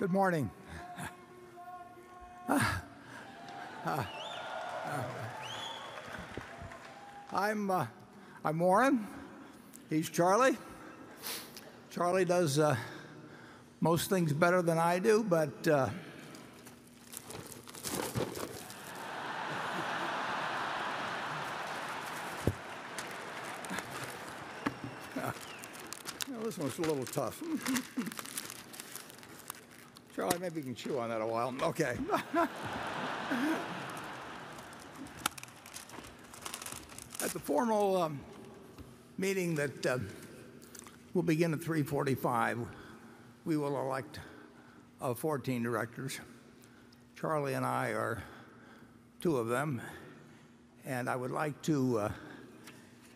Good morning. Warren, we love you. I'm Warren. He's Charlie. Charlie does most things better than I do. This one's a little tough. Charlie, maybe you can chew on that a while. Okay. At the formal meeting that will begin at 3:45 P.M., we will elect 14 directors. Charlie and I are two of them, I would like to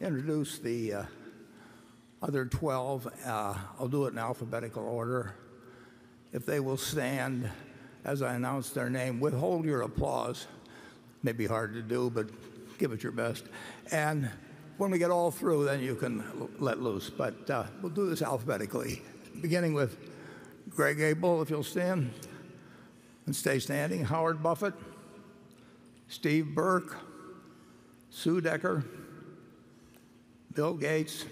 introduce the other 12. I'll do it in alphabetical order. If they will stand as I announce their name, withhold your applause. May be hard to do, but give it your best. When we get all through, then you can let loose. We'll do this alphabetically, beginning with Greg Abel, if you'll stand and stay standing. Howard Buffett, Steve Burke, Sue Decker, Bill Gates,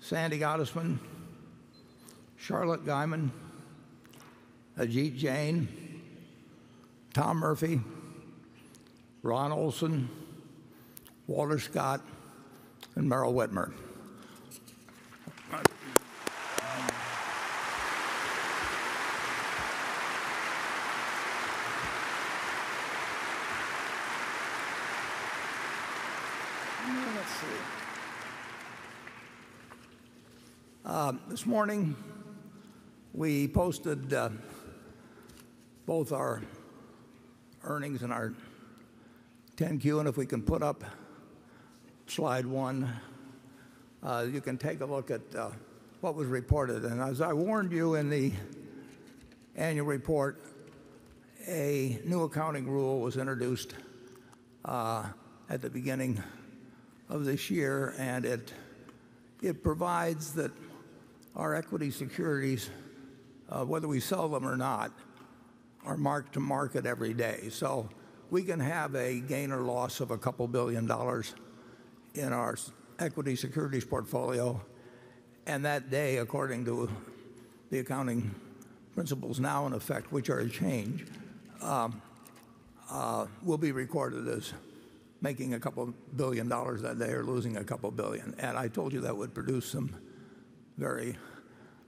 Sandy Gottesman, Charlotte Guyman, Ajit Jain, Tom Murphy, Ron Olson, Walter Scott, and Meryl Witmer. Let's see. This morning, we posted both our earnings and our 10-Q. If we can put up slide one you can take a look at what was reported. As I warned you in the annual report, a new accounting rule was introduced at the beginning of this year, it provides that our equity securities, whether we sell them or not, are marked to market every day. We can have a gain or loss of $2 billion in our equity securities portfolio. That day, according to the accounting principles now in effect, which are a change, we'll be recorded as making $2 billion that day or losing $2 billion. I told you that would produce some very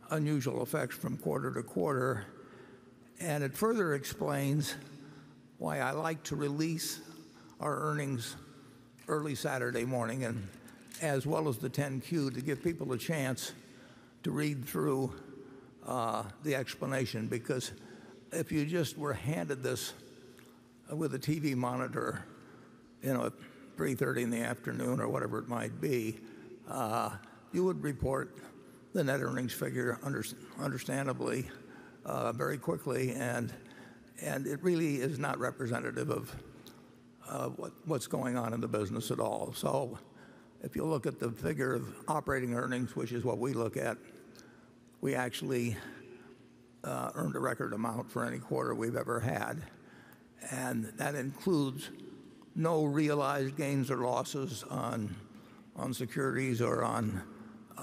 unusual effects from quarter to quarter. It further explains why I like to release our earnings early Saturday morning as well as the 10-Q to give people a chance to read through the explanation. If you just were handed this with a TV monitor at 3:30 P.M. or whatever it might be you would report the net earnings figure understandably very quickly. It really is not representative of what's going on in the business at all. If you look at the figure of operating earnings, which is what we look at, we actually earned a record amount for any quarter we've ever had. That includes no realized gains or losses on securities or on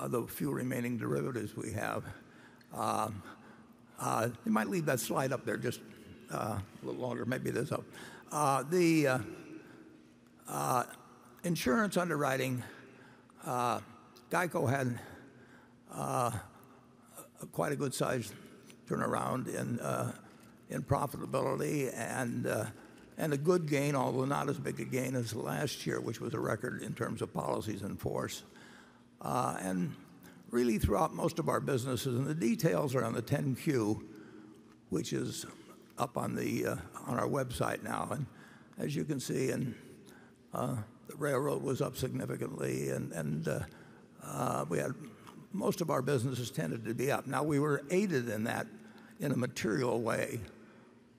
the few remaining derivatives we have. They might leave that slide up there just a little longer. Maybe this will help. The insurance underwriting GEICO had quite a good sized turnaround in profitability and a good gain, although not as big a gain as last year, which was a record in terms of policies in force. Really throughout most of our businesses, the details are on the 10-Q, which is up on our website now. As you can see, the railroad was up significantly, and most of our businesses tended to be up. Now, we were aided in that in a material way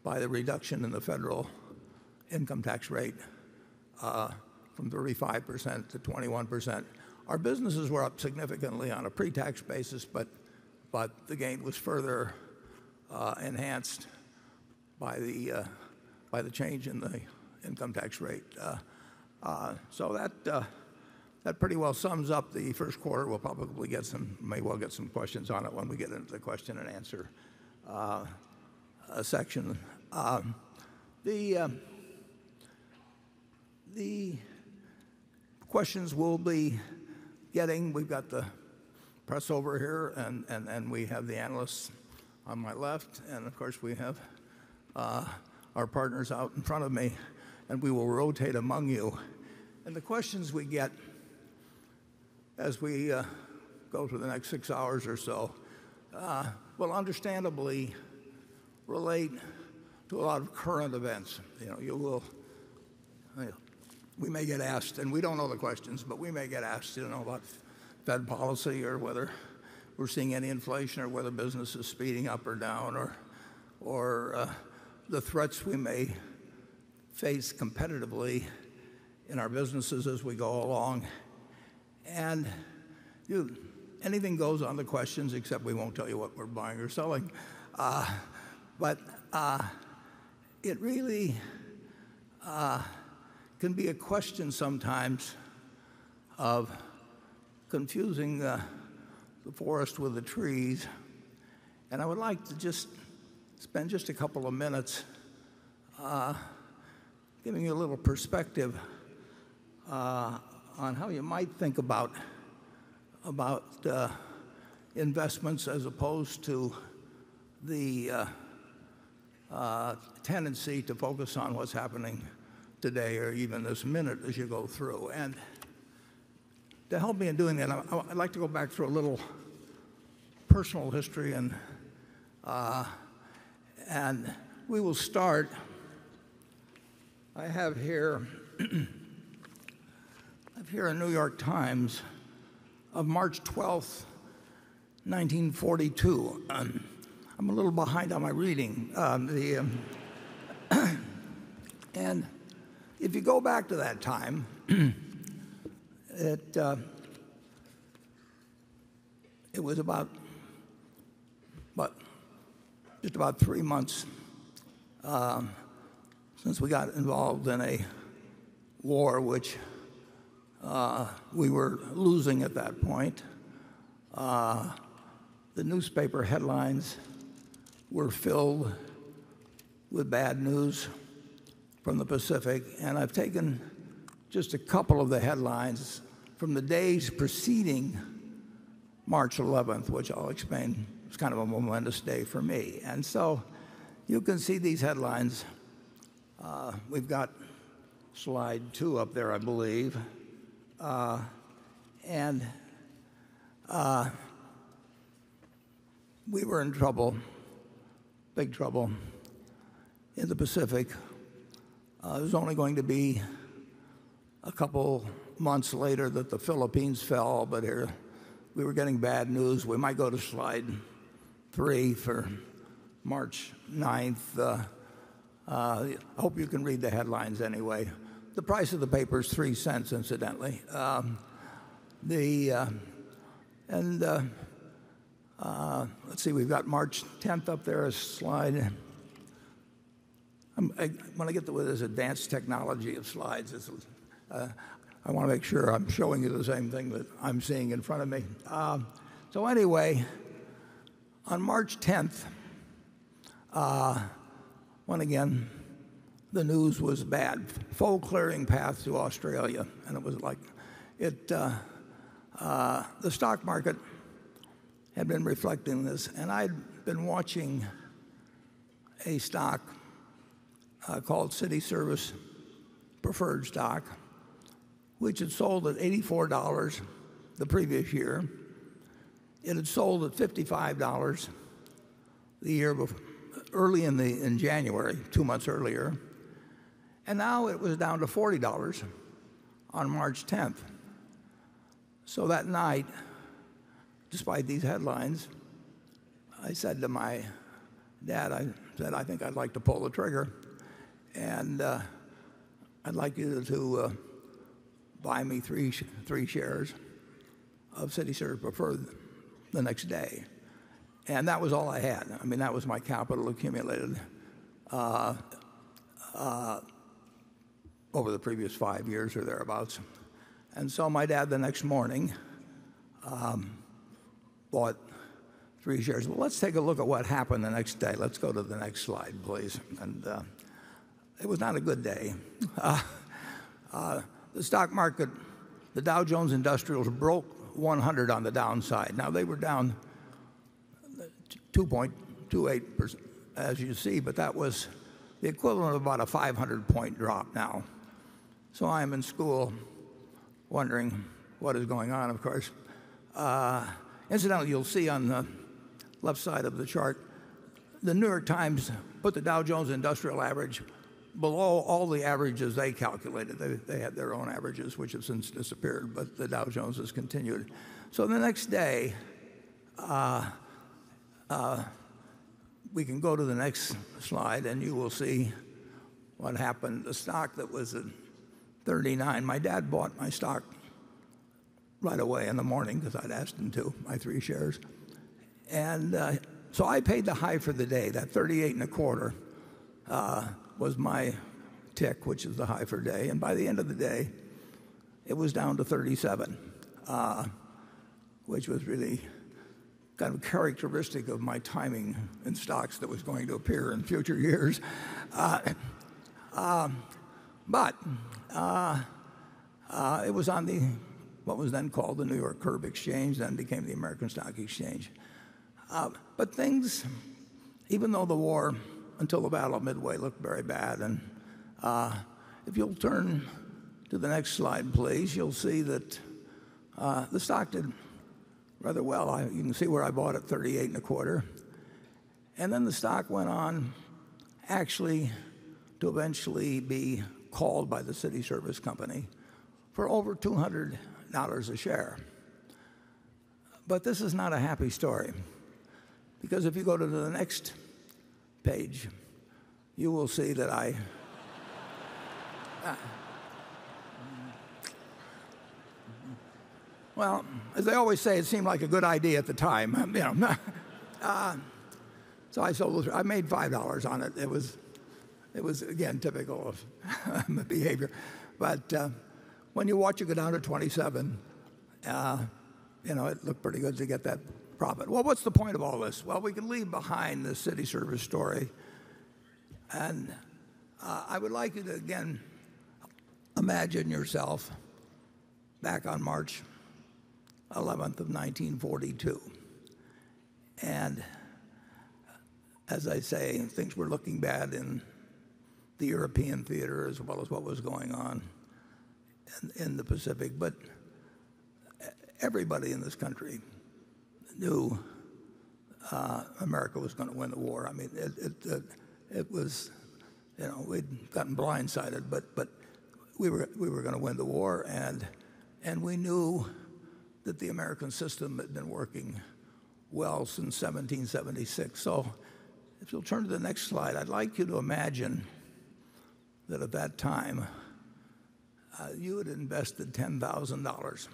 by the reduction in the federal income tax rate from 35% to 21%. Our businesses were up significantly on a pre-tax basis. The gain was further enhanced by the change in the income tax rate. That pretty well sums up the first quarter. We'll probably may well get some questions on it when we get into the question and answer section. The questions we'll be getting, we've got the press over here and we have the analysts on my left, and of course, we have our partners out in front of me, and we will rotate among you. The questions we get As we go through the next six hours or so, we'll understandably relate to a lot of current events. We may get asked, and we don't know the questions, but we may get asked about Fed policy or whether we're seeing any inflation or whether business is speeding up or down or the threats we may face competitively in our businesses as we go along. Anything goes on the questions, except we won't tell you what we're buying or selling. It really can be a question sometimes of confusing the forest with the trees, and I would like to just spend just a couple of minutes giving you a little perspective on how you might think about investments as opposed to the tendency to focus on what's happening today or even this minute as you go through. To help me in doing that, I'd like to go back through a little personal history, and we will start. I have here a New York Times of March 12th, 1942. I'm a little behind on my reading. If you go back to that time, it was just about three months since we got involved in a war which we were losing at that point. The newspaper headlines were filled with bad news from the Pacific. I've taken just a couple of the headlines from the days preceding March 11th, which I'll explain. It was kind of a momentous day for me. You can see these headlines. We've got slide two up there, I believe. We were in trouble, big trouble in the Pacific. It was only going to be a couple months later that the Philippines fell, but we were getting bad news. We might go to slide three for March 9th. Hope you can read the headlines anyway. The price of the paper is $0.03, incidentally. Let's see. We've got March 10th up there as slide When I get with this advanced technology of slides, I want to make sure I'm showing you the same thing that I'm seeing in front of me. Anyway, on March 10th, once again, the news was bad. Foe Clearing Path to Australia," it was like the stock market had been reflecting this. I'd been watching a stock called Cities Service preferred stock, which had sold at $84 the previous year. It had sold at $55 early in January, two months earlier, and now it was down to $40 on March 10th. That night, despite these headlines, I said to my dad, I said, "I think I'd like to pull the trigger, and I'd like you to buy me three shares of Cities Service preferred the next day." That was all I had. That was my capital accumulated over the previous five years or thereabouts. My dad, the next morning, bought three shares. Let's take a look at what happened the next day. Let's go to the next slide, please. It was not a good day. The stock market, the Dow Jones Industrials broke 100 on the downside. They were down 2.28%, as you see, but that was the equivalent of about a 500-point drop now. I am in school wondering what is going on, of course. Incidentally, you'll see on the left side of the chart, The New York Times put the Dow Jones Industrial Average below all the averages they calculated. They had their own averages, which have since disappeared, but the Dow Jones has continued. The next day, we can go to the next slide, and you will see what happened. The stock that was at 39, my dad bought my stock right away in the morning because I'd asked him to, my three shares. I paid the high for the day. That 38.25 was my tick, which was the high for the day. By the end of the day, it was down to 37, which was really kind of characteristic of my timing in stocks that was going to appear in future years. It was on what was then called the New York Curb Exchange, then became the American Stock Exchange. Things Even though the war, until the Battle of Midway, looked very bad. If you'll turn to the next slide, please, you'll see that the stock did rather well. You can see where I bought at 38.25, then the stock went on actually to eventually be called by the Cities Service Company for over $200 a share. This is not a happy story because if you go to the next page, you will see that I. Well, as they always say, it seemed like a good idea at the time. I sold those. I made $5 on it. It was, again, typical of my behavior. When you watch it go down to 27, it looked pretty good to get that profit. What's the point of all this? We can leave behind the Cities Service story, I would like you to again imagine yourself back on March 11th of 1942. As I say, things were looking bad in the European theater as well as what was going on in the Pacific. Everybody in this country knew America was going to win the war. We'd gotten blindsided, but we were going to win the war, and we knew that the American system had been working well since 1776. If you'll turn to the next slide, I'd like you to imagine that at that time, you had invested $10,000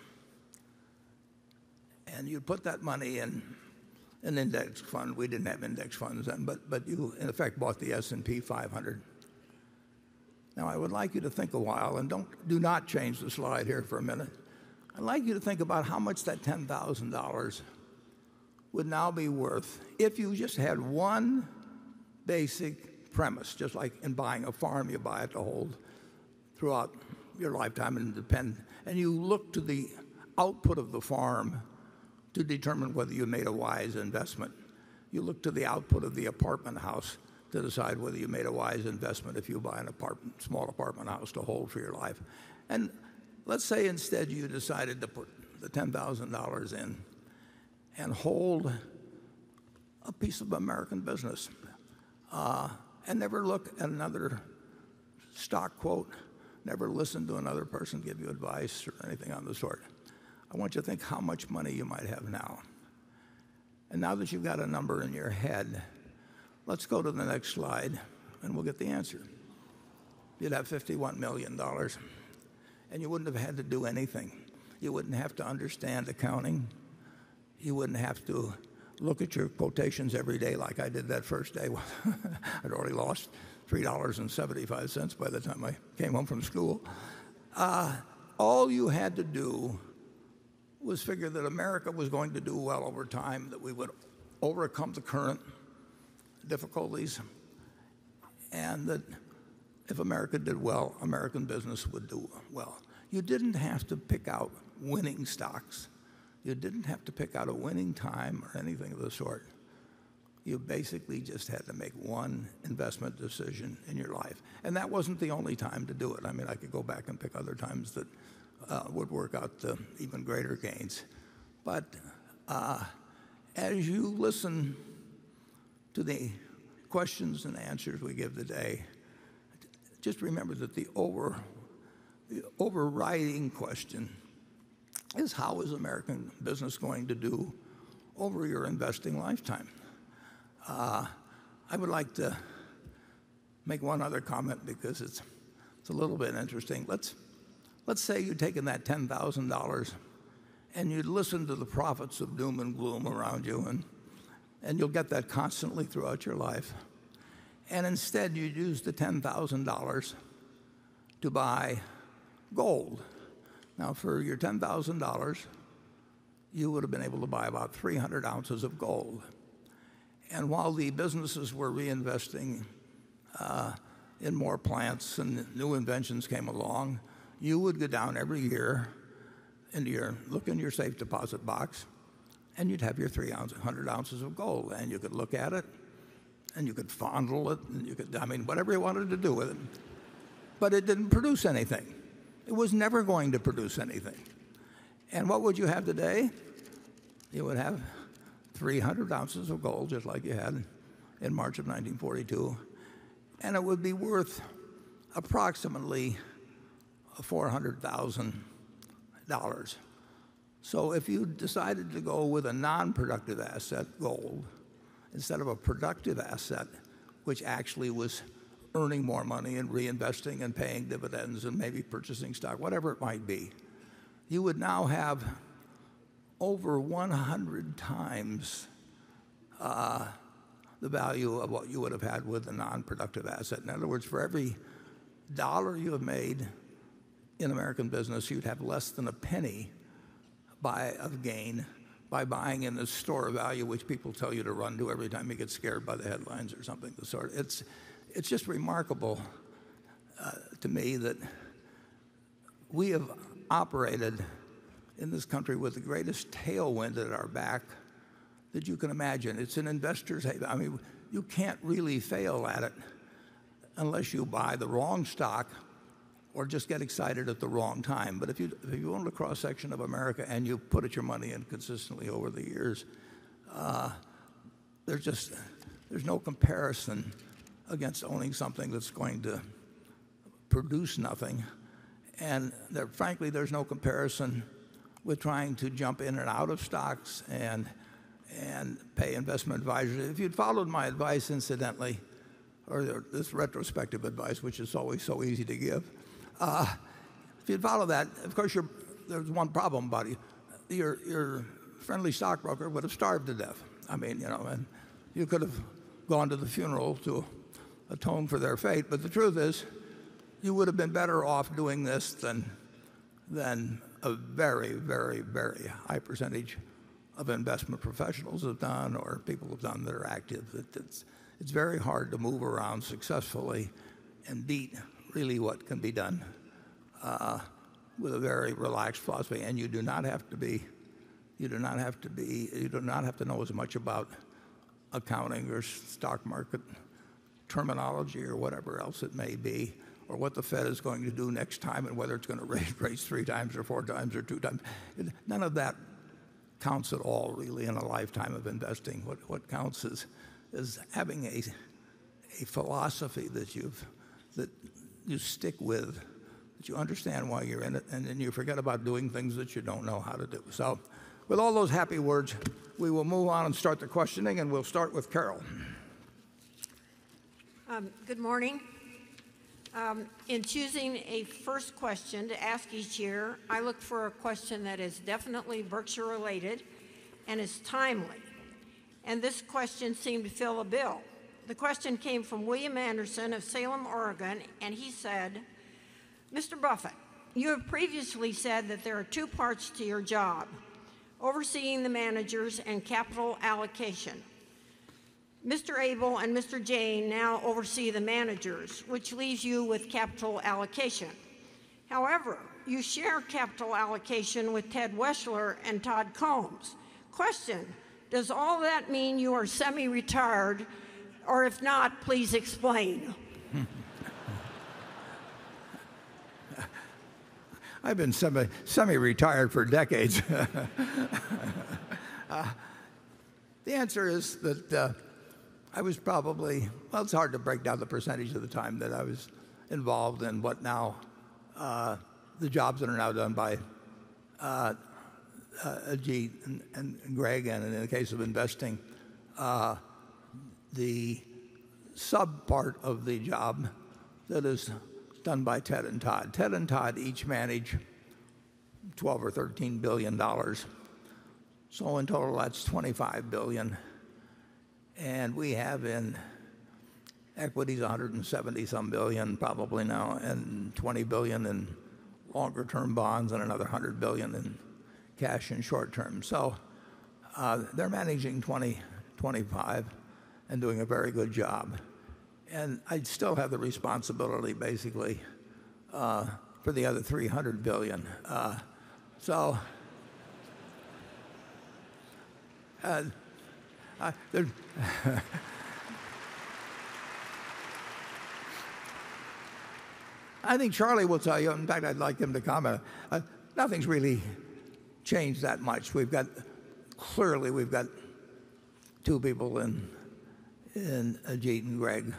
and you put that money in an index fund. We didn't have index funds then, you in effect, bought the S&P 500. I would like you to think a while and do not change the slide here for a minute. I'd like you to think about how much that $10,000 would now be worth if you just had one basic premise, just like in buying a farm, you buy it to hold throughout your lifetime and you look to the output of the farm to determine whether you made a wise investment. You look to the output of the apartment house to decide whether you made a wise investment if you buy a small apartment house to hold for your life. Let's say instead, you decided to put the $10,000 in and hold a piece of American business, never look at another stock quote, never listen to another person give you advice or anything of the sort. I want you to think how much money you might have now. Now that you've got a number in your head, let's go to the next slide and we'll get the answer. You'd have $51 million, and you wouldn't have had to do anything. You wouldn't have to understand accounting. You wouldn't have to look at your quotations every day like I did that first day. I'd already lost $3.75 by the time I came home from school. All you had to do was figure that America was going to do well over time, that we would overcome the current difficulties, and that if America did well, American business would do well. You didn't have to pick out winning stocks. You didn't have to pick out a winning time or anything of the sort. You basically just had to make one investment decision in your life. That wasn't the only time to do it. I could go back and pick other times that would work out to even greater gains. As you listen to the questions and answers we give today, just remember that the overriding question is how is American business going to do over your investing lifetime? I would like to make one other comment because it's a little bit interesting. Let's say you'd taken that $10,000 and you'd listened to the prophets of doom and gloom around you, and you'll get that constantly throughout your life. Instead, you'd used the $10,000 to buy gold. Now, for your $10,000, you would have been able to buy about 300 ounces of gold. While the businesses were reinvesting in more plants and new inventions came along, you would go down every year and look in your safe deposit box, and you'd have your 300 ounces of gold. You could look at it and you could fondle it, and you could I mean, whatever you wanted to do with it. It didn't produce anything. It was never going to produce anything. What would you have today? You would have 300 ounces of gold, just like you had in March of 1942, and it would be worth approximately $400,000. If you decided to go with a non-productive asset, gold, instead of a productive asset which actually was earning more money and reinvesting and paying dividends and maybe purchasing stock, whatever it might be, you would now have over 100 times the value of what you would have had with a non-productive asset. In other words, for every dollar you have made in american business, you'd have less than $0.01 of gain by buying in a store of value which people tell you to run to every time you get scared by the headlines or something of the sort. It's just remarkable to me that we have operated in this country with the greatest tailwind at our back that you can imagine. It's an investor's haven. You can't really fail at it unless you buy the wrong stock or just get excited at the wrong time. If you owned a cross-section of America and you put your money in consistently over the years, there's no comparison against owning something that's going to produce nothing. Frankly, there's no comparison with trying to jump in and out of stocks and pay investment advisers. If you'd followed my advice, incidentally, or this retrospective advice, which is always so easy to give, if you'd follow that, of course, there's one problem, buddy. Your friendly stockbroker would have starved to death. You could have gone to the funeral to atone for their fate. The truth is, you would have been better off doing this than a very high percentage of investment professionals have done, or people have done that are active. It's very hard to move around successfully and beat really what can be done with a very relaxed philosophy. You do not have to know as much about accounting or stock market terminology or whatever else it may be, or what the Fed is going to do next time and whether it's going to raise rates three times or four times or two times. None of that counts at all, really, in a lifetime of investing. What counts is having a philosophy that you stick with, that you understand why you're in it, and then you forget about doing things that you don't know how to do. With all those happy words, we will move on and start the questioning, and we'll start with Carol. Good morning. In choosing a first question to ask each year, I look for a question that is definitely Berkshire related and is timely, and this question seemed to fill the bill. The question came from William Anderson of Salem, Oregon, and he said, "Mr. Buffett, you have previously said that there are two parts to your job, overseeing the managers and capital allocation. Mr. Abel and Mr. Jain now oversee the managers, which leaves you with capital allocation. However, you share capital allocation with Ted Weschler and Todd Combs. Question, does all that mean you are semi-retired, or if not, please explain? I've been semi-retired for decades. The answer is that I was probably It's hard to break down the percentage of the time that I was involved in the jobs that are now done by Ajit and Greg, and in the case of investing, the sub-part of the job that is done by Ted and Todd. Ted and Todd each manage $12 or $13 billion. In total, that's $25 billion. We have in equities, $170-some billion probably now, and $20 billion in longer-term bonds and another $100 billion in cash and short-term. They're managing $20, $25 and doing a very good job. I still have the responsibility, basically, for the other $300 billion. I think Charlie will tell you, in fact, I'd like him to comment. Nothing's really changed that much. Clearly, we've got two people in Ajit and Greg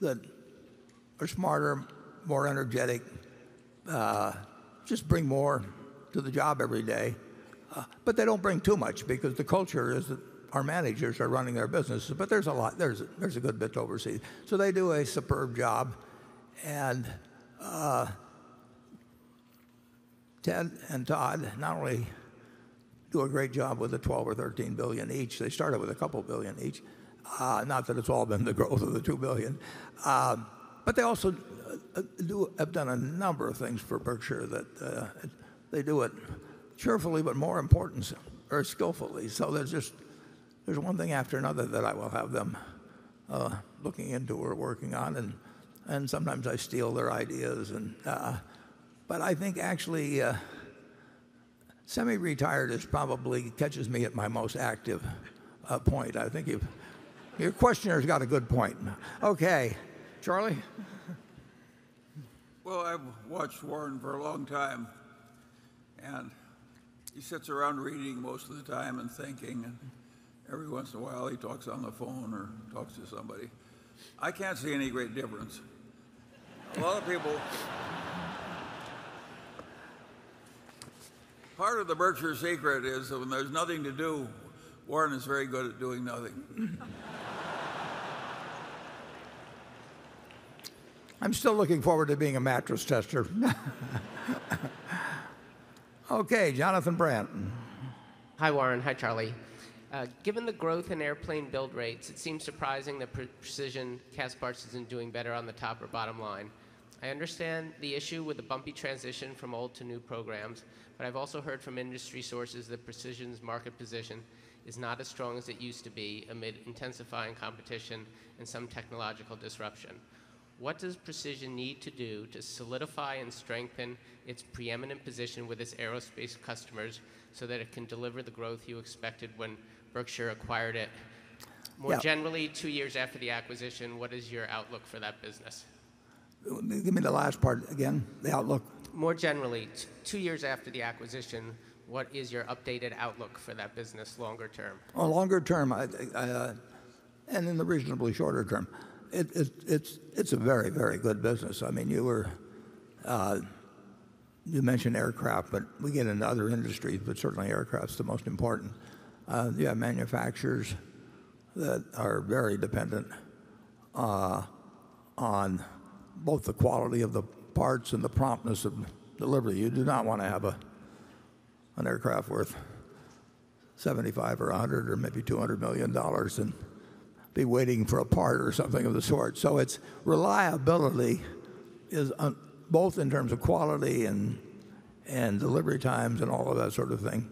that are smarter, more energetic, just bring more to the job every day. They don't bring too much because the culture is that our managers are running their businesses. There's a good bit to oversee. They do a superb job. Ted and Todd not only do a great job with the $12 or $13 billion each, they started with a couple billion each, not that it's all been the growth of the $2 billion, but they also have done a number of things for Berkshire that they do it cheerfully, but more important, very skillfully. There's one thing after another that I will have them looking into or working on, and sometimes I steal their ideas. I think actually semi-retired probably catches me at my most active point. I think your questioner's got a good point. Okay, Charlie? Well, I've watched Warren for a long time, and he sits around reading most of the time and thinking, and every once in a while he talks on the phone or talks to somebody. I can't see any great difference. Part of the Berkshire secret is that when there's nothing to do, Warren is very good at doing nothing. I'm still looking forward to being a mattress tester. Okay, Jonathan Brandt. Hi, Warren. Hi, Charlie. Given the growth in airplane build rates, it seems surprising that Precision Castparts isn't doing better on the top or bottom line. I understand the issue with the bumpy transition from old to new programs, but I've also heard from industry sources that Precision's market position is not as strong as it used to be amid intensifying competition and some technological disruption. What does Precision need to do to solidify and strengthen its preeminent position with its aerospace customers so that it can deliver the growth you expected when Berkshire acquired it? Yeah. More generally, two years after the acquisition, what is your outlook for that business? Give me the last part again, the outlook. More generally, two years after the acquisition, what is your updated outlook for that business longer term? Longer term, in the reasonably shorter term, it's a very good business. You mentioned aircraft, but we get into other industries, but certainly aircraft's the most important. You have manufacturers that are very dependent on both the quality of the parts and the promptness of delivery. You do not want to have an aircraft worth $75 million or $100 million or maybe $200 million and be waiting for a part or something of the sort. Its reliability, both in terms of quality and delivery times and all of that sort of thing,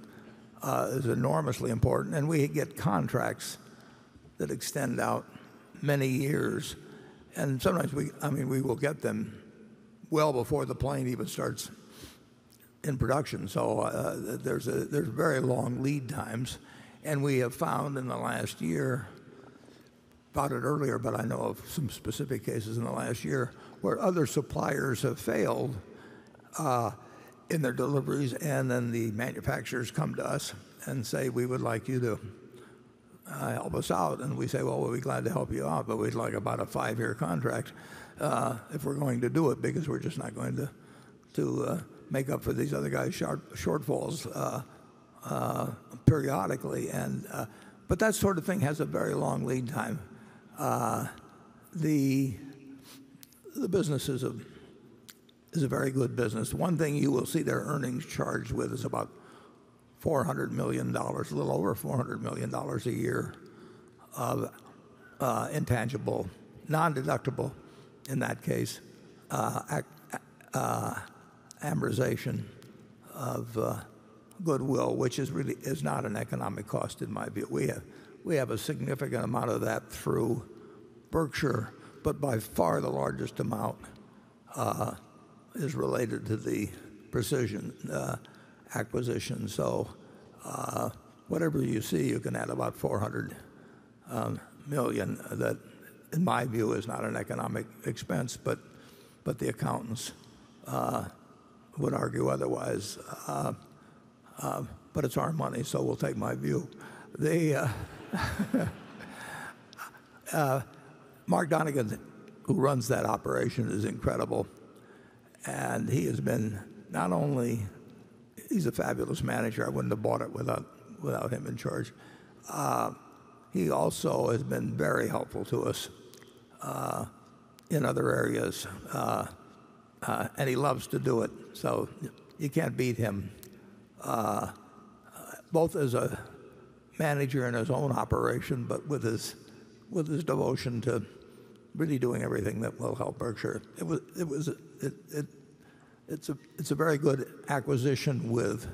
is enormously important, and we get contracts that extend out many years. Sometimes we will get them well before the plane even starts in production, so there's very long lead times. We have found in the last year, about it earlier, but I know of some specific cases in the last year where other suppliers have failed in their deliveries, then the manufacturers come to us and say, "We would like you to help us out." We say, "Well, we'll be glad to help you out, but we'd like about a five-year contract if we're going to do it because we're just not going to make up for these other guys' shortfalls periodically." That sort of thing has a very long lead time. The business is a very good business. One thing you will see their earnings charged with is about a little over $400 million a year of intangible, non-deductible in that case, amortization of goodwill, which is not an economic cost in my view. We have a significant amount of that through Berkshire, by far the largest amount is related to the Precision acquisition. Whatever you see, you can add about $400 million that, in my view, is not an economic expense, but the accountants would argue otherwise. It's our money, so we'll take my view. Mark Donegan, who runs that operation, is incredible, and he has been not only a fabulous manager, I wouldn't have bought it without him in charge. He also has been very helpful to us in other areas, and he loves to do it. You can't beat him, both as a manager in his own operation, but with his devotion to really doing everything that will help Berkshire. It's a very good acquisition with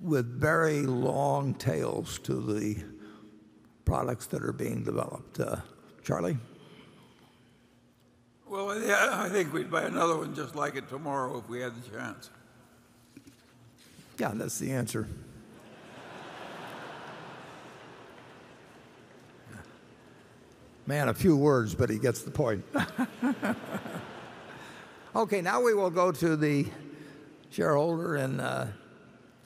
very long tails to the products that are being developed. Charlie? Well, yeah, I think we'd buy another one just like it tomorrow if we had the chance. Yeah, that's the answer. Man of few words, but he gets the point. Now we will go to the shareholder in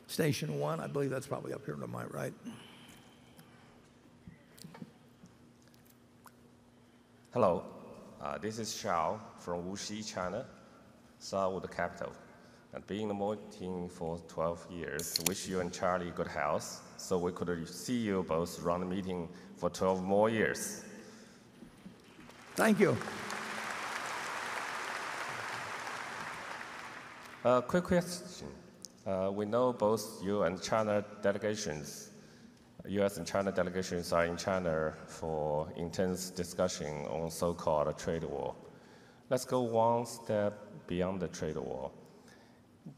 station one. I believe that's probably up here to my right. Hello. This is Chao from Wuxi, China, Chao with a capital. Being in the meeting for 12 years, wish you and Charlie good health, so we could see you both run the meeting for 12 more years. Thank you. A quick question. We know both you and China delegations, U.S. and China delegations are in China for intense discussion on so-called a trade war. Let's go one step beyond the trade war.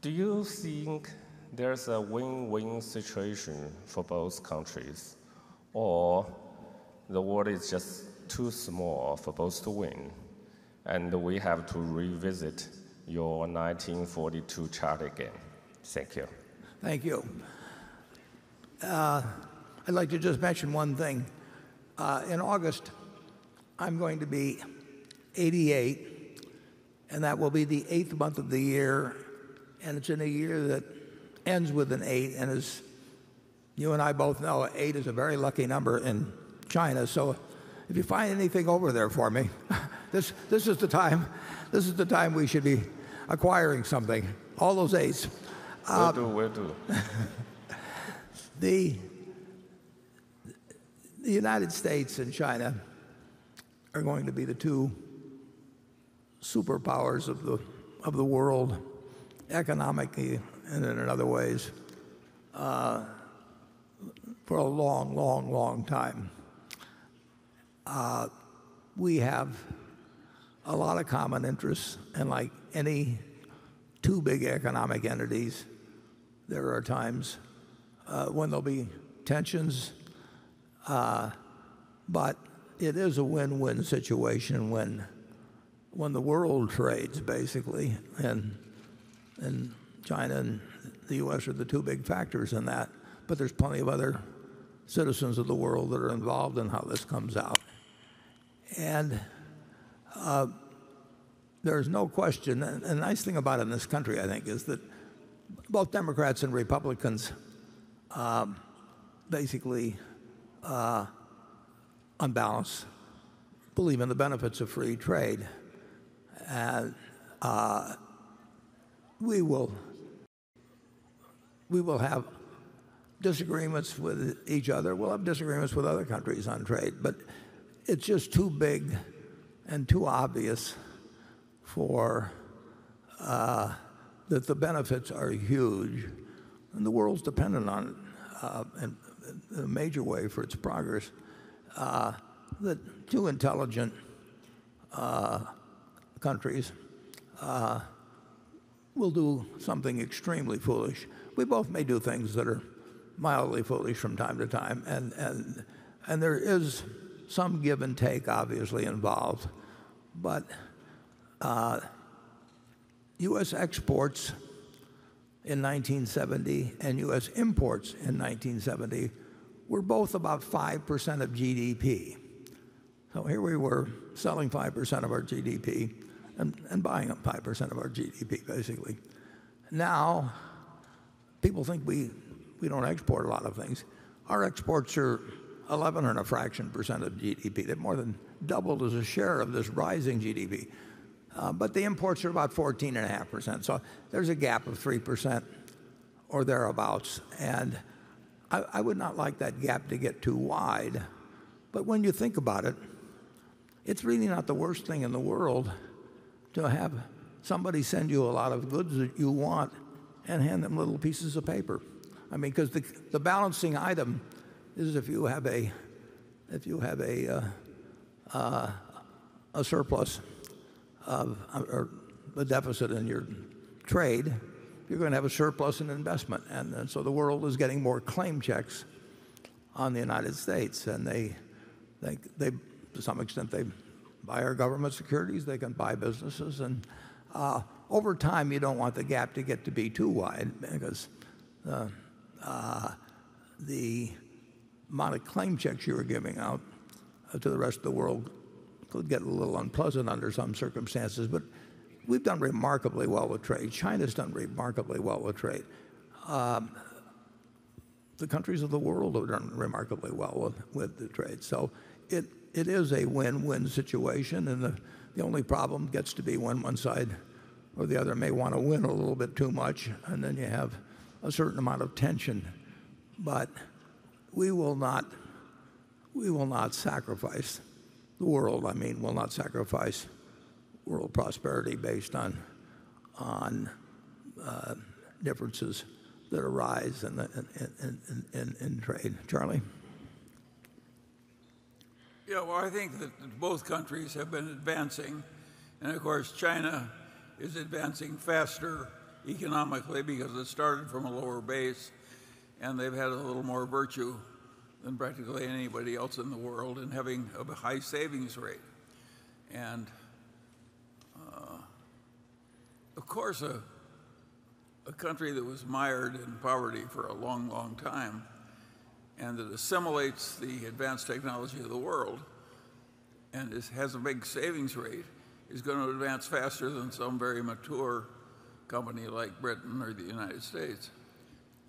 Do you think there's a win-win situation for both countries, or the world is just too small for both to win, and we have to revisit your 1942 chart again? Thank you. Thank you. I'd like to just mention one thing. In August, I'm going to be 88, and that will be the eighth month of the year, and it's in a year that ends with an eight. As you and I both know, eight is a very lucky number in China. If you find anything over there for me, this is the time we should be acquiring something. All those eights. Will do. The United States and China are going to be the two superpowers of the world economically and in other ways for a long time. We have a lot of common interests. Like any two big economic entities, there are times when there'll be tensions. It is a win-win situation when the world trades basically, and China and the U.S. are the two big factors in that, but there's plenty of other citizens of the world that are involved in how this comes out. There's no question. The nice thing about it in this country, I think, is that both Democrats and Republicans basically, on balance, believe in the benefits of free trade. We will have disagreements with each other. We'll have disagreements with other countries on trade, but it's just too big and too obvious that the benefits are huge, and the world's dependent on it in a major way for its progress, that two intelligent countries will do something extremely foolish. We both may do things that are mildly foolish from time to time, and there is some give and take obviously involved. U.S. exports in 1970 and U.S. imports in 1970 were both about 5% of GDP. Here we were selling 5% of our GDP and buying up 5% of our GDP, basically. Now people think we don't export a lot of things. Our exports are 11 and a fraction % of GDP. They've more than doubled as a share of this rising GDP. The imports are about 14.5%, so there's a gap of 3% or thereabouts, I would not like that gap to get too wide. When you think about it's really not the worst thing in the world to have somebody send you a lot of goods that you want and hand them little pieces of paper. The balancing item is if you have a surplus or a deficit in your trade, you're going to have a surplus in investment. The world is getting more claim checks on the U.S., and to some extent, they buy our government securities, they can buy businesses, and over time, you don't want the gap to get to be too wide because the amount of claim checks you are giving out to the rest of the world could get a little unpleasant under some circumstances. We've done remarkably well with trade. China's done remarkably well with trade. The countries of the world have done remarkably well with the trade. It is a win-win situation, and the only problem gets to be when one side or the other may want to win a little bit too much, and then you have a certain amount of tension. We will not sacrifice, the world, I mean, will not sacrifice world prosperity based on differences that arise in trade. Charlie? Well, I think that both countries have been advancing, of course, China is advancing faster economically because it started from a lower base, and they've had a little more virtue than practically anybody else in the world in having a high savings rate. Of course, a country that was mired in poverty for a long, long time and that assimilates the advanced technology of the world and has a big savings rate is going to advance faster than some very mature company like Britain or the U.S.,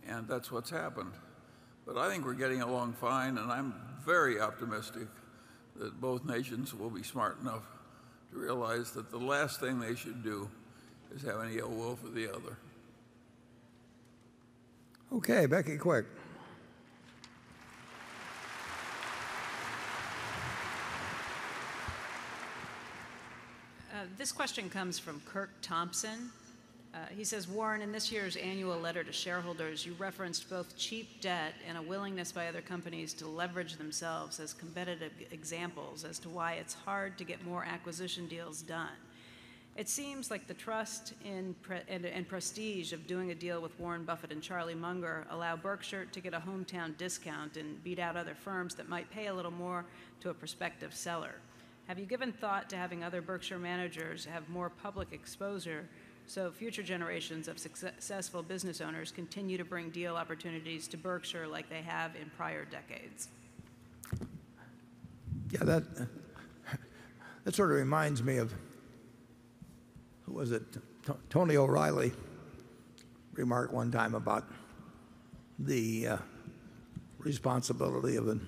and that's what's happened. I think we're getting along fine, and I'm very optimistic that both nations will be smart enough to realize that the last thing they should do is have any ill will for the other. Okay. Becky Quick. This question comes from Kirk Thompson. He says, "Warren, in this year's annual letter to shareholders, you referenced both cheap debt and a willingness by other companies to leverage themselves as competitive examples as to why it's hard to get more acquisition deals done. It seems like the trust and prestige of doing a deal with Warren Buffett and Charlie Munger allow Berkshire to get a hometown discount and beat out other firms that might pay a little more to a prospective seller. Have you given thought to having other Berkshire managers have more public exposure so future generations of successful business owners continue to bring deal opportunities to Berkshire like they have in prior decades? Yeah, that sort of reminds me of, who was it? Tony O'Reilly remarked one time about the responsibility of the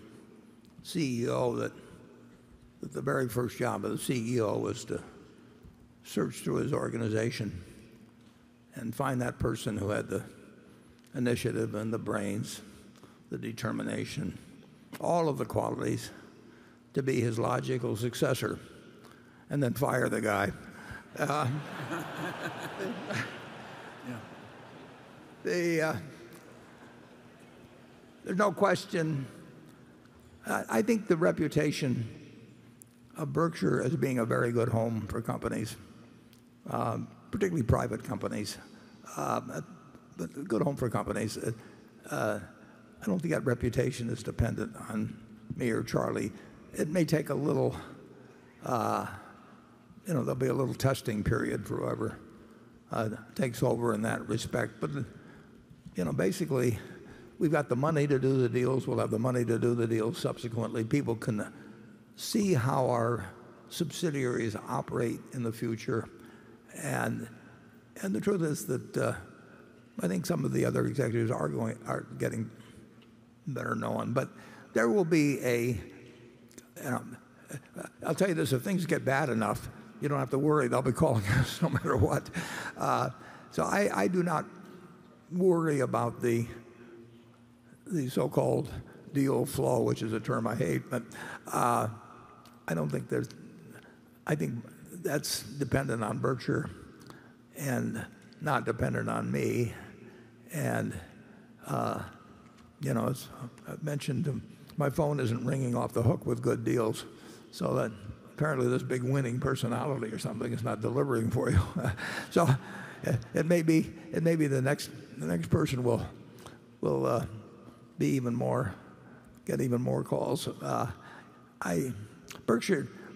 CEO, that the very first job of the CEO was to search through his organization and find that person who had the initiative and the brains, the determination, all of the qualities to be his logical successor, and then fire the guy. Yeah. There's no question. I think the reputation of Berkshire as being a very good home for companies, particularly private companies. A good home for companies. I don't think that reputation is dependent on me or Charlie. There'll be a little testing period for whoever takes over in that respect. Basically, we've got the money to do the deals, we'll have the money to do the deals subsequently. People can see how our subsidiaries operate in the future. The truth is that I think some of the other executives are getting better known. I'll tell you this, if things get bad enough, you don't have to worry, they'll be calling us no matter what. I do not worry about the so-called deal flow, which is a term I hate. I think that's dependent on Berkshire and not dependent on me. As I mentioned, my phone isn't ringing off the hook with good deals, apparently this big winning personality or something is not delivering for you. It may be the next person will get even more calls.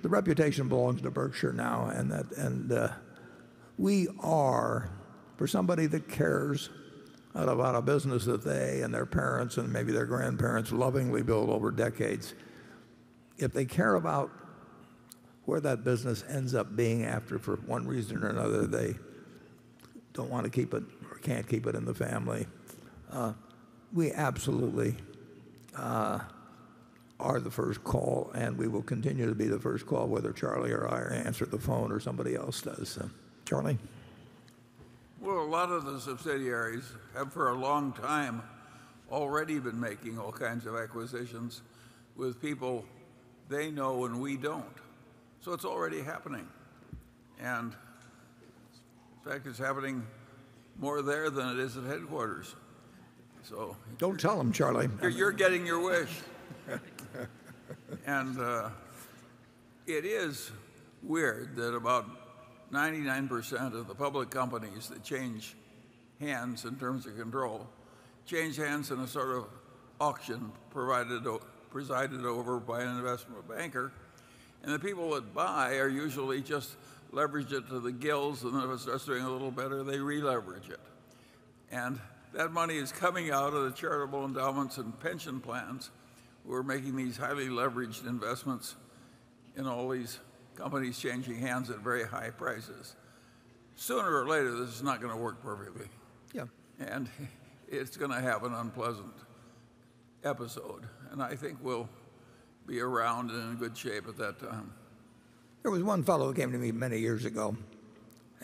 The reputation belongs to Berkshire now, and we are, for somebody that cares about a business that they and their parents and maybe their grandparents lovingly build over decades, if they care about where that business ends up being after for one reason or another, they don't want to keep it or can't keep it in the family, we absolutely are the first call, and we will continue to be the first call, whether Charlie or I answer the phone or somebody else does. Charlie? a lot of the subsidiaries have for a long time already been making all kinds of acquisitions with people they know and we don't. It's already happening. In fact, it's happening more there than it is at headquarters. Don't tell them, Charlie you're getting your wish. It is weird that about 99% of the public companies that change hands in terms of control change hands in a sort of auction presided over by an investment banker, the people that buy usually just leverage it to the gills, then if it starts doing a little better, they re-leverage it. That money is coming out of the charitable endowments and pension plans who are making these highly leveraged investments in all these companies changing hands at very high prices. Sooner or later, this is not going to work perfectly. Yeah. It's going to have an unpleasant episode, I think we'll be around and in good shape at that time. There was one fellow who came to me many years ago,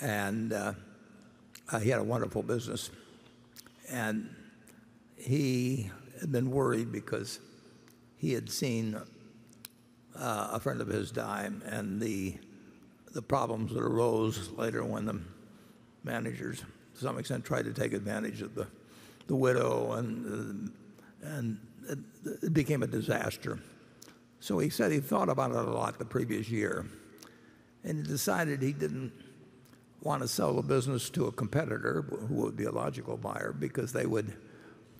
he had a wonderful business. He had been worried because he had seen a friend of his die and the problems that arose later when the managers, to some extent, tried to take advantage of the widow, and it became a disaster. He said he thought about it a lot the previous year, and he decided he didn't want to sell the business to a competitor, who would be a logical buyer, because they would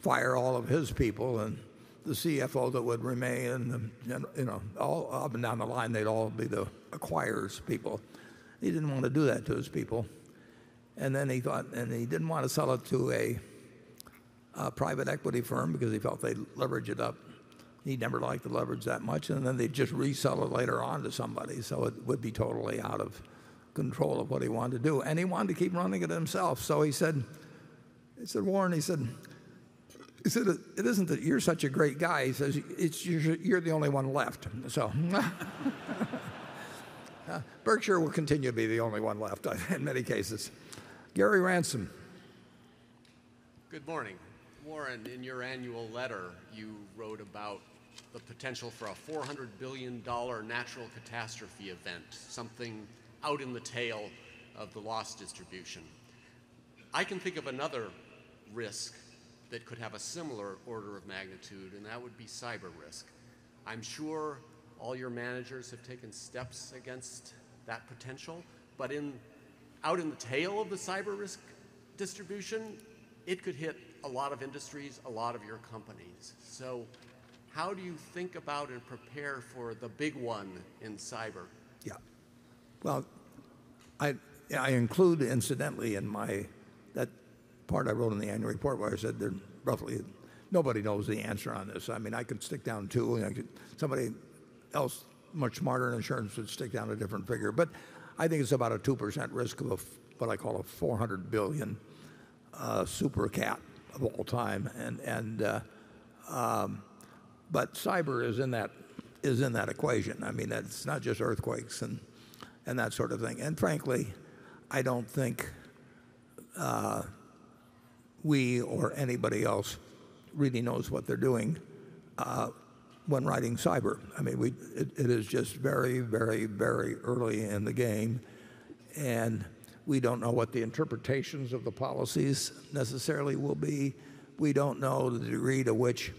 fire all of his people and the CFO that would remain, and all up and down the line, they'd all be the acquirers' people. He didn't want to do that to his people. He didn't want to sell it to a private equity firm because he felt they'd leverage it up. He never liked the leverage that much, and then they'd just resell it later on to somebody, so it would be totally out of control of what he wanted to do, and he wanted to keep running it himself. He said, "Warren," he said, "it isn't that you're such a great guy," he says, "it's you're the only one left." Berkshire will continue to be the only one left in many cases. Gary Ransom. Good morning. Warren, in your annual letter, you wrote about the potential for a $400 billion natural catastrophe event, something out in the tail of the loss distribution. I can think of another risk that could have a similar order of magnitude, and that would be cyber risk. I'm sure all your managers have taken steps against that potential, but out in the tail of the cyber risk distribution, it could hit a lot of industries, a lot of your companies. How do you think about and prepare for the big one in cyber? Well, I include incidentally That part I wrote in the annual report where I said there are roughly Nobody knows the answer on this. I could stick down two, and somebody else much smarter in insurance would stick down a different figure, but I think it's about a 2% risk of what I call a $400 billion super cat of all time. Cyber is in that equation. It's not just earthquakes and that sort of thing. Frankly, I don't think we or anybody else really knows what they're doing when writing cyber. It is just very early in the game. We don't know what the interpretations of the policies necessarily will be. We don't know the degree to which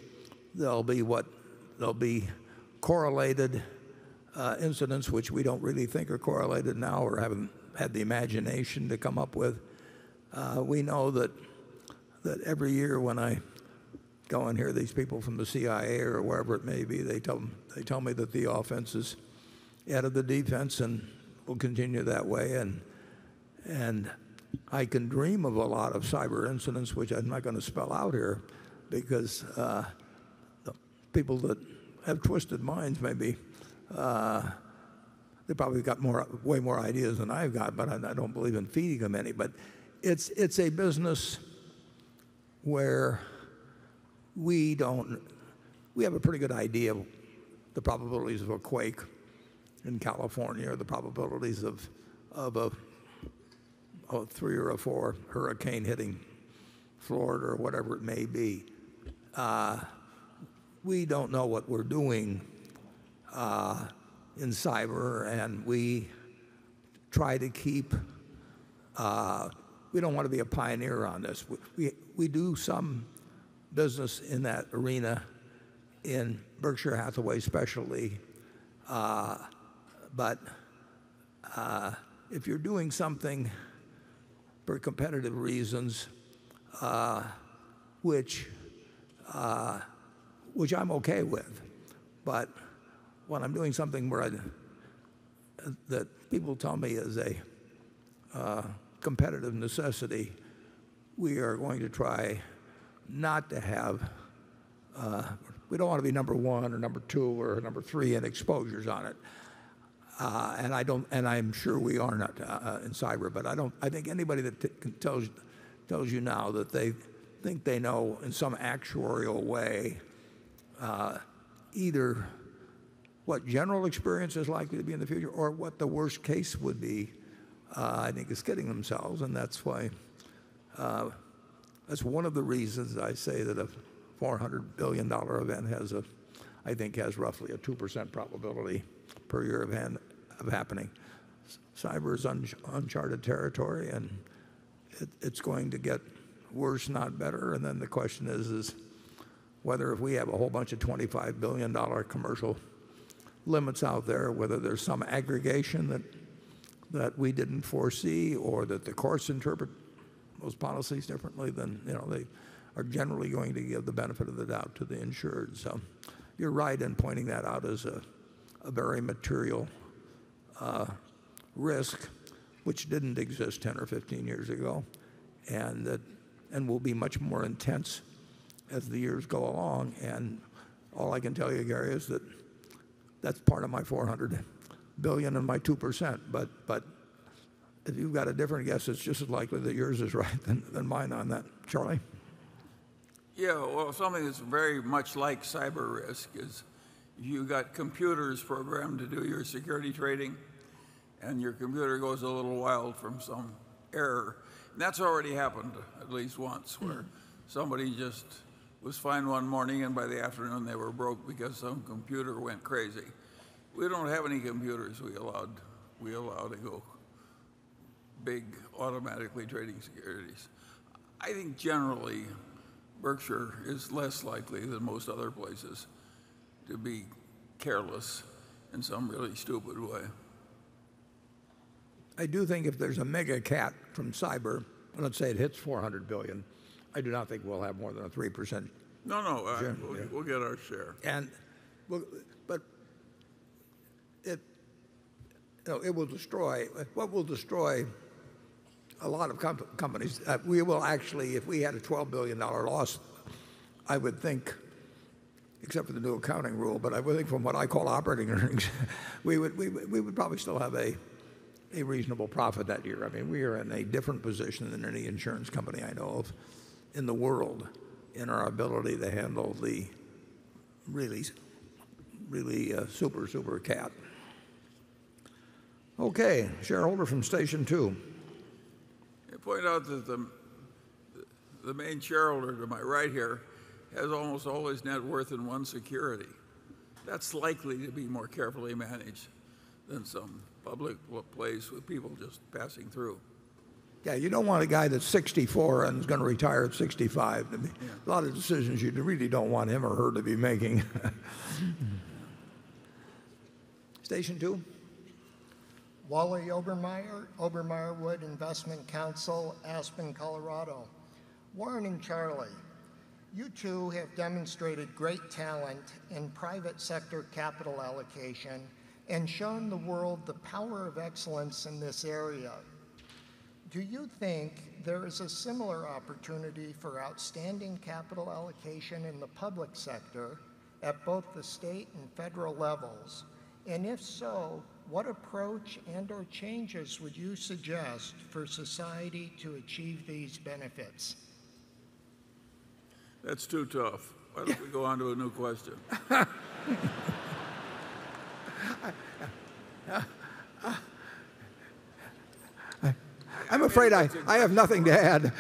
there'll be correlated incidents which we don't really think are correlated now or haven't had the imagination to come up with. We know that every year when I go and hear these people from the CIA or wherever it may be, they tell me that the offense is ahead of the defense and will continue that way. I can dream of a lot of cyber incidents, which I'm not going to spell out here because people that have twisted minds maybe, they probably got way more ideas than I've got, but I don't believe in feeding them any. It's a business where we have a pretty good idea of the probabilities of a quake in California or the probabilities of a three or a four hurricane hitting Florida or whatever it may be. We don't know what we're doing in cyber, and we don't want to be a pioneer on this. We do some business in that arena in Berkshire Hathaway especially. If you're doing something for competitive reasons, which I'm okay with, but when I'm doing something that people tell me is a competitive necessity, we don't want to be number one or number two or number three in exposures on it. I'm sure we are not in cyber, but I think anybody that tells you now that they think they know in some actuarial way either what general experience is likely to be in the future or what the worst case would be, I think is kidding themselves. That's one of the reasons I say that a $400 billion event, I think, has roughly a 2% probability per year event of happening. Cyber is uncharted territory, and it's going to get worse, not better. The question is whether if we have a whole bunch of $25 billion commercial limits out there, whether there's some aggregation that we didn't foresee, or that the courts interpret those policies differently than they are generally going to give the benefit of the doubt to the insured. You're right in pointing that out as a very material risk which didn't exist 10 or 15 years ago, and will be much more intense as the years go along. All I can tell you, Gary, is that that's part of my $400 billion and my 2%. If you've got a different guess, it's just as likely that yours is right than mine on that. Charlie? Something that's very much like cyber risk is you got computers programmed to do your security trading, your computer goes a little wild from some error. That's already happened at least once, where somebody just was fine one morning and by the afternoon they were broke because some computer went crazy. We don't have any computers we allow to go big automatically trading securities. I think generally Berkshire is less likely than most other places to be careless in some really stupid way. I do think if there's a mega cat from cyber, let's say it hits $400 billion, I do not think we'll have more than a 3%. No, we'll get our share. What will destroy a lot of companies, we will actually, if we had a $12 billion loss, I would think except for the new accounting rule, but I would think from what I call operating earnings, we would probably still have a reasonable profit that year. We are in a different position than any insurance company I know of in the world in our ability to handle the really super cat. Okay, shareholder from station two. I point out that the main shareholder to my right here has almost all his net worth in one security. That's likely to be more carefully managed than some public place with people just passing through. Yeah, you don't want a guy that's 64 and is going to retire at 65. Yeah a lot of decisions you really don't want him or her to be making. Station two. Wally Obermeyer Wood Investment Council, Aspen, Colorado. Warren and Charlie, you two have demonstrated great talent in private sector capital allocation and shown the world the power of excellence in this area. Do you think there is a similar opportunity for outstanding capital allocation in the public sector at both the state and federal levels? If so, what approach and/or changes would you suggest for society to achieve these benefits? That's too tough. Why don't we go on to a new question? I'm afraid I have nothing to add.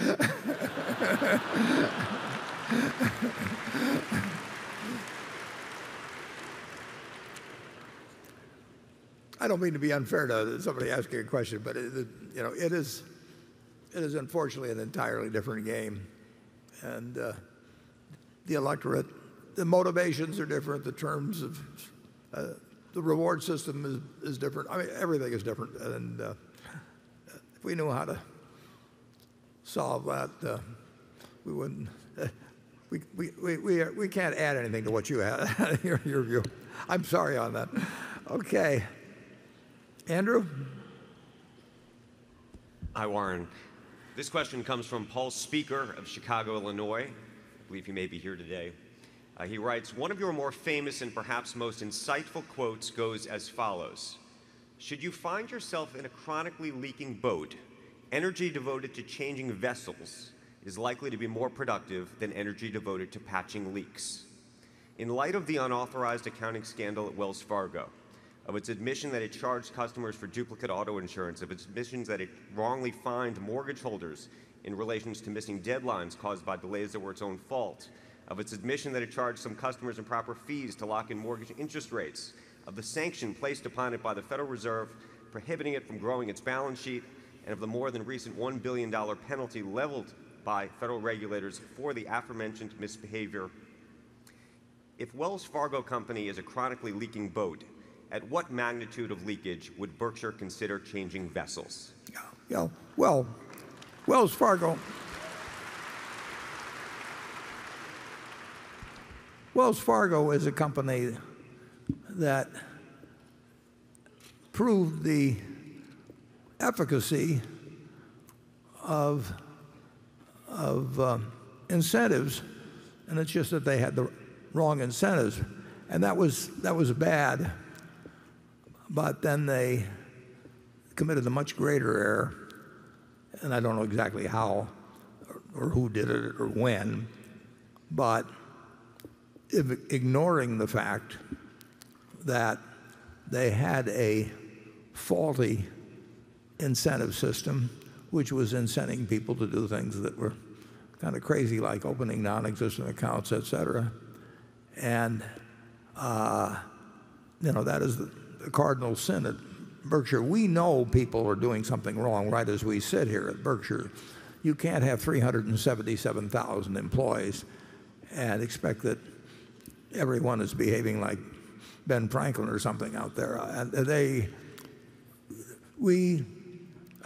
I don't mean to be unfair to somebody asking a question, but it is unfortunately an entirely different game. The electorate, the motivations are different. The reward system is different. Everything is different. If we knew how to solve that, we can't add anything to what you added, your view. I'm sorry on that. Okay. Andrew? Hi, Warren. This question comes from Paul Spieker of Chicago, Illinois. I believe he may be here today. He writes, "One of your more famous and perhaps most insightful quotes goes as follows, 'Should you find yourself in a chronically leaking boat, energy devoted to changing vessels is likely to be more productive than energy devoted to patching leaks.' In light of the unauthorized accounting scandal at Wells Fargo, of its admission that it charged customers for duplicate auto insurance, of its admissions that it wrongly fined mortgage holders in relations to missing deadlines caused by delays that were its own fault, of its admission that it charged some customers improper fees to lock in mortgage interest rates, of the sanction placed upon it by the Federal Reserve prohibiting it from growing its balance sheet, and of the more than recent $1 billion penalty leveled by federal regulators for the aforementioned misbehavior, if Wells Fargo company is a chronically leaking boat, at what magnitude of leakage would Berkshire consider changing vessels? Wells Fargo is a company that proved the efficacy of incentives. It's just that they had the wrong incentives, and that was bad. They committed a much greater error, and I don't know exactly how or who did it or when, but ignoring the fact that they had a faulty incentive system, which was incenting people to do things that were kind of crazy, like opening non-existent accounts, et cetera. That is the cardinal sin at Berkshire. We know people are doing something wrong right as we sit here at Berkshire. You can't have 377,000 employees and expect that everyone is behaving like Ben Franklin or something out there. I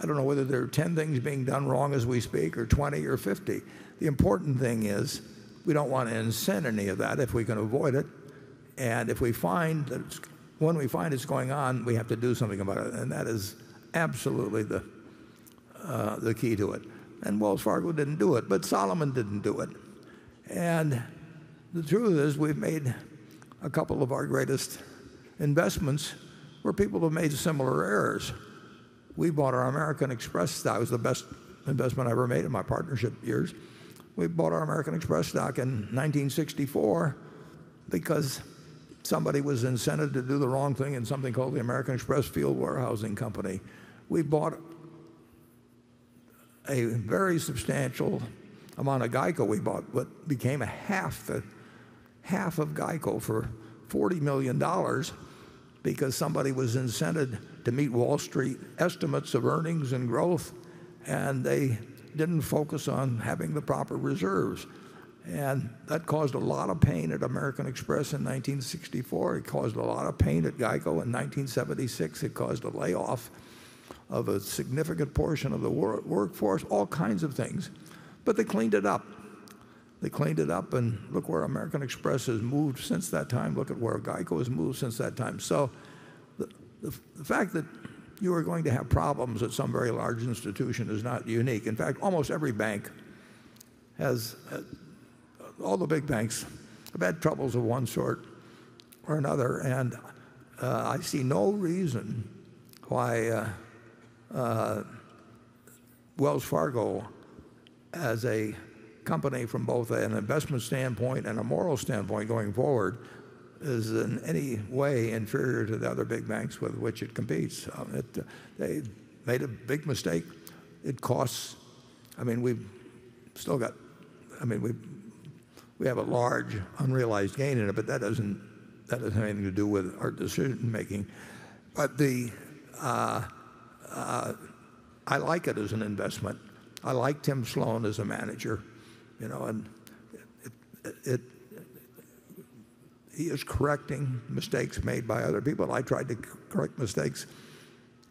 don't know whether there are 10 things being done wrong as we speak, or 20 or 50. The important thing is we don't want to incent any of that if we can avoid it. When we find it's going on, we have to do something about it, that is absolutely the key to it. Wells Fargo didn't do it, Salomon didn't do it. The truth is, we've made a couple of our greatest investments where people have made similar errors. We bought our American Express stock. That was the best investment I ever made in my partnership years. We bought our American Express stock in 1964 because somebody was incented to do the wrong thing in something called the American Express Field Warehousing Co. We bought a very substantial amount of GEICO. We bought what became a half of GEICO for $40 million because somebody was incented to meet Wall Street estimates of earnings and growth, they didn't focus on having the proper reserves. That caused a lot of pain at American Express in 1964. It caused a lot of pain at GEICO in 1976. It caused a layoff of a significant portion of the workforce, all kinds of things, they cleaned it up. They cleaned it up, look where American Express has moved since that time. Look at where GEICO has moved since that time. The fact that you are going to have problems at some very large institution is not unique. In fact, all the big banks have had troubles of one sort or another, I see no reason why Wells Fargo, as a company from both an investment standpoint and a moral standpoint going forward, is in any way inferior to the other big banks with which it competes. They made a big mistake. We have a large unrealized gain in it, that doesn't have anything to do with our decision making. I like it as an investment. I like Tim Sloan as a manager, he is correcting mistakes made by other people. I tried to correct mistakes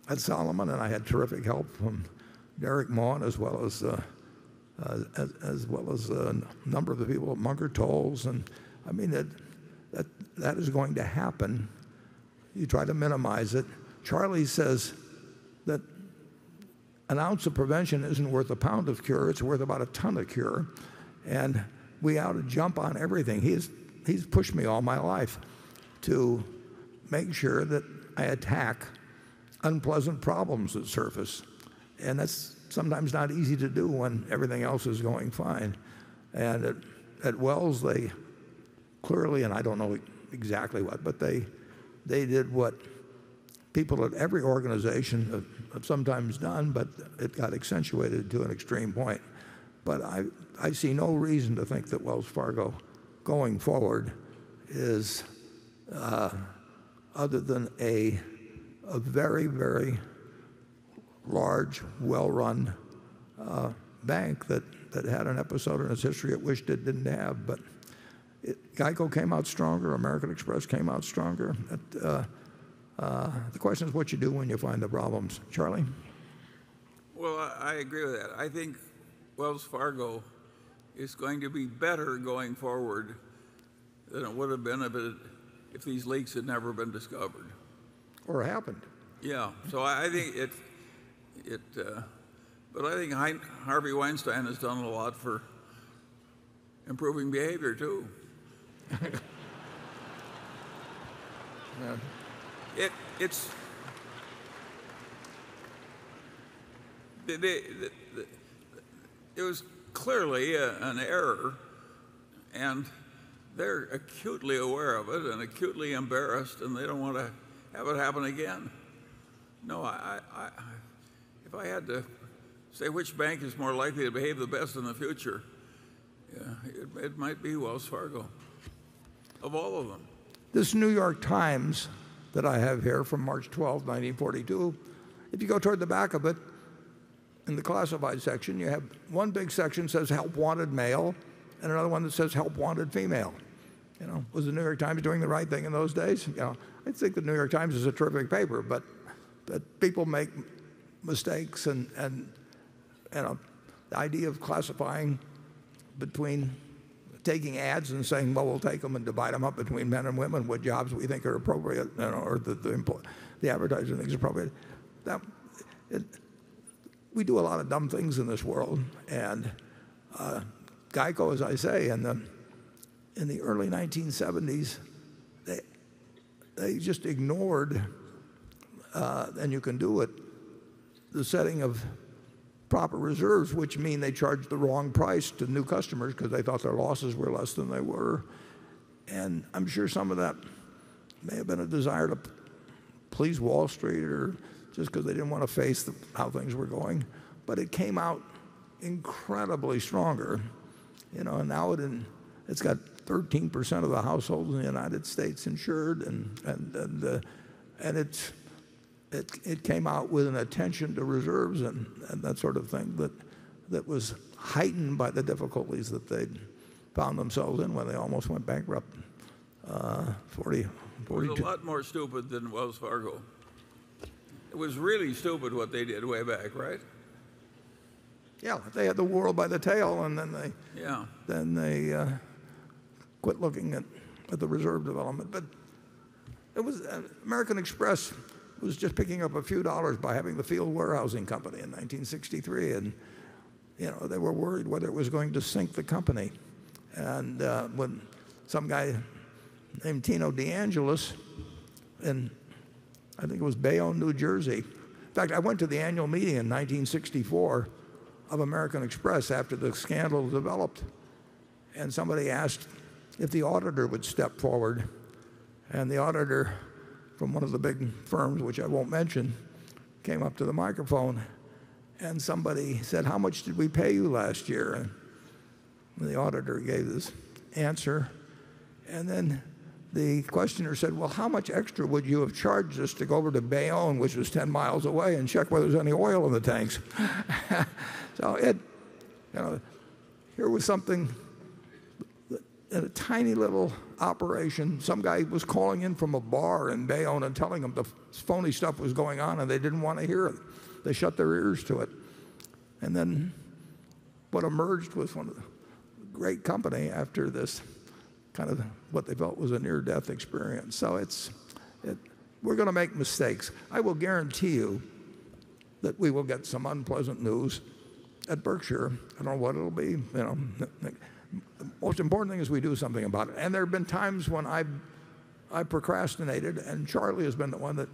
at Salomon, I had terrific help from Deryck Maughan as well as a number of the people at Munger Tolles, that is going to happen. You try to minimize it. Charlie says that an ounce of prevention isn't worth a pound of cure. It's worth about a ton of cure, we ought to jump on everything. He's pushed me all my life to make sure that I attack unpleasant problems that surface, that's sometimes not easy to do when everything else is going fine. At Wells, they clearly, I don't know exactly what, they did what people at every organization have sometimes done, it got accentuated to an extreme point. I see no reason to think that Wells Fargo, going forward, is other than a very large, well-run bank that had an episode in its history it wished it didn't have. GEICO came out stronger. American Express came out stronger. The question is what you do when you find the problems. Charlie? Well, I agree with that. I think Wells Fargo is going to be better going forward than it would have been if these leaks had never been discovered. happened. Yeah. I think Harvey Weinstein has done a lot for improving behavior, too. It was clearly an error, and they're acutely aware of it and acutely embarrassed, and they don't want to have it happen again. If I had to say which bank is more likely to behave the best in the future, it might be Wells Fargo of all of them. This New York Times that I have here from March 12, 1942, if you go toward the back of it, in the classified section, you have one big section says, "Help wanted, male," and another one that says, "Help wanted, female." Was The New York Times doing the right thing in those days? I think The New York Times is a terrific paper, but people make mistakes, and the idea of classifying between taking ads and saying, "Well, we'll take them and divide them up between men and women, what jobs we think are appropriate," or the advertiser thinks are appropriate. We do a lot of dumb things in this world. GEICO, as I say, in the early 1970s, they just ignored, and you can do it, the setting of proper reserves, which mean they charged the wrong price to new customers because they thought their losses were less than they were. I'm sure some of that may have been a desire to please Wall Street or just because they didn't want to face how things were going. It came out incredibly stronger. Now it's got 13% of the households in the United States insured, and it came out with an attention to reserves and that sort of thing that was heightened by the difficulties that they'd found themselves in when they almost went bankrupt 42- It was a lot more stupid than Wells Fargo. It was really stupid what they did way back, right? Yeah. They had the world by the tail and then they- Yeah They quit looking at the reserve development. American Express was just picking up a few dollars by having the field warehousing company in 1963, and they were worried whether it was going to sink the company. When some guy named Tino De Angelis in, I think it was Bayonne, N.J. In fact, I went to the annual meeting in 1964 of American Express after the scandal developed. Somebody asked if the auditor would step forward. The auditor from one of the big firms, which I won't mention, came up to the microphone. Somebody said, "How much did we pay you last year?" The auditor gave this answer. The questioner said, "Well, how much extra would you have charged us to go over to Bayonne," which was 10 miles away, "and check whether there's any oil in the tanks?" Here was something, in a tiny little operation, some guy was calling in from a bar in Bayonne and telling them the phony stuff was going on. They didn't want to hear it. They shut their ears to it. What emerged was a great company after this kind of what they felt was a near-death experience. We're going to make mistakes. I will guarantee you that we will get some unpleasant news at Berkshire. I don't know what it'll be. The most important thing is we do something about it. There have been times when I've procrastinated. Charlie has been the one that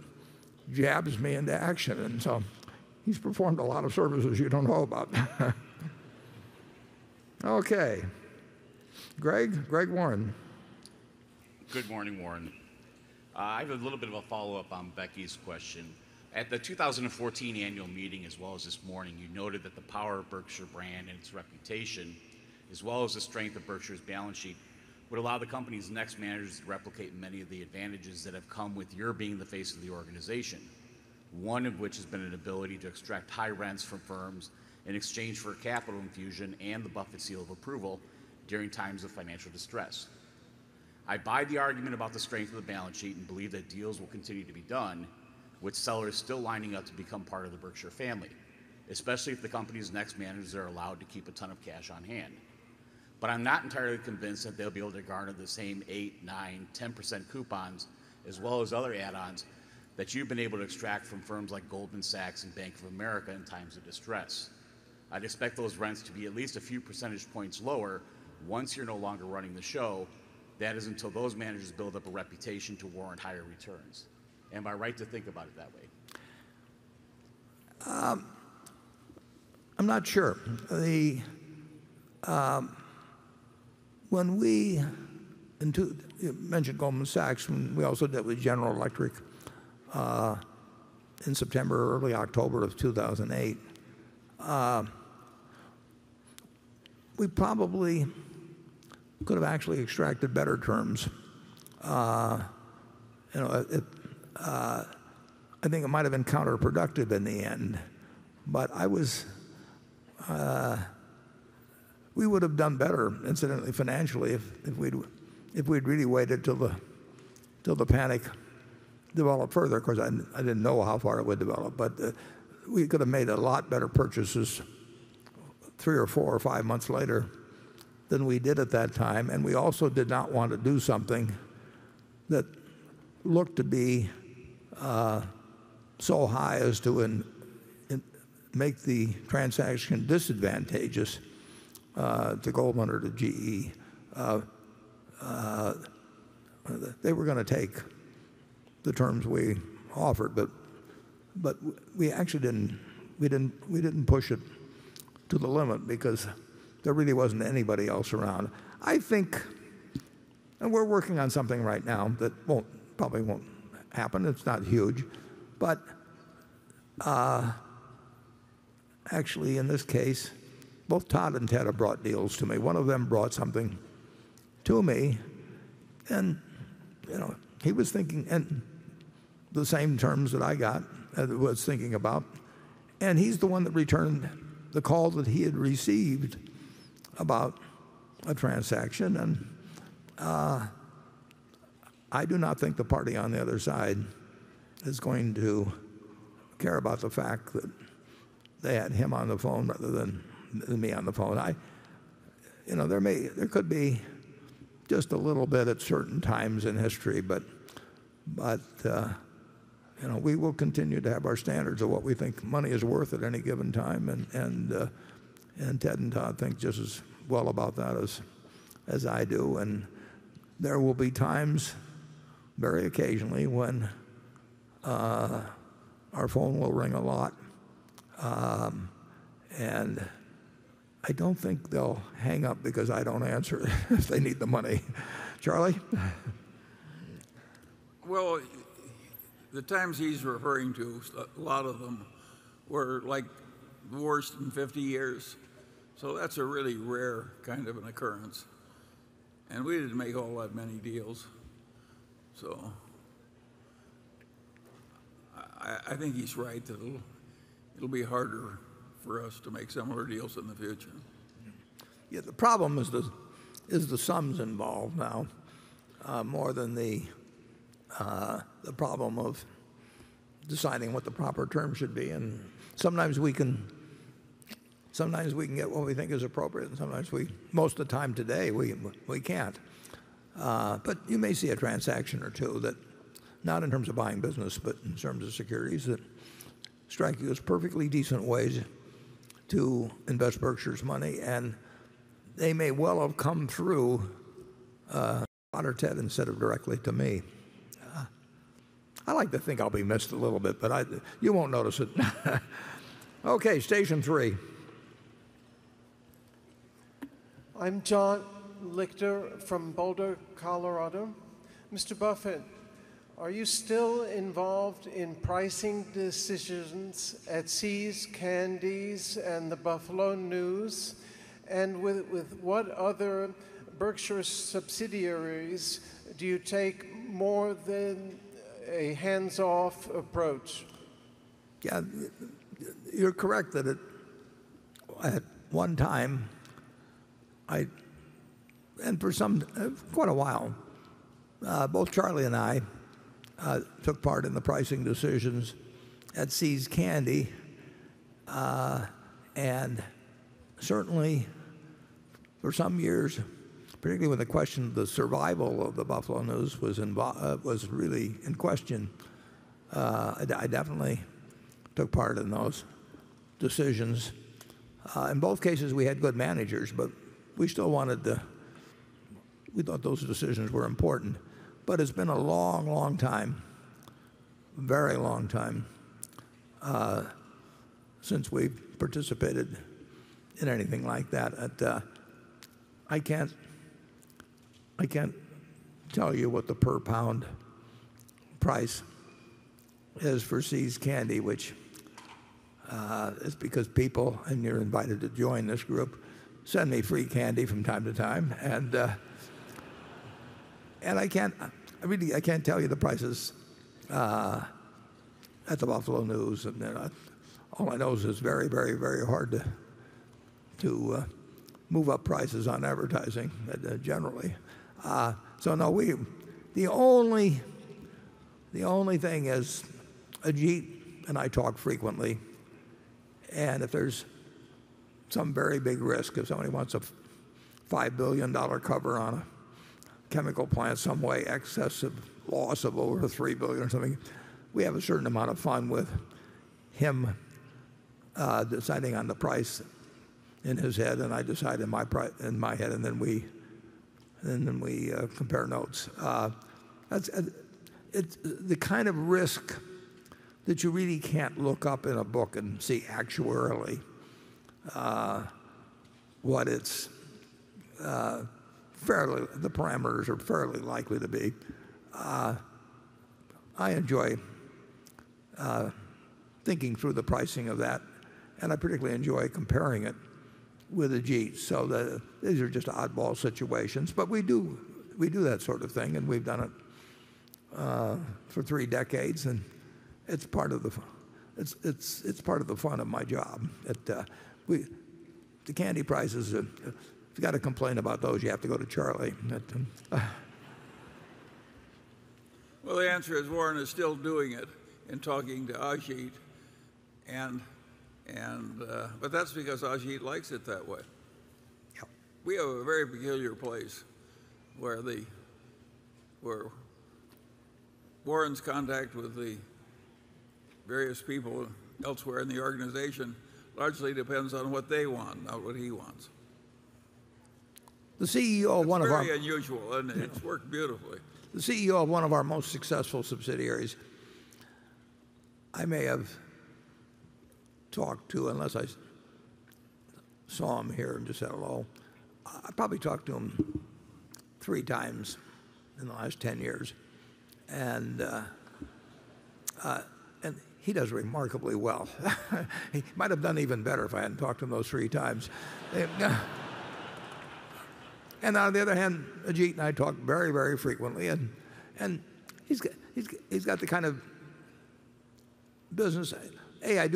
jabs me into action. He's performed a lot of services you don't know about. Okay, Gregg Warren. Good morning, Warren. I have a little bit of a follow-up on Becky's question. At the 2014 annual meeting, as well as this morning, you noted that the power of Berkshire brand and its reputation, as well as the strength of Berkshire's balance sheet, would allow the company's next managers to replicate many of the advantages that have come with your being the face of the organization. One of which has been an ability to extract high rents from firms in exchange for a capital infusion and the Buffett seal of approval during times of financial distress. I buy the argument about the strength of the balance sheet. Believe that deals will continue to be done with sellers still lining up to become part of the Berkshire family, especially if the company's next managers are allowed to keep a ton of cash on hand. I'm not entirely convinced that they'll be able to garner the same 8%, 9%, 10% coupons, as well as other add-ons, that you've been able to extract from firms like Goldman Sachs and Bank of America in times of distress. I'd expect those rents to be at least a few percentage points lower once you're no longer running the show, that is, until those managers build up a reputation to warrant higher returns. Am I right to think about it that way? I'm not sure. You mentioned Goldman Sachs, and we also did it with General Electric in September, early October of 2008. We probably could have actually extracted better terms. I think it might have been counterproductive in the end. We would have done better incidentally financially if we'd really waited till the panic developed further because I didn't know how far it would develop. We could have made a lot better purchases three or four or five months later than we did at that time, and we also did not want to do something that looked to be so high as to make the transaction disadvantageous to Goldman or to GE. They were going to take the terms we offered, we didn't push it to the limit because there really wasn't anybody else around. We're working on something right now that probably won't happen. It's not huge. Actually in this case, both Todd and Ted have brought deals to me. One of them brought something to me, and he was thinking in the same terms that I got, as he was thinking about, and he's the one that returned the call that he had received about a transaction. I do not think the party on the other side is going to care about the fact that they had him on the phone rather than me on the phone. There could be just a little bit at certain times in history, but we will continue to have our standards of what we think money is worth at any given time, and Ted and Todd think just as well about that as I do. There will be times very occasionally when our phone will ring a lot, and I don't think they'll hang up because I don't answer if they need the money. Charlie? Well, the times he's referring to, a lot of them were the worst in 50 years, so that's a really rare kind of an occurrence, and we didn't make all that many deals. I think he's right that it'll be harder for us to make similar deals in the future. The problem is the sums involved now more than the problem of deciding what the proper terms should be. Sometimes we can get what we think is appropriate, and sometimes, most of the time today, we can't. You may see a transaction or two that, not in terms of buying business but in terms of securities, that strike you as perfectly decent ways to invest Berkshire's money, and they may well have come through Todd or Ted instead of directly to me. I like to think I'll be missed a little bit, but you won't notice it. Okay, station 3. I'm Todd Lichter from Boulder, Colorado. Mr. Buffett, are you still involved in pricing decisions at See's Candies and The Buffalo News? With what other Berkshire subsidiaries do you take more than a hands-off approach? You're correct that at one time, and for quite a while, both Charlie and I took part in the pricing decisions at See's Candy. Certainly for some years, particularly when the question of the survival of The Buffalo News was really in question, I definitely took part in those decisions. In both cases, we had good managers, but we thought those decisions were important. It's been a long time, very long time, since we've participated in anything like that. I can't tell you what the per pound price is for See's Candy. It's because people, and you're invited to join this group, send me free candy from time to time. Really, I can't tell you the prices at The Buffalo News. All I know is it's very hard to move up prices on advertising generally. The only thing is Ajit and I talk frequently, and if there's some very big risk, if somebody wants a $5 billion cover on a chemical plant some way excess of loss of over $3 billion or something, we have a certain amount of fun with him deciding on the price in his head, and I decide in my head. Then we compare notes. The kind of risk that you really can't look up in a book and see actuarially what the parameters are fairly likely to be. I enjoy thinking through the pricing of that, and I particularly enjoy comparing it with Ajit. These are just oddball situations, but we do that sort of thing, and we've done it for three decades, and it's part of the fun of my job. The candy prizes, if you got to complain about those, you have to go to Charlie. Well, the answer is Warren is still doing it and talking to Ajit, but that's because Ajit likes it that way. Yeah. We have a very peculiar place where Warren's contact with the various people elsewhere in the organization largely depends on what they want, not what he wants. The CEO of one of our It's very unusual, isn't it? Yeah. It's worked beautifully. The CEO of one of our most successful subsidiaries, I may have talked to, unless I saw him here and just said hello, I probably talked to him three times in the last 10 years. He does remarkably well. He might have done even better if I hadn't talked to him those three times. On the other hand, Ajit and I talk very frequently, and he's got the kind of business I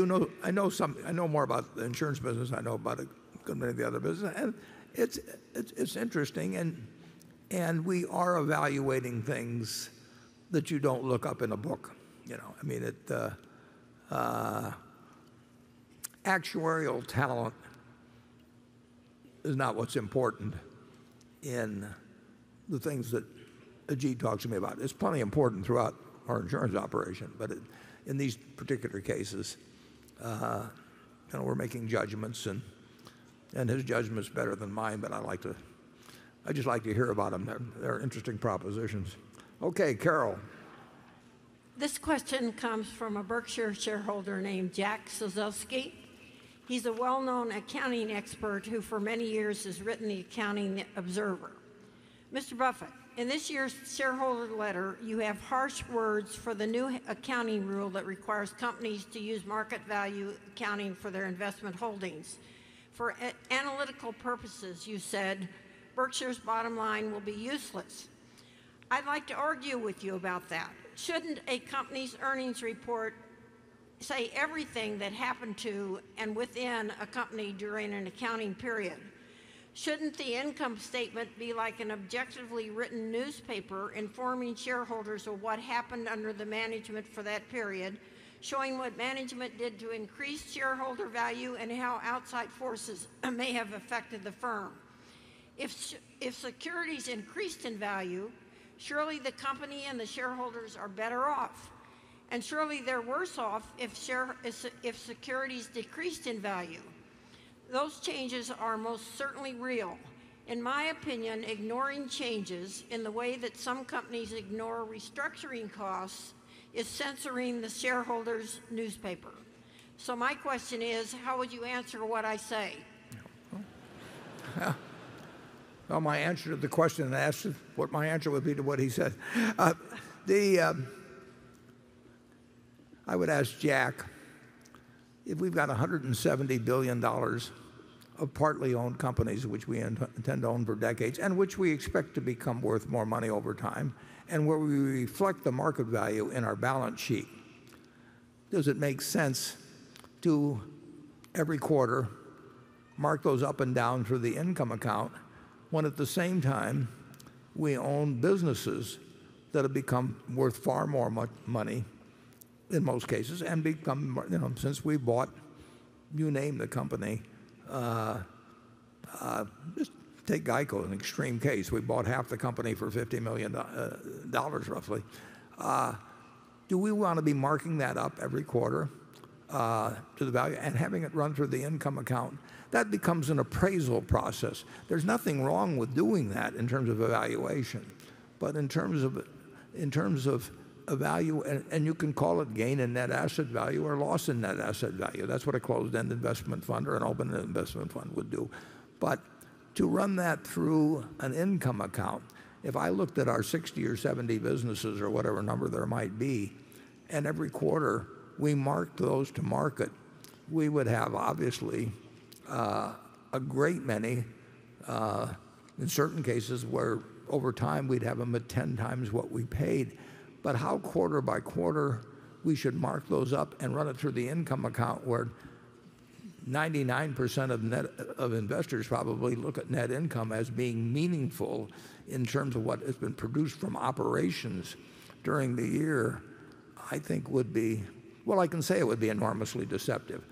know more about the insurance business than I know about many of the other business, and it's interesting, and we are evaluating things that you don't look up in a book. Actuarial talent is not what's important in the things that Ajit talks to me about. It's plenty important throughout our insurance operation, but in these particular cases, we're making judgments, and his judgment's better than mine, but I just like to hear about them. They're interesting propositions. Okay, Carol. This question comes from a Berkshire shareholder named Jack Ciesielski. He's a well-known accounting expert who for many years has written The Accounting Observer. Mr. Buffett, in this year's shareholder letter, you have harsh words for the new accounting rule that requires companies to use market value accounting for their investment holdings. For analytical purposes, you said Berkshire's bottom line will be useless. I'd like to argue with you about that. Shouldn't a company's earnings report say everything that happened to and within a company during an accounting period? Shouldn't the income statement be like an objectively written newspaper informing shareholders of what happened under the management for that period, showing what management did to increase shareholder value and how outside forces may have affected the firm? If securities increased in value, surely the company and the shareholders are better off, surely they're worse off if securities decreased in value. Those changes are most certainly real. In my opinion, ignoring changes in the way that some companies ignore restructuring costs is censoring the shareholder's newspaper. My question is, how would you answer what I say? My answer to the question asked is what my answer would be to what he said. I would ask Jack, if we've got $170 billion of partly owned companies which we intend to own for decades and which we expect to become worth more money over time, and where we reflect the market value in our balance sheet, does it make sense to every quarter mark those up and down through the income account, when at the same time we own businesses that have become worth far more money in most cases and become more. Since we bought, you name the company, just take GEICO as an extreme case. We bought half the company for $50 million roughly. Do we want to be marking that up every quarter to the value and having it run through the income account? That becomes an appraisal process. There's nothing wrong with doing that in terms of evaluation, but in terms of a value, and you can call it gain in net asset value or loss in net asset value. That's what a closed-end investment fund or an open-end investment fund would do. To run that through an income account, if I looked at our 60 or 70 businesses or whatever number there might be, and every quarter we marked those to market, we would have obviously a great many, in certain cases, where over time we'd have them at 10 times what we paid. How quarter by quarter we should mark those up and run it through the income account where 99% of investors probably look at net income as being meaningful in terms of what has been produced from operations during the year, I can say it would be enormously deceptive.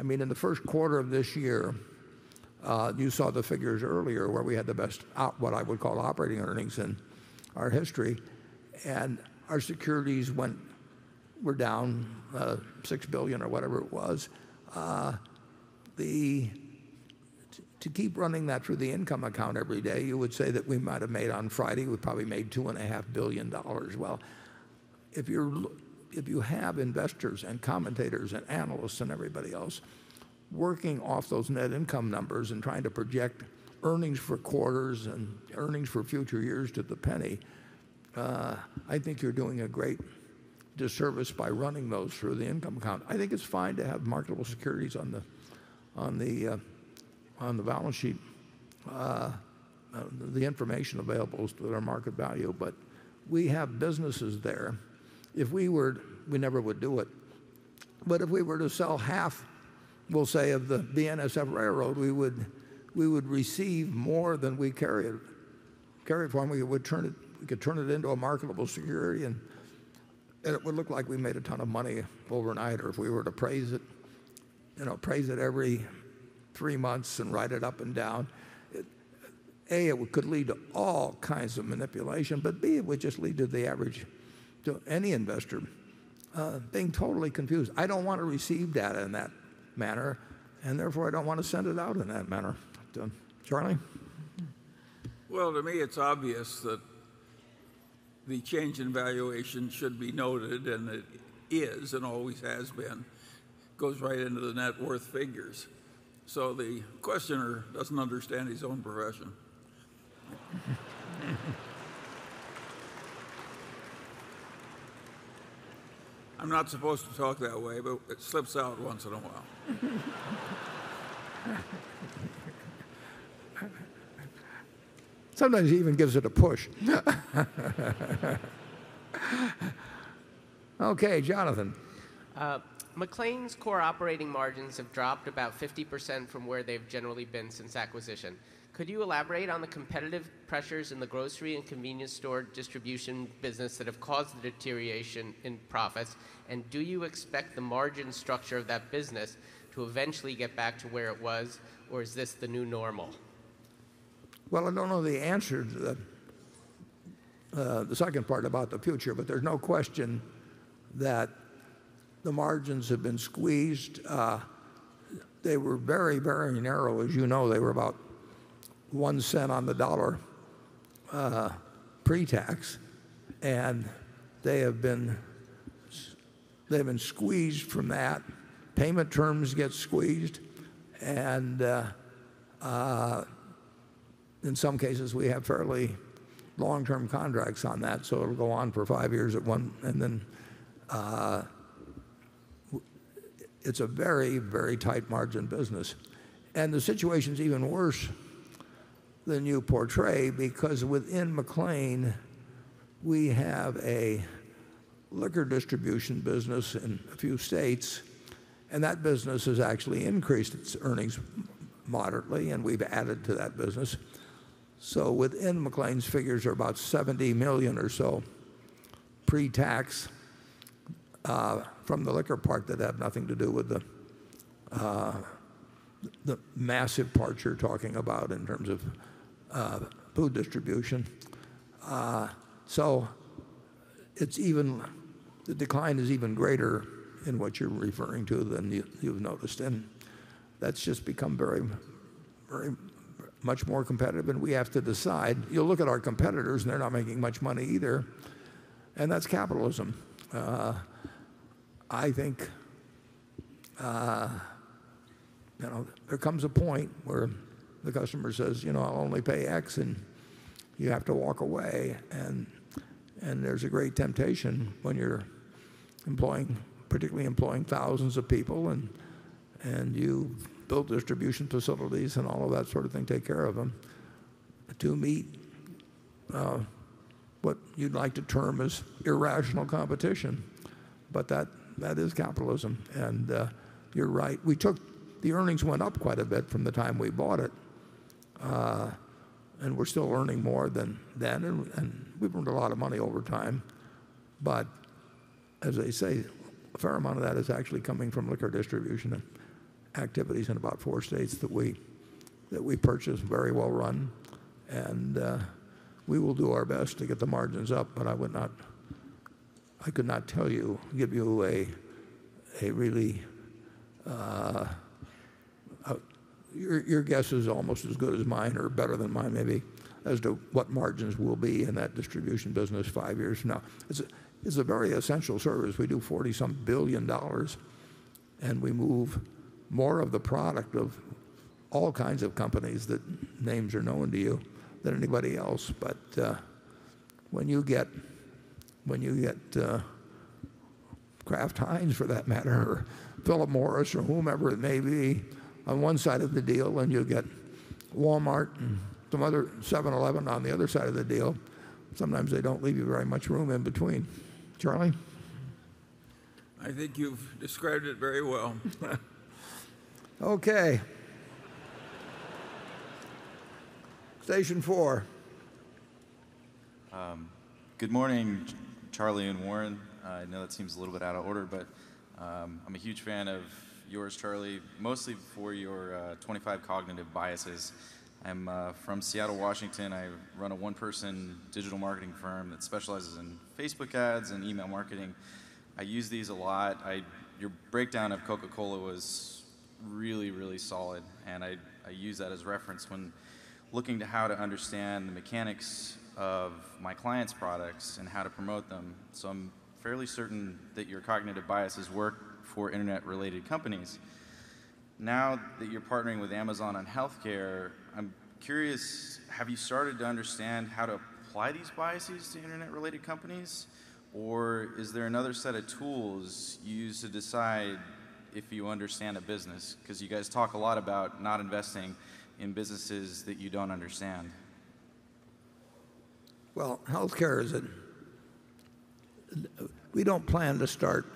In the first quarter of this year, you saw the figures earlier where we had the best, what I would call operating earnings in our history. Our securities were down $6 billion or whatever it was. To keep running that through the income account every day, you would say that we might have made on Friday, we probably made $2.5 billion. Well, if you have investors and commentators and analysts and everybody else working off those net income numbers and trying to project earnings for quarters and earnings for future years to the penny, I think you're doing a great disservice by running those through the income account. I think it's fine to have marketable securities on the balance sheet, the information available as to their market value, but we have businesses there. We never would do it, but if we were to sell half, we'll say, of the BNSF Railway, we would receive more than we carry it for, and we could turn it into a marketable security, and it would look like we made a ton of money overnight, or if we were to appraise it every three months and write it up and down. A, it could lead to all kinds of manipulation, B, it would just lead to any investor being totally confused. I don't want to receive data in that manner, and therefore, I don't want to send it out in that manner. Charlie? Well, to me, it's obvious that the change in valuation should be noted, and it is and always has been. Goes right into the net worth figures. The questioner doesn't understand his own profession. I'm not supposed to talk that way, it slips out once in a while. Sometimes he even gives it a push. Okay. Jonathan. McLane's core operating margins have dropped about 50% from where they've generally been since acquisition. Could you elaborate on the competitive pressures in the grocery and convenience store distribution business that have caused the deterioration in profits? Do you expect the margin structure of that business to eventually get back to where it was, or is this the new normal? Well, I don't know the answer to the second part about the future, there's no question that the margins have been squeezed. They were very narrow. As you know, they were about $0.01 on the dollar pre-tax, they have been squeezed from that. Payment terms get squeezed, in some cases, we have fairly long-term contracts on that, so it'll go on for five years at one, then it's a very tight margin business. The situation's even worse than you portray because within McLane, we have a liquor distribution business in a few states, that business has actually increased its earnings moderately, we've added to that business. Within McLane's figures are about $70 million or so pre-tax from the liquor part that have nothing to do with the massive part you're talking about in terms of food distribution. The decline is even greater in what you're referring to than you've noticed, that's just become much more competitive, we have to decide. You look at our competitors, they're not making much money either, that's capitalism. I think there comes a point where the customer says, "I'll only pay X," you have to walk away, there's a great temptation when you're particularly employing thousands of people, you build distribution facilities and all of that sort of thing, take care of them to meet what you'd like to term as irrational competition. That is capitalism. You're right, the earnings went up quite a bit from the time we bought it. We're still earning more than then, we've earned a lot of money over time. As I say, a fair amount of that is actually coming from liquor distribution and activities in about four states that we purchased, very well run. We will do our best to get the margins up, I could not tell you, Your guess is almost as good as mine or better than mine maybe as to what margins will be in that distribution business five years from now. It's a very essential service. We do $40-some billion, We move more of the product of all kinds of companies that names are known to you than anybody else. When you get Kraft Heinz, for that matter, or Philip Morris or whomever it may be on one side of the deal, and you get Walmart and some other 7-Eleven on the other side of the deal, sometimes they don't leave you very much room in between. Charlie? I think you've described it very well. Okay. Station four. Good morning, Charlie and Warren. I know that seems a little bit out of order, I'm a huge fan of yours, Charlie, mostly for your 25 cognitive biases. I'm from Seattle, Washington. I run a one-person digital marketing firm that specializes in Facebook ads and email marketing. I use these a lot. Your breakdown of Coca-Cola was Really, really solid, and I use that as reference when looking to how to understand the mechanics of my clients' products and how to promote them. I'm fairly certain that your cognitive biases work for internet-related companies. Now that you're partnering with Amazon on healthcare, I'm curious, have you started to understand how to apply these biases to internet-related companies, or is there another set of tools you use to decide if you understand a business? You guys talk a lot about not investing in businesses that you don't understand. We don't plan to start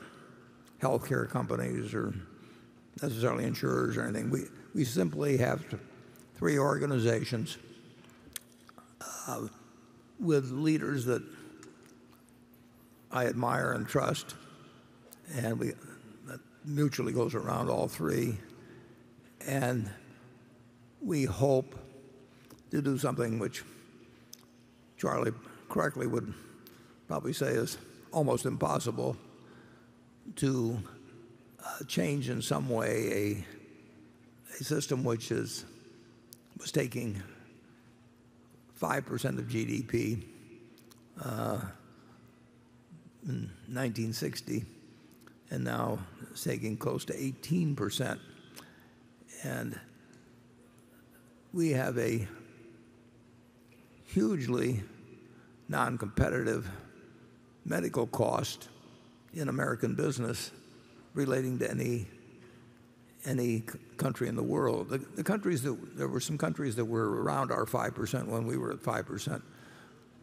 healthcare companies or necessarily insurers or anything. We simply have three organizations with leaders that I admire and trust, and that mutually goes around all three. We hope to do something which Charlie correctly would probably say is almost impossible, to change in some way a system which was taking 5% of GDP in 1960 and now is taking close to 18%. We have a hugely non-competitive medical cost in American business relating to any country in the world. There were some countries that were around our 5% when we were at 5%,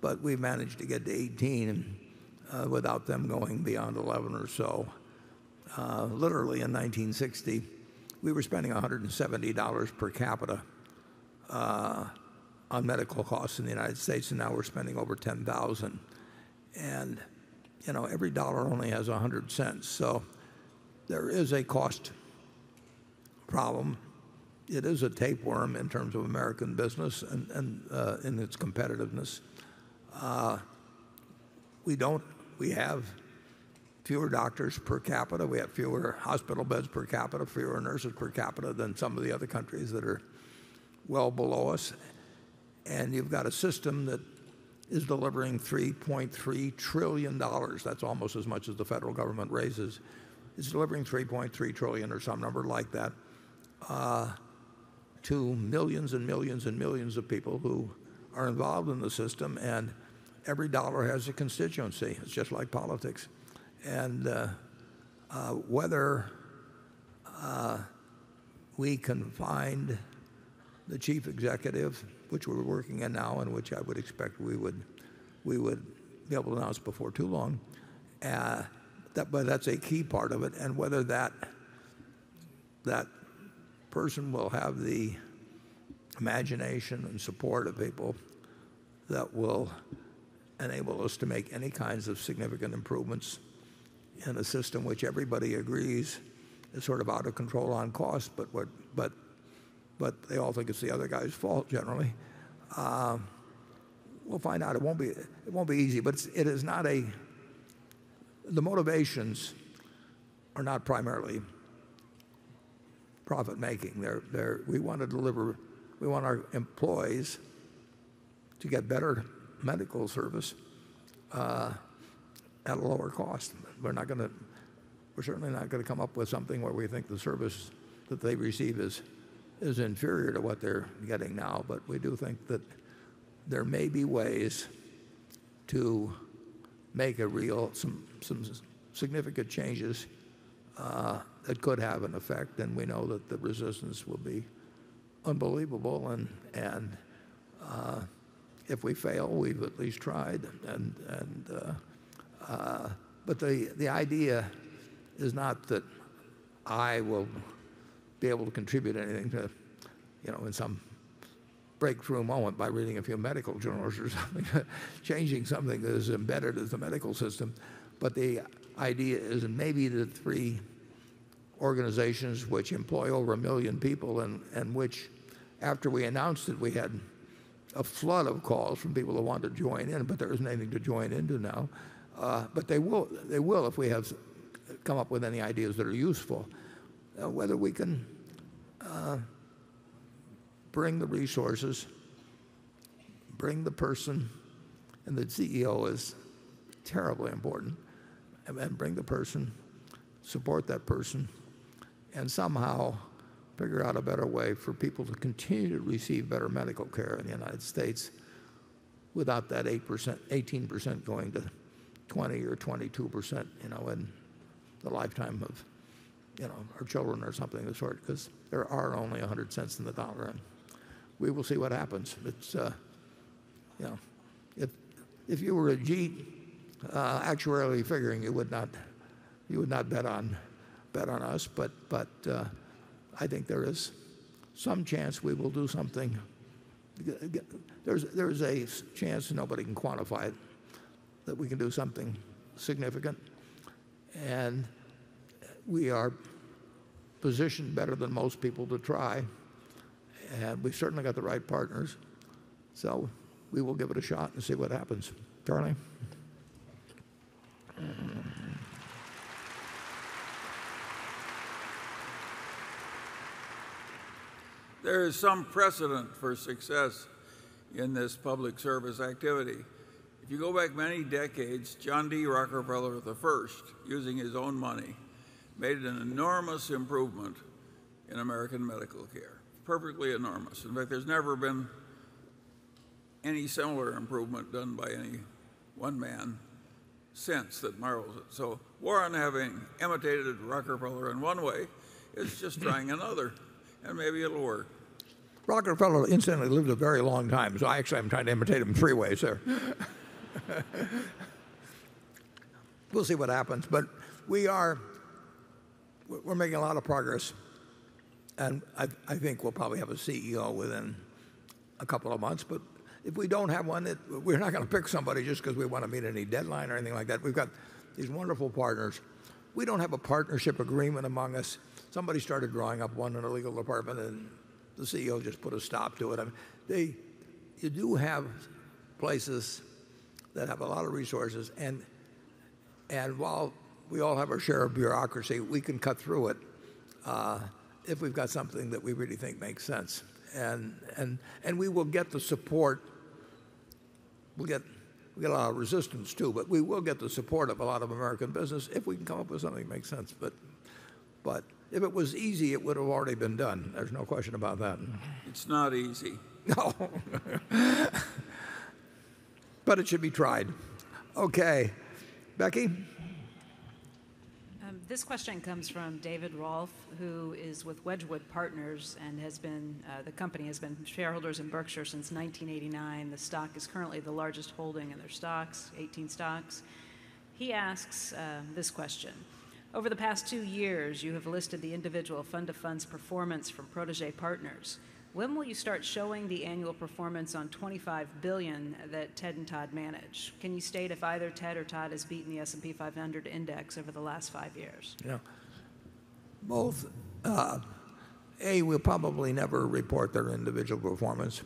but we managed to get to 18% without them going beyond 11% or so. Literally in 1960, we were spending $170 per capita on medical costs in the U.S., and now we're spending over $10,000. Every dollar only has $1.00, so there is a cost problem. It is a tapeworm in terms of American business and in its competitiveness. We have fewer doctors per capita, we have fewer hospital beds per capita, fewer nurses per capita than some of the other countries that are well below us. You've got a system that is delivering $3.3 trillion, that's almost as much as the federal government raises. It's delivering $3.3 trillion or some number like that to millions and millions and millions of people who are involved in the system. Every dollar has a constituency. It's just like politics. Whether we can find the chief executive, which we're working at now, and which I would expect we would be able to announce before too long. That's a key part of it. Whether that person will have the imagination and support of people that will enable us to make any kinds of significant improvements in a system which everybody agrees is out of control on cost. They all think it's the other guy's fault generally. We'll find out. It won't be easy. The motivations are not primarily profit-making. We want our employees to get better medical service at a lower cost. We're certainly not going to come up with something where we think the service that they receive is inferior to what they're getting now. We do think that there may be ways to make some significant changes that could have an effect. We know that the resistance will be unbelievable. If we fail, we've at least tried. The idea is not that I will be able to contribute anything in some breakthrough moment by reading a few medical journals or something, changing something that is embedded in the medical system. The idea is maybe the three organizations which employ over 1 million people, which after we announced it, we had a flood of calls from people who wanted to join in. There isn't anything to join into now. They will if we have come up with any ideas that are useful. Whether we can bring the resources, bring the person, the CEO is terribly important, then bring the person, support that person, and somehow figure out a better way for people to continue to receive better medical care in the U.S. without that 18% going to 20% or 22% in the lifetime of our children or something of the sort, because there are only 100 cents in the dollar. We will see what happens. If you were a geek actuarially figuring, you would not bet on us, but I think there is some chance we will do something. There is a chance, nobody can quantify it, that we can do something significant, and we are positioned better than most people to try, we've certainly got the right partners. We will give it a shot and see what happens. Charlie? There is some precedent for success in this public service activity. If you go back many decades, John D. Rockefeller I, using his own money, made an enormous improvement in U.S. medical care. Perfectly enormous. In fact, there's never been any similar improvement done by any one man since that marvels it. Warren, having imitated Rockefeller in one way, is just trying another, and maybe it'll work. Rockefeller, incidentally, lived a very long time, I actually am trying to imitate him in three ways there. We'll see what happens. We're making a lot of progress, and I think we'll probably have a CEO within a couple of months. If we don't have one, we're not going to pick somebody just because we want to meet any deadline or anything like that. We've got these wonderful partners. We don't have a partnership agreement among us. Somebody started drawing up one in a legal department, the CEO just put a stop to it. You do have places that have a lot of resources, and while we all have our share of bureaucracy, we can cut through it if we've got something that we really think makes sense. We will get the support. We get a lot of resistance, too, but we will get the support of a lot of U.S. business if we can come up with something that makes sense. If it was easy, it would have already been done. There's no question about that. It's not easy. No. It should be tried. Okay. Becky? This question comes from David Rolfe, who is with Wedgewood Partners and the company has been shareholders in Berkshire since 1989. The stock is currently the largest holding in their stocks, 18 stocks. He asks this question, "Over the past two years, you have listed the individual fund to fund's performance from Protégé Partners. When will you start showing the annual performance on $25 billion that Ted and Todd manage? Can you state if either Ted or Todd has beaten the S&P 500 index over the last five years? Yeah. Both. A, we'll probably never report their individual performance.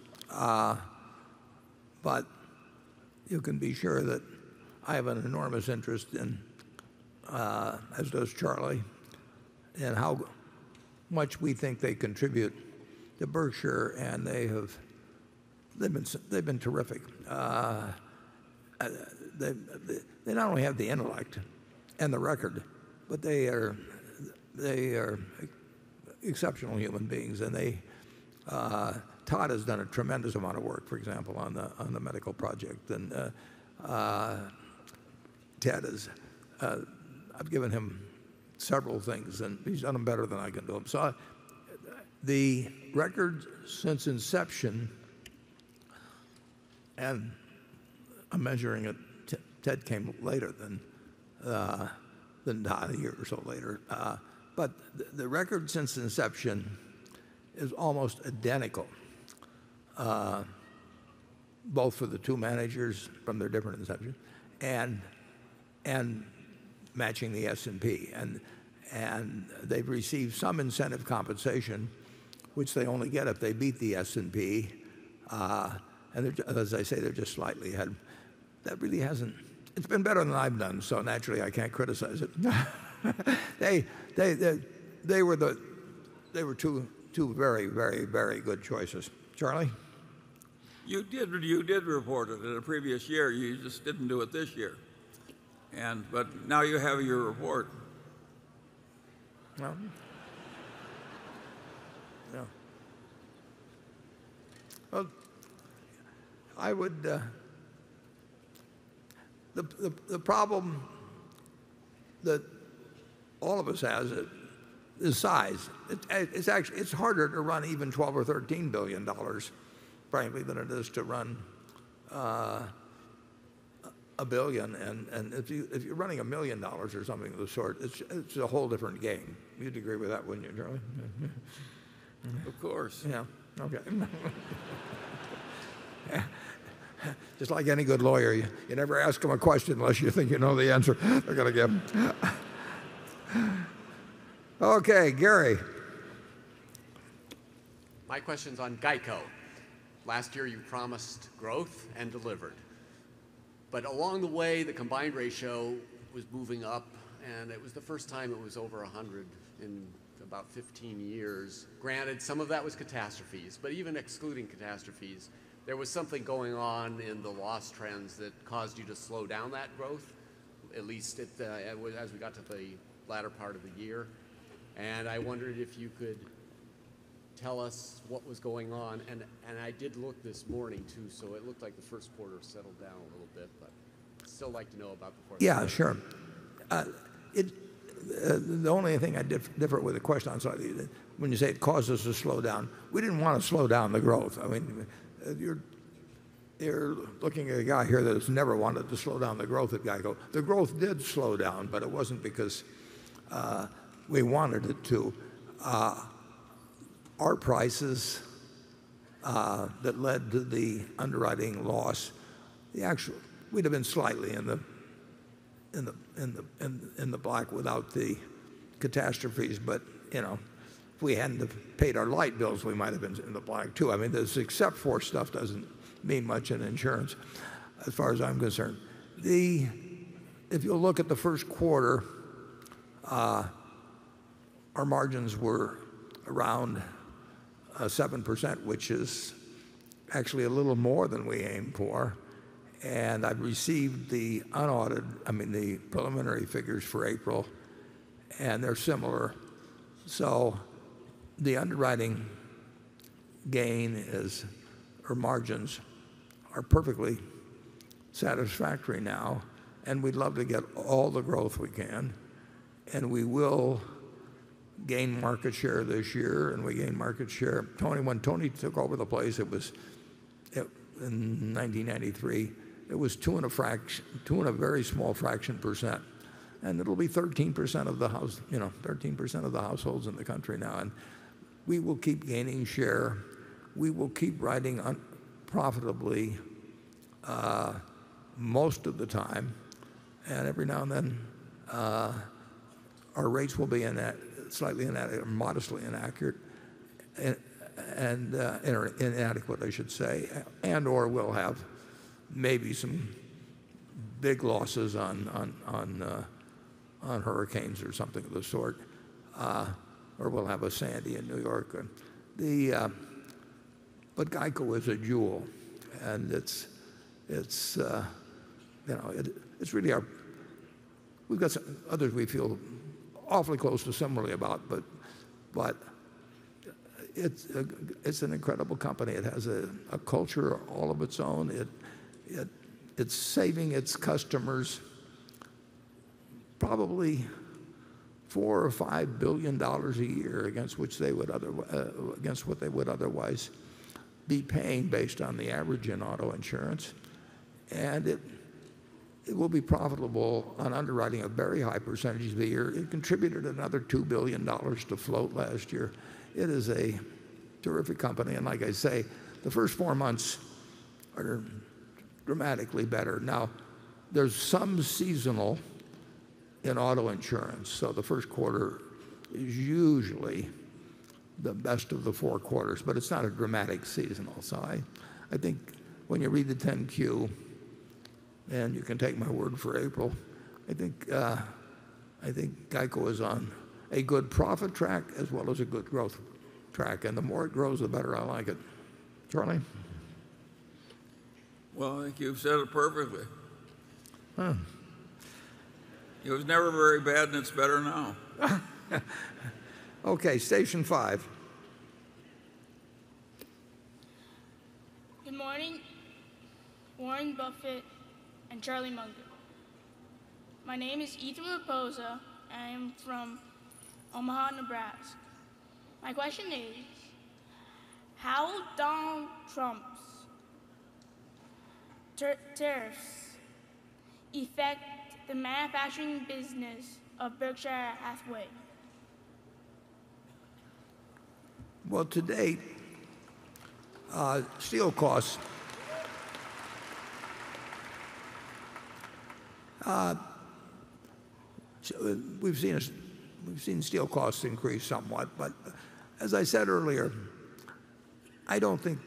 You can be sure that I have an enormous interest in, as does Charlie, in how much we think they contribute to Berkshire, and they've been terrific. They not only have the intellect and the record, but they are exceptional human beings. Todd has done a tremendous amount of work, for example, on the medical project. Ted, I've given him several things, and he's done them better than I can do them. The record since inception, and I'm measuring it, Ted came later than Todd, a year or so later, but the record since inception is almost identical both for the two managers from their different inceptions and matching the S&P. They've received some incentive compensation, which they only get if they beat the S&P. As I say, they're just slightly ahead. It's been better than I've done, so naturally I can't criticize it. They were two very, very, very good choices. Charlie? You did report it in a previous year. You just didn't do it this year. Now you have your report. Well. Yeah. The problem that all of us have is size. It's harder to run even $12 billion or $13 billion, frankly, than it is to run one billion. If you're running one million dollars or something of the sort, it's a whole different game. You'd agree with that, wouldn't you, Charlie? Of course. Yeah. Okay. Just like any good lawyer, you never ask him a question unless you think you know the answer they're going to give. Okay. Gary? My question's on GEICO. Last year, you promised growth and delivered. Along the way, the combined ratio was moving up, and it was the first time it was over 100 in about 15 years. Granted, some of that was catastrophes. Even excluding catastrophes, there was something going on in the loss trends that caused you to slow down that growth, at least as we got to the latter part of the year. I wondered if you could tell us what was going on. I did look this morning too, it looked like the first quarter settled down a little bit, but still like to know about the quarter. Yeah, sure. The only thing I'd differ with the question on slightly, when you say it caused us to slow down. We didn't want to slow down the growth. You're looking at a guy here that has never wanted to slow down the growth of GEICO. The growth did slow down, it wasn't because we wanted it to. Our prices that led to the underwriting loss, we'd have been slightly in the black without the catastrophes, if we hadn't have paid our light bills, we might've been in the black, too. This except for stuff doesn't mean much in insurance as far as I'm concerned. If you'll look at the first quarter, our margins were around 7%, which is actually a little more than we aim for. I've received the preliminary figures for April, they're similar. The underwriting gain or margins are perfectly satisfactory now, we'd love to get all the growth we can. We will gain market share this year. We gain market share When Tony took over the place in 1993, it was two and a very small fraction percent. It'll be 13% of the households in the country now. We will keep gaining share. We will keep riding profitably most of the time. Every now and then, our rates will be modestly inaccurate, inadequate, I should say, and/or we'll have maybe some big losses on hurricanes or something of the sort, or we'll have a Sandy in New York. GEICO is a jewel, we've got others we feel awfully close and similarly about, it's an incredible company. It has a culture all of its own. It's saving its customers probably $4 billion or $5 billion a year against what they would otherwise be paying based on the average in auto insurance. It will be profitable on underwriting a very high % of the year. It contributed another $2 billion to float last year. It is a terrific company. Like I say, the first four months are dramatically better. Now, there's some seasonal in auto insurance, so the first quarter is usually the best of the four quarters, but it's not a dramatic seasonal. I think when you read the 10-Q, and you can take my word for April, I think GEICO is on a good profit track as well as a good growth track. The more it grows, the better I like it. Charlie? Well, I think you've said it perfectly. Huh. It was never very bad, and it's better now. Okay, station five. Good morning, Warren Buffett and Charlie Munger. My name is Ethan Rapoza. I am from Omaha, Nebraska. My question is, how will Donald Trump's tariffs affect the manufacturing business of Berkshire Hathaway? Well, to date we've seen steel costs increase somewhat. As I said earlier, I don't think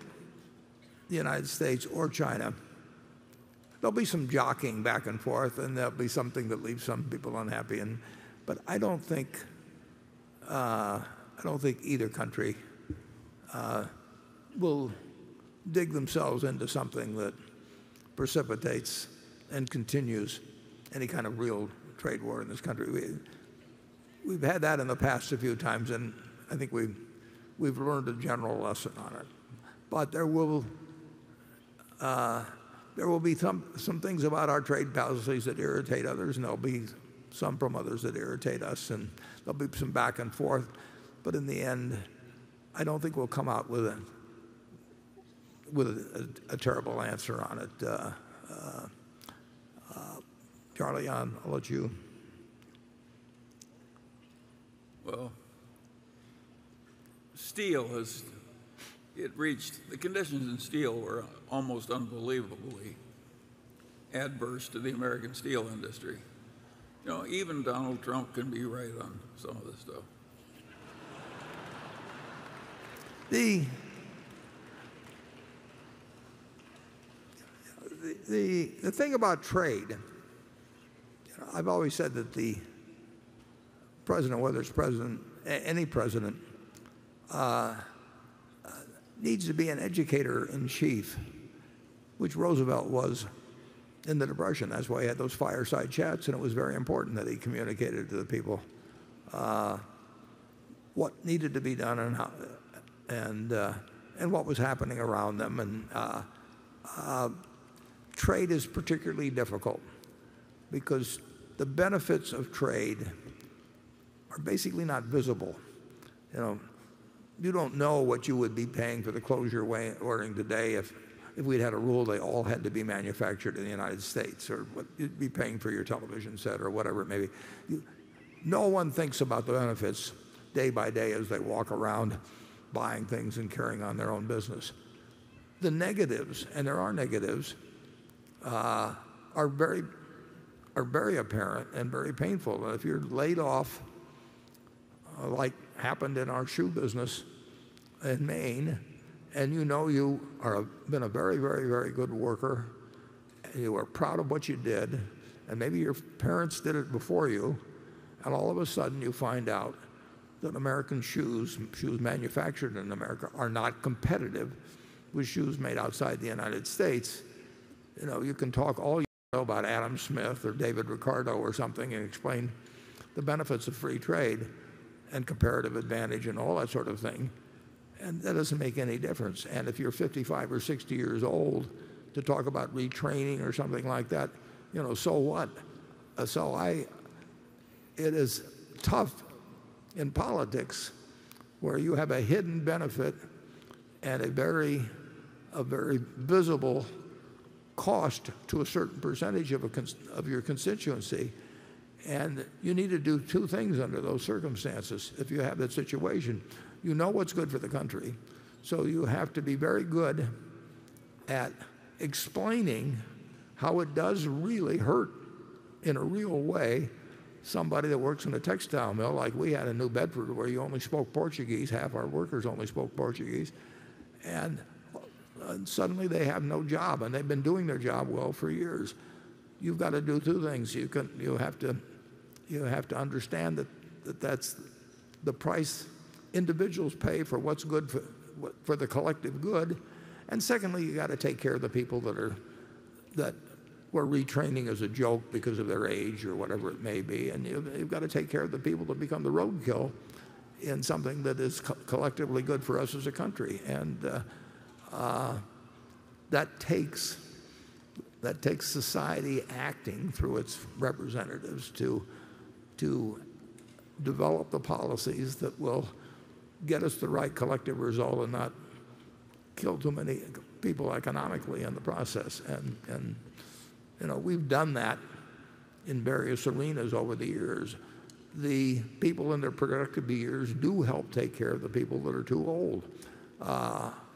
the U.S. or China, there'll be some jockeying back and forth, and there'll be something that leaves some people unhappy, but I don't think either country will dig themselves into something that precipitates and continues any kind of real trade war in this country. We've had that in the past a few times. I think we've learned a general lesson on it. There will be some things about our trade policies that irritate others, and there'll be some from others that irritate us, and there'll be some back and forth. In the end, I don't think we'll come out with a terrible answer on it. Charlie, I'll let you. Well, the conditions in steel were almost unbelievably adverse to the American steel industry. Even Donald Trump can be right on some of this stuff. The thing about trade, I've always said that the president, whether it's any president, needs to be an educator in chief, which Roosevelt was in the Depression. That's why he had those fireside chats. It was very important that he communicated to the people what needed to be done and what was happening around them. Trade is particularly difficult because the benefits of trade are basically not visible. You don't know what you would be paying for the clothes you're wearing today if we'd had a rule they all had to be manufactured in the U.S., or what you'd be paying for your television set or whatever it may be. No one thinks about the benefits day by day as they walk around buying things and carrying on their own business. The negatives, and there are negatives are very apparent and very painful. If you're laid off, like happened in our shoe business in Maine, and you know you have been a very good worker, and you are proud of what you did, and maybe your parents did it before you, and all of a sudden you find out that American shoes manufactured in America, are not competitive with shoes made outside the United States. You can talk all you want about Adam Smith or David Ricardo or something and explain the benefits of free trade and comparative advantage and all that sort of thing, and that doesn't make any difference. If you're 55 or 60 years old, to talk about retraining or something like that, so what? It is tough in politics where you have a hidden benefit and a very visible cost to a certain percentage of your constituency, and you need to do two things under those circumstances if you have that situation. You know what's good for the country, so you have to be very good at explaining how it does really hurt in a real way somebody that works in a textile mill like we had in New Bedford, where you only spoke Portuguese, half our workers only spoke Portuguese, and suddenly they have no job, and they've been doing their job well for years. You've got to do two things. You have to understand that that's the price individuals pay for the collective good, and secondly, you got to take care of the people where retraining is a joke because of their age or whatever it may be, and you've got to take care of the people that become the roadkill in something that is collectively good for us as a country. That takes society acting through its representatives to develop the policies that will get us the right collective result and not kill too many people economically in the process. We've done that in various arenas over the years. The people in their productive years do help take care of the people that are too old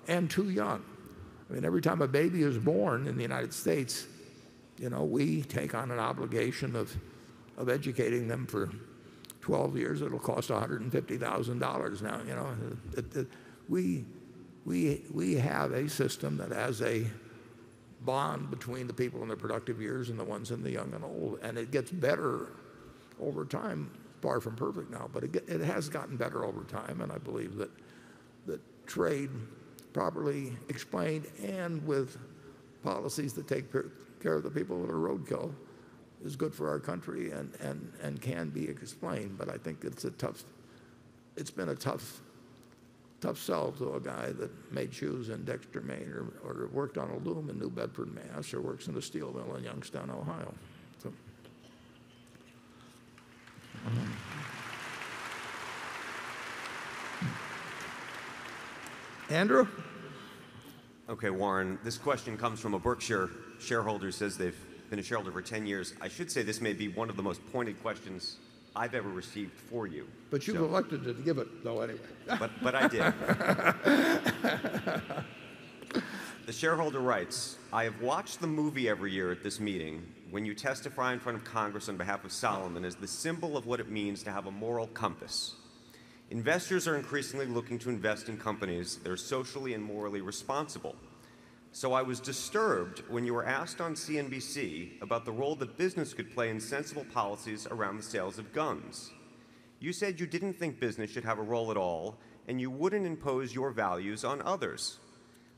and too young. Every time a baby is born in the United States, we take on an obligation of educating them for 12 years. It'll cost $150,000 now. We have a system that has a bond between the people in their productive years and the ones in the young and old, and it gets better over time. Far from perfect now, but it has gotten better over time, and I believe that trade properly explained and with policies that take care of the people that are roadkill is good for our country and can be explained, but I think it's been a tough sell to a guy that made shoes in Dexter, Maine or worked on a loom in New Bedford, Mass or works in a steel mill in Youngstown, Ohio. Andrew? Okay, Warren, this question comes from a Berkshire shareholder, says they've been a shareholder for 10 years. I should say this may be one of the most pointed questions I've ever received for you. You elected to give it, though, anyway. I did. The shareholder writes, "I have watched the movie every year at this meeting when you testify in front of Congress on behalf of Salomon as the symbol of what it means to have a moral compass. Investors are increasingly looking to invest in companies that are socially and morally responsible. I was disturbed when you were asked on CNBC about the role that business could play in sensible policies around the sales of guns. You said you didn't think business should have a role at all, and you wouldn't impose your values on others.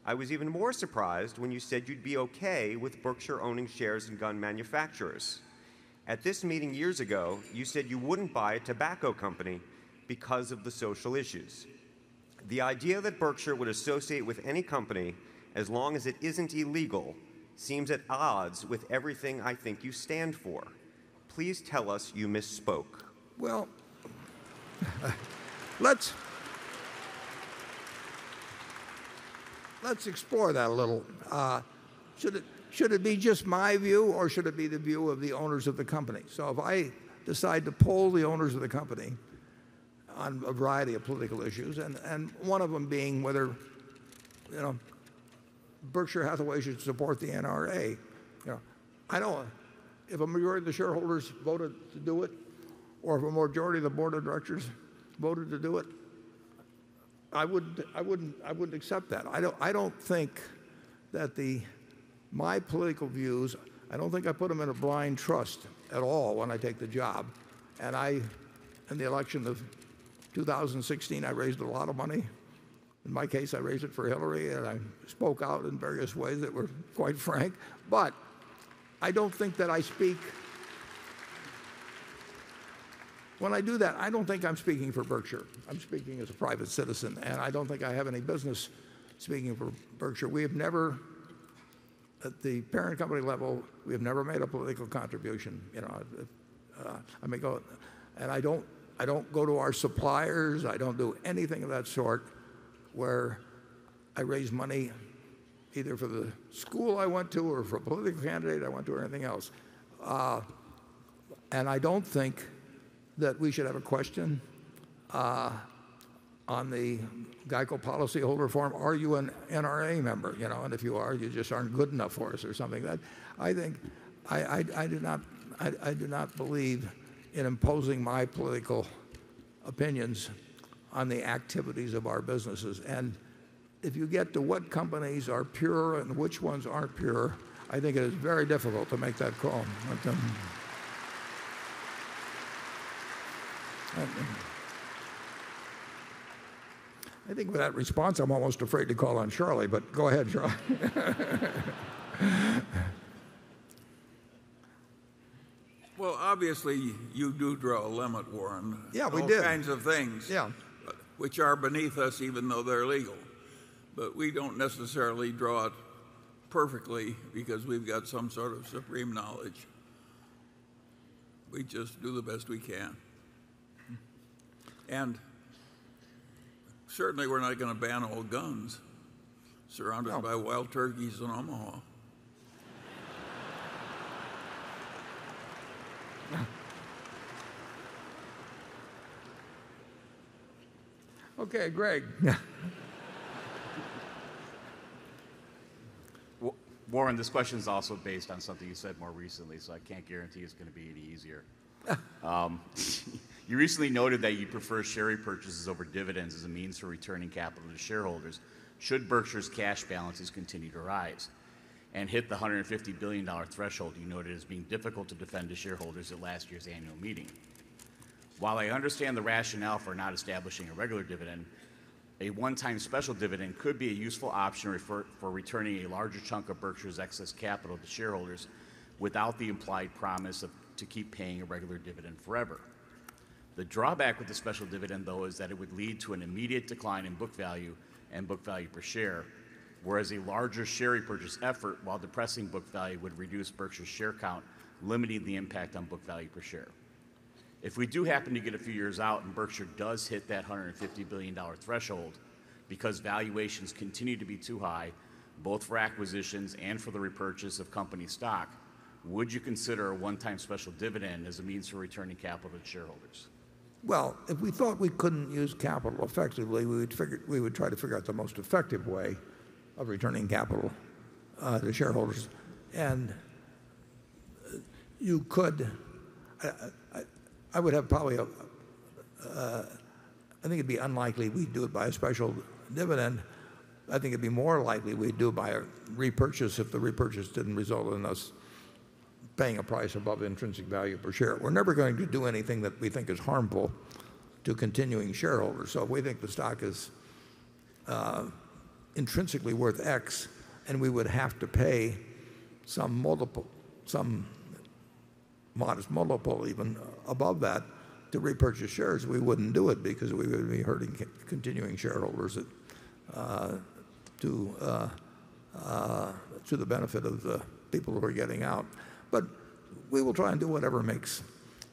I was even more surprised when you said you'd be okay with Berkshire owning shares in gun manufacturers. At this meeting years ago, you said you wouldn't buy a tobacco company because of the social issues. The idea that Berkshire would associate with any company as long as it isn't illegal seems at odds with everything I think you stand for. Please tell us you misspoke. Well, let's explore that a little. Should it be just my view, or should it be the view of the owners of the company? If I decide to poll the owners of the company on a variety of political issues, and one of them being whether Berkshire Hathaway should support the NRA, if a majority of the shareholders voted to do it or if a majority of the board of directors voted to do it, I wouldn't accept that. My political views, I don't think I put them in a blind trust at all when I take the job. In the election of 2016, I raised a lot of money. In my case, I raised it for Hillary, and I spoke out in various ways that were quite frank. I don't think that when I do that, I don't think I'm speaking for Berkshire. I'm speaking as a private citizen. I don't think I have any business speaking for Berkshire. At the parent company level, we have never made a political contribution. I don't go to our suppliers. I don't do anything of that sort where I raise money either for the school I went to or for a political candidate I went to or anything else. I don't think that we should have a question on the GEICO policyholder form, "Are you an NRA member? If you are, you just aren't good enough for us," or something. I do not believe in imposing my political opinions on the activities of our businesses. If you get to what companies are pure and which ones aren't pure, I think it is very difficult to make that call. I think with that response, I'm almost afraid to call on Charlie, go ahead, Charlie. Well, obviously, you do draw a limit, Warren. Yeah, we do on all kinds of things. Yeah which are beneath us, even though they're legal. We don't necessarily draw it perfectly because we've got some sort of supreme knowledge. We just do the best we can. Certainly, we're not going to ban all guns surrounded by wild turkeys in Omaha. Okay, Gregg. Warren, this question's also based on something you said more recently, so I can't guarantee it's going to be any easier. You recently noted that you prefer share repurchases over dividends as a means for returning capital to shareholders should Berkshire's cash balances continue to rise and hit the $150 billion threshold you noted as being difficult to defend to shareholders at last year's annual meeting. While I understand the rationale for not establishing a regular dividend, a one-time special dividend could be a useful option for returning a larger chunk of Berkshire's excess capital to shareholders without the implied promise to keep paying a regular dividend forever. The drawback with the special dividend, though, is that it would lead to an immediate decline in book value and book value per share, whereas a larger share repurchase effort, while depressing book value, would reduce Berkshire's share count, limiting the impact on book value per share. If we do happen to get a few years out and Berkshire does hit that $150 billion threshold because valuations continue to be too high both for acquisitions and for the repurchase of company stock, would you consider a one-time special dividend as a means for returning capital to shareholders? If we thought we couldn't use capital effectively, we would try to figure out the most effective way of returning capital to shareholders. I think it'd be unlikely we'd do it by a special dividend. I think it'd be more likely we'd do it by a repurchase if the repurchase didn't result in us paying a price above the intrinsic value per share. We're never going to do anything that we think is harmful to continuing shareholders. If we think the stock is intrinsically worth X, and we would have to pay some modest multiple even above that to repurchase shares, we wouldn't do it because we would be hurting continuing shareholders to the benefit of the people who are getting out. We will try and do whatever makes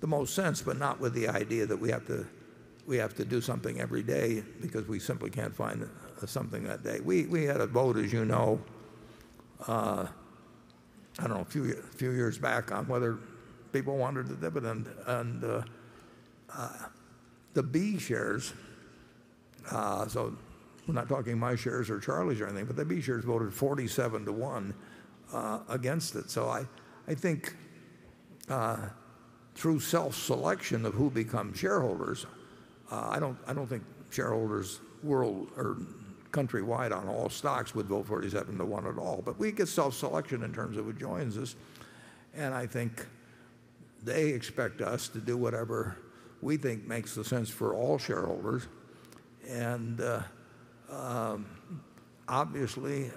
the most sense, but not with the idea that we have to do something every day because we simply can't find something that day. We had a vote, as you know, I don't know, a few years back on whether people wanted the dividend, and the B shares. We're not talking my shares or Charlie's or anything, but the B shares voted 47 to one against it. I think through self-selection of who become shareholders, I don't think shareholders countrywide on all stocks would vote 47 to one at all, but we get self-selection in terms of who joins us, and I think they expect us to do whatever we think makes the sense for all shareholders. Obviously,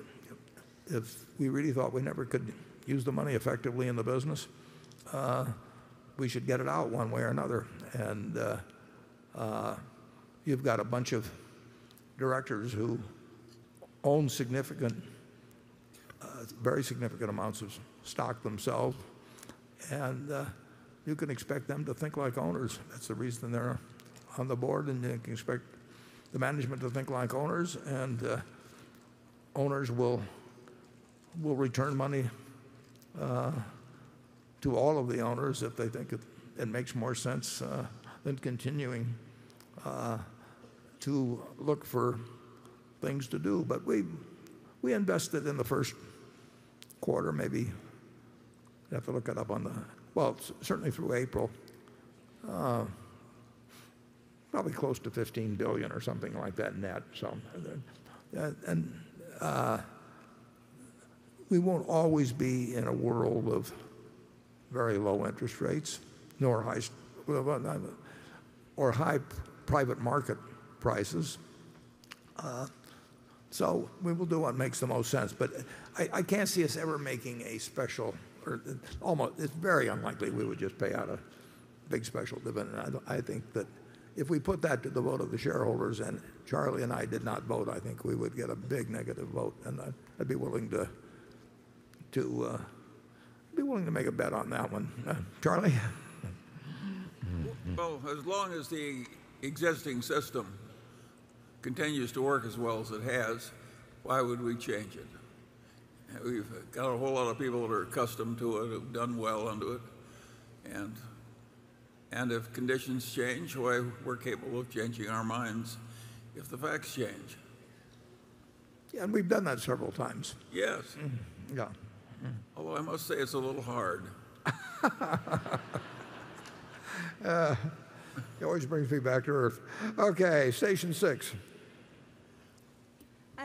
if we really thought we never could use the money effectively in the business, we should get it out one way or another. You've got a bunch of directors who own very significant amounts of stock themselves, and you can expect them to think like owners. That's the reason they're on the board. You can expect the management to think like owners. Owners will return money to all of the owners if they think it makes more sense than continuing to look for things to do. We invested in the first quarter, maybe. Have to look it up on the Well, certainly through April, probably close to $15 billion or something like that net. We won't always be in a world of very low interest rates nor high private market prices. We will do what makes the most sense, but I can't see us ever making a special or it's very unlikely we would just pay out a big special dividend. I think that if we put that to the vote of the shareholders and Charlie and I did not vote, I think we would get a big negative vote, and I'd be willing to make a bet on that one. Charlie? Well, as long as the existing system continues to work as well as it has, why would we change it? We've got a whole lot of people that are accustomed to it, have done well under it, if conditions change, why, we're capable of changing our minds if the facts change. Yeah, we've done that several times. Yes. Yeah. Although I must say it's a little hard. Station 6.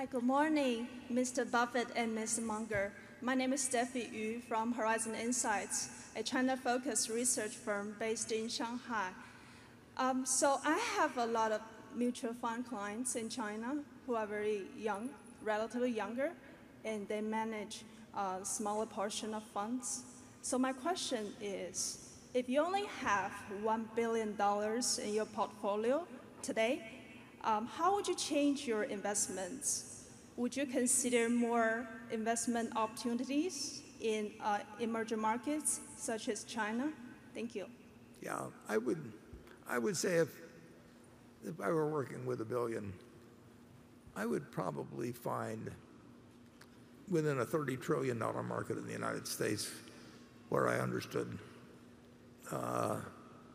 Hi, good morning, Mr. Buffett and Mr. Munger. My name is Stephie Yu from Horizon Insights, a China-focused research firm based in Shanghai. I have a lot of mutual fund clients in China who are very young, relatively younger, and they manage a smaller portion of funds. My question is, if you only have $1 billion in your portfolio today, how would you change your investments? Would you consider more investment opportunities in emerging markets such as China? Thank you. I would say if I were working with a billion, I would probably find within a $30 trillion market in the United States where I understood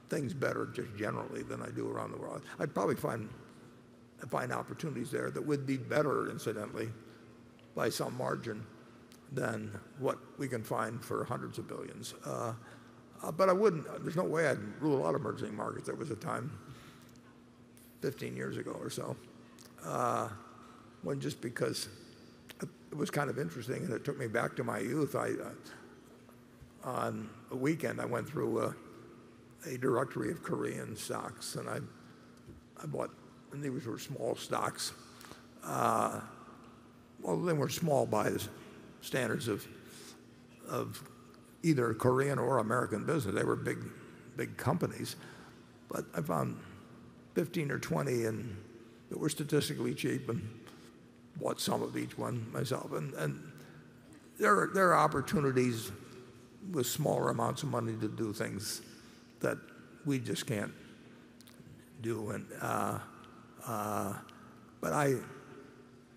things better just generally than I do around the world. I'd probably find opportunities there that would be better, incidentally, by some margin than what we can find for hundreds of billions. There's no way I'd rule out emerging markets. There was a time 15 years ago or so, when just because it was kind of interesting, and it took me back to my youth, on a weekend, I went through a directory of Korean stocks, I bought These were small stocks. Well, they weren't small by the standards of either Korean or American business. They were big companies, but I found 15 or 20, and they were statistically cheap and bought some of each one myself. There are opportunities with smaller amounts of money to do things that we just can't do.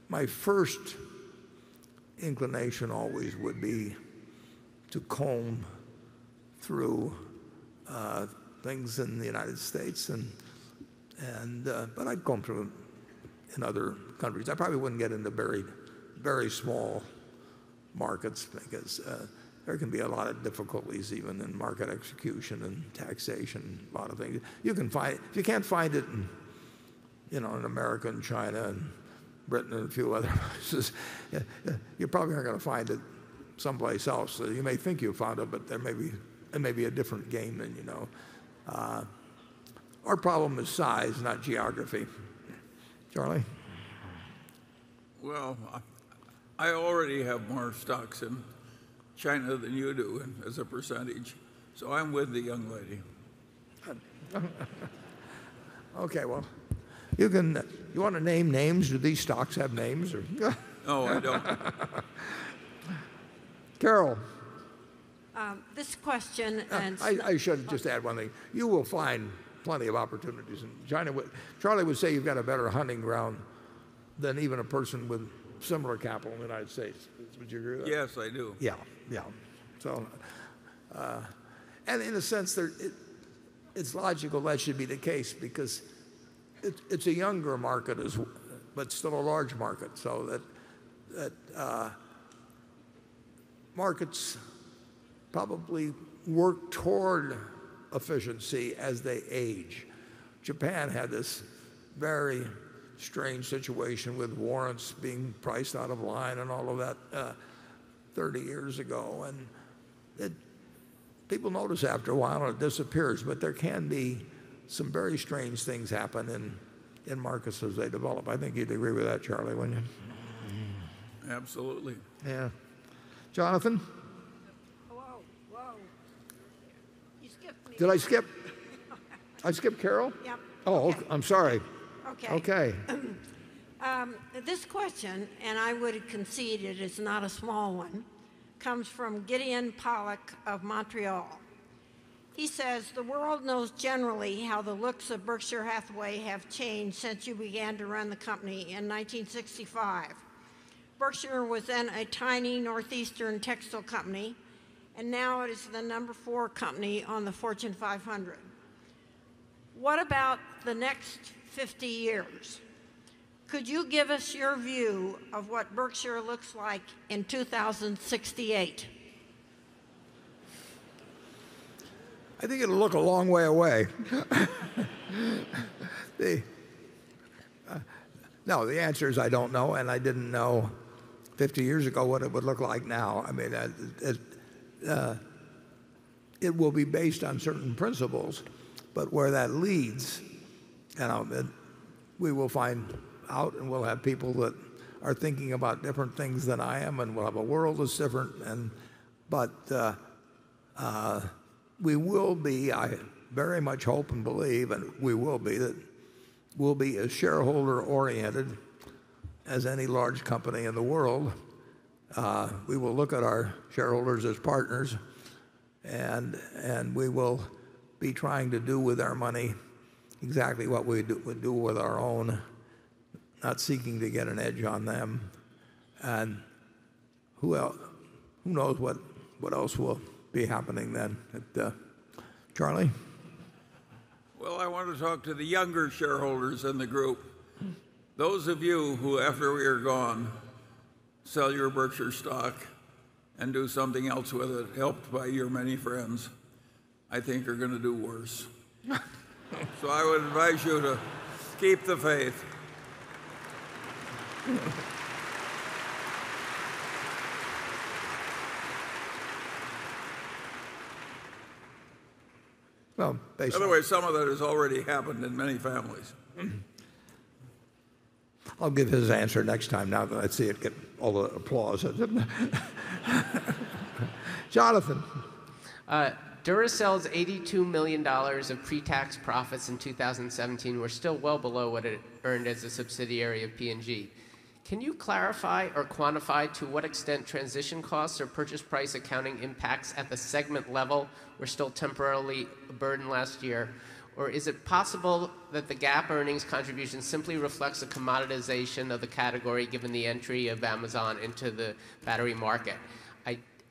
My first inclination always would be to comb through things in the U.S., but I'd comb through in other countries. I probably wouldn't get into very small markets because there can be a lot of difficulties even in market execution and taxation, a lot of things. If you can't find it in America and China and Britain and a few other places, you're probably not going to find it someplace else, that you may think you found it, but it may be a different game than you know. Our problem is size, not geography. Charlie? Well, I already have more stocks in China than you do as a percentage, so I'm with the young lady. Okay. Well, you want to name names? Do these stocks have names or? No, I don't. Carol. This question. I should just add one thing. You will find plenty of opportunities in China. Charlie would say you've got a better hunting ground than even a person with similar capital in the United States. Would you agree with that? Yes, I do. Yeah. In a sense, it's logical that should be the case because it's a younger market, but still a large market, so that markets probably work toward efficiency as they age. Japan had this very strange situation with warrants being priced out of line and all of that 30 years ago, and people notice after a while, and it disappears, but there can be some very strange things happen in markets as they develop. I think you'd agree with that, Charlie, wouldn't you? Absolutely. Yeah. Jonathan? Whoa. You skipped me. Did I skip Carol? Yep. Oh, I'm sorry. Okay. Okay. This question, I would concede it is not a small one, comes from Gideon Pollack of Montreal. He says, "The world knows generally how the looks of Berkshire Hathaway have changed since you began to run the company in 1965. Berkshire was then a tiny northeastern textile company, now it is the number four company on the Fortune 500. What about the next 50 years? Could you give us your view of what Berkshire looks like in 2068? I think it'll look a long way away. No, the answer is I don't know, and I didn't know 50 years ago what it would look like now. It will be based on certain principles, where that leads, we will find out, we'll have people that are thinking about different things than I am, we'll have a world that's different. We will be, I very much hope and believe, that we'll be a shareholder-oriented As any large company in the world, we will look at our shareholders as partners, we will be trying to do with our money exactly what we would do with our own, not seeking to get an edge on them. Who knows what else will be happening then. Charlie? Well, I want to talk to the younger shareholders in the group. Those of you who, after we are gone, sell your Berkshire stock and do something else with it, helped by your many friends, I think are going to do worse. I would advise you to keep the faith. Well, they- By the way, some of that has already happened in many families. I'll give his answer next time now that I see it get all the applause. Jonathan. Duracell's $82 million of pre-tax profits in 2017 were still well below what it earned as a subsidiary of P&G. Can you clarify or quantify to what extent transition costs or purchase price accounting impacts at the segment level were still temporarily a burden last year, or is it possible that the GAAP earnings contribution simply reflects a commoditization of the category, given the entry of Amazon into the battery market?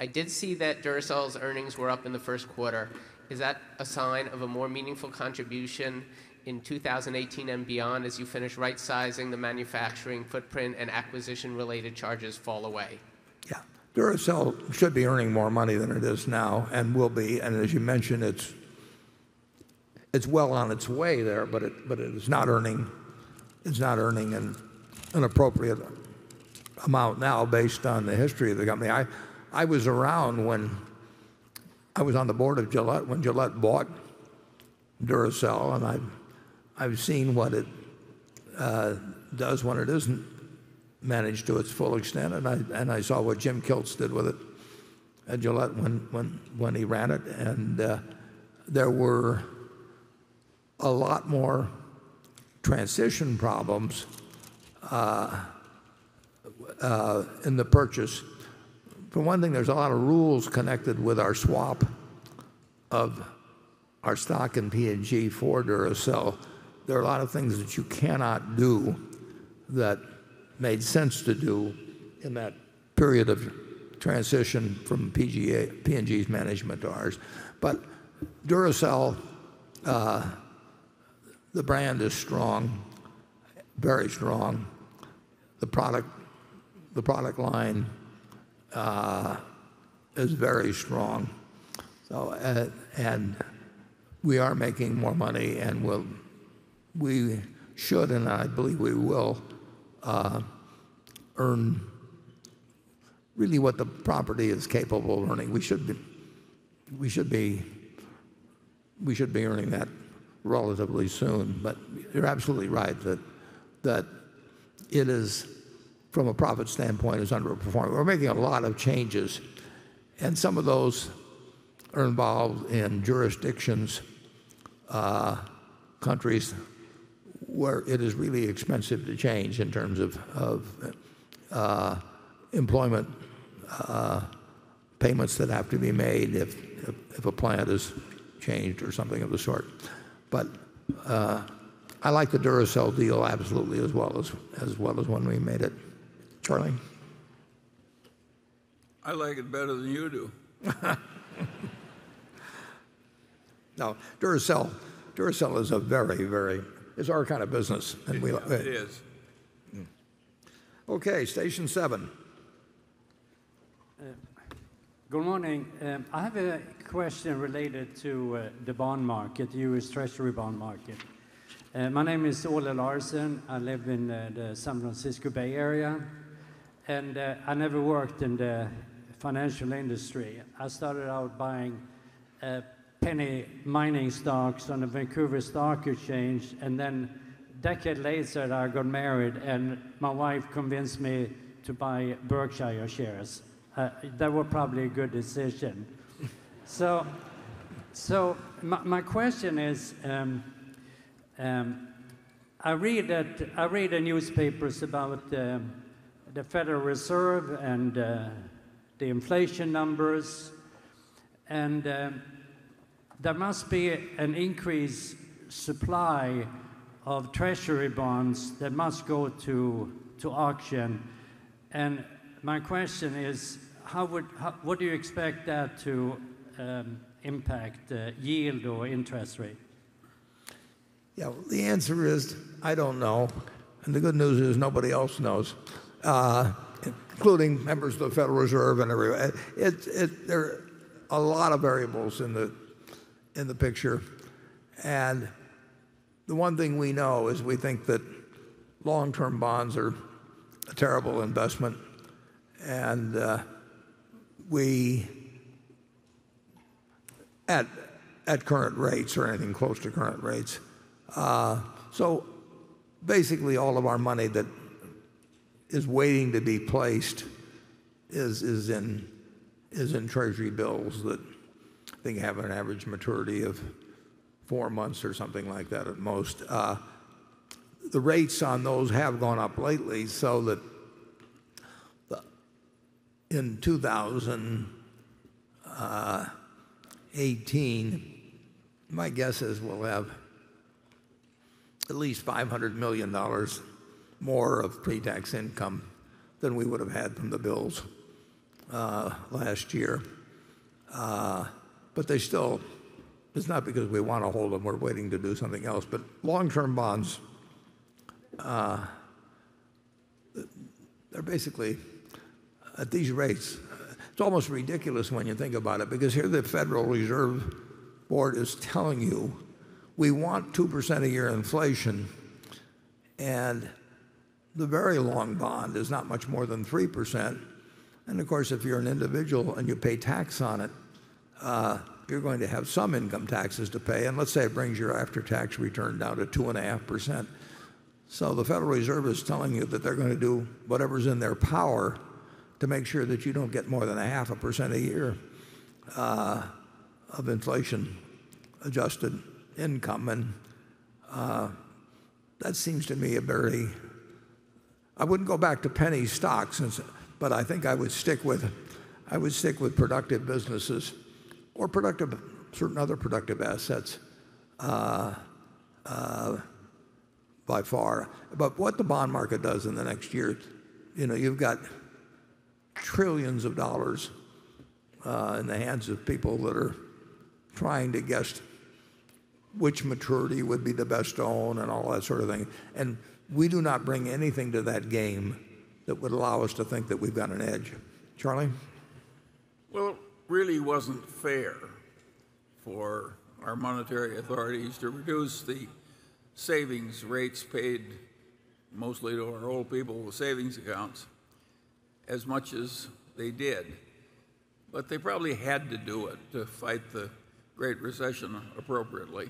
I did see that Duracell's earnings were up in the first quarter. Is that a sign of a more meaningful contribution in 2018 and beyond as you finish rightsizing the manufacturing footprint and acquisition-related charges fall away? Yeah. Duracell should be earning more money than it is now, and will be. As you mentioned, it's well on its way there, but it is not earning an appropriate amount now based on the history of the company. I was around when I was on the board of Gillette when Gillette bought Duracell, I've seen what it does when it isn't managed to its full extent. I saw what Jim Kilts did with it at Gillette when he ran it. There were a lot more transition problems in the purchase. For one thing, there's a lot of rules connected with our swap of our stock and P&G for Duracell. There are a lot of things that you cannot do that made sense to do in that period of transition from P&G's management to ours. Duracell, the brand is strong, very strong. The product line is very strong. We are making more money, and we should, and I believe we will, earn really what the property is capable of earning. We should be earning that relatively soon. You're absolutely right that it is, from a profit standpoint, is underperforming. We're making a lot of changes, and some of those are involved in jurisdictions, countries where it is really expensive to change in terms of employment payments that have to be made if a plant is changed or something of the sort. I like the Duracell deal absolutely as well as when we made it. Charlie? I like it better than you do. Duracell is our kind of business. It is. Okay, station seven. Good morning. I have a question related to the bond market, the U.S. Treasury bond market. My name is Ole Larsen. I live in the San Francisco Bay Area, I never worked in the financial industry. I started out buying penny mining stocks on the Vancouver Stock Exchange, then a decade later, I got married and my wife convinced me to buy Berkshire shares. That was probably a good decision. My question is, I read in newspapers about the Federal Reserve and the inflation numbers, there must be an increased supply of Treasury bonds that must go to auction. My question is: What do you expect that to impact the yield or interest rate? Yeah. The answer is, I don't know, the good news is nobody else knows, including members of the Federal Reserve and everyone. There are a lot of variables in the picture, the one thing we know is we think that long-term bonds are a terrible investment, at current rates or anything close to current rates. Basically, all of our money that is waiting to be placed is in Treasury bills that I think have an average maturity of four months or something like that at most. The rates on those have gone up lately so that in 2018, my guess is we'll have at least $500 million more of pre-tax income than we would have had from the bills last year. It's not because we want to hold them, we're waiting to do something else. Long-term bonds, they're basically at these rates. It's almost ridiculous when you think about it, because here the Federal Reserve Board is telling you we want 2% a year inflation, the very long bond is not much more than 3%. Of course, if you're an individual and you pay tax on it, you're going to have some income taxes to pay, let's say it brings your after-tax return down to 2.5%. The Federal Reserve is telling you that they're going to do whatever's in their power to make sure that you don't get more than a half a percent a year of inflation-adjusted income. That seems to me a very I wouldn't go back to penny stocks, but I think I would stick with productive businesses or certain other productive assets by far. What the bond market does in the next year, you've got trillions of dollars in the hands of people that are trying to guess which maturity would be the best to own and all that sort of thing. We do not bring anything to that game that would allow us to think that we've got an edge. Charlie? Well, it really wasn't fair for our monetary authorities to reduce the savings rates paid mostly to our old people with savings accounts as much as they did. They probably had to do it to fight the Great Recession appropriately.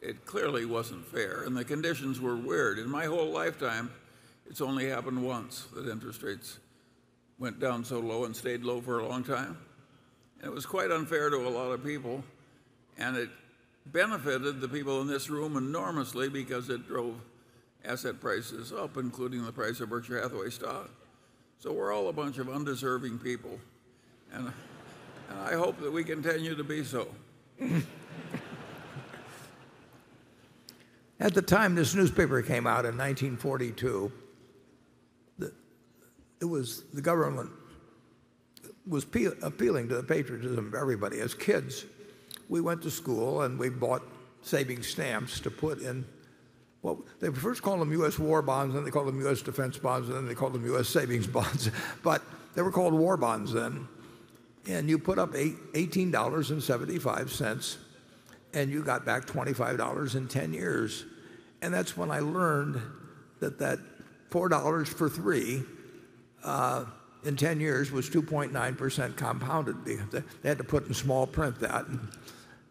It clearly wasn't fair, and the conditions were weird. In my whole lifetime, it's only happened once that interest rates went down so low and stayed low for a long time. It was quite unfair to a lot of people, and it benefited the people in this room enormously because it drove asset prices up, including the price of Berkshire Hathaway stock. We're all a bunch of undeserving people. I hope that we continue to be so. At the time this newspaper came out in 1942, the government was appealing to the patriotism of everybody. As kids, we went to school and we bought savings stamps to put in they first called them U.S. War Bonds, then they called them U.S. Defense Bonds, and then they called them U.S. Savings Bonds, but they were called war bonds then. You put up $18.75, and you got back $25 in 10 years. That's when I learned that that $4 for three, in 10 years was 2.9% compounded. They had to put in small print that,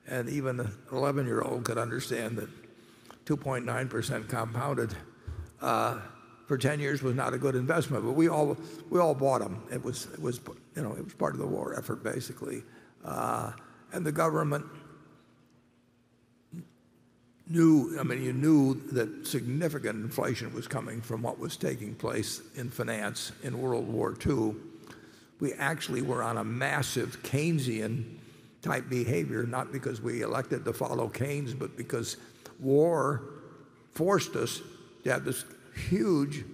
and even an 11-year-old could understand that 2.9% compounded for 10 years was not a good investment. We all bought them. It was part of the war effort, basically. The government knew that significant inflation was coming from what was taking place in finance in World War II. We actually were on a massive Keynesian type behavior, not because we elected to follow Keynes, but because war forced us to have this huge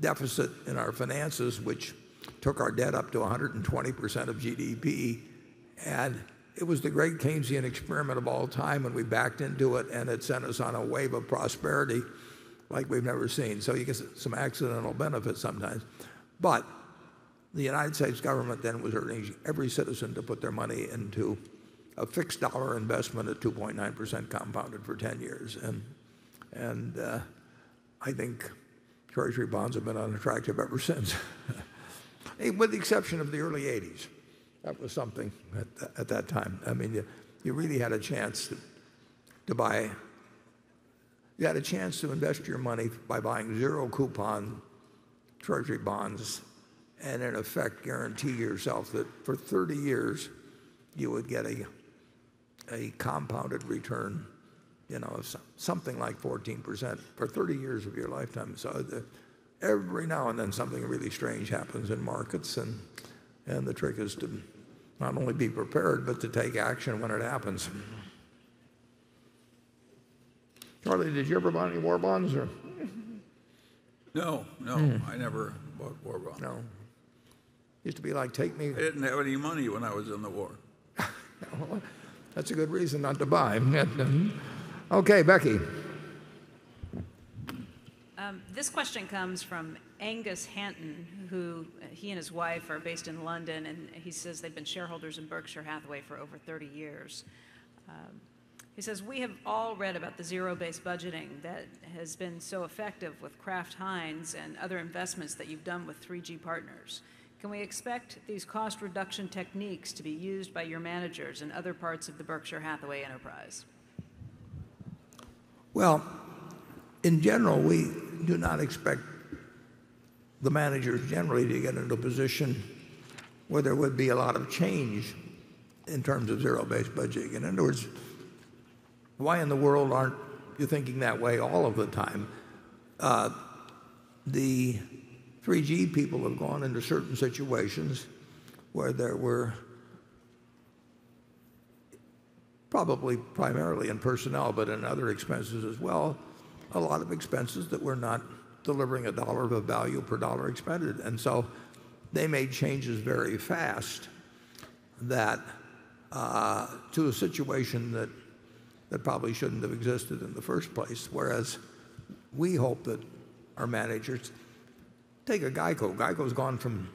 deficit in our finances, which took our debt up to 120% of GDP. It was the great Keynesian experiment of all time, and we backed into it, and it sent us on a wave of prosperity like we've never seen. You get some accidental benefits sometimes. The United States government then was urging every citizen to put their money into a fixed dollar investment at 2.9% compounded for 10 years. I think Treasury bonds have been unattractive ever since. With the exception of the early '80s. That was something at that time. You really had a chance to invest your money by buying zero coupon Treasury bonds and in effect guarantee yourself that for 30 years you would get a compounded return, something like 14% for 30 years of your lifetime. Every now and then something really strange happens in markets, and the trick is to not only be prepared but to take action when it happens. Charlie, did you ever buy any war bonds? No, I never bought war bonds. No. I didn't have any money when I was in the war. Well, that's a good reason not to buy. Okay, Becky. This question comes from Angus Hanton. He and his wife are based in London, and he says they've been shareholders in Berkshire Hathaway for over 30 years. He says, "We have all read about the zero-based budgeting that has been so effective with Kraft Heinz and other investments that you've done with 3G Partners. Can we expect these cost reduction techniques to be used by your managers in other parts of the Berkshire Hathaway enterprise? Well, in general, we do not expect the managers generally to get into a position where there would be a lot of change in terms of zero-based budgeting. In other words, why in the world aren't you thinking that way all of the time? The 3G people have gone into certain situations where there were, probably primarily in personnel but in other expenses as well, a lot of expenses that were not delivering a dollar of value per dollar expended. They made changes very fast to a situation that probably shouldn't have existed in the first place, whereas we hope that our managers Take a GEICO. GEICO's gone from,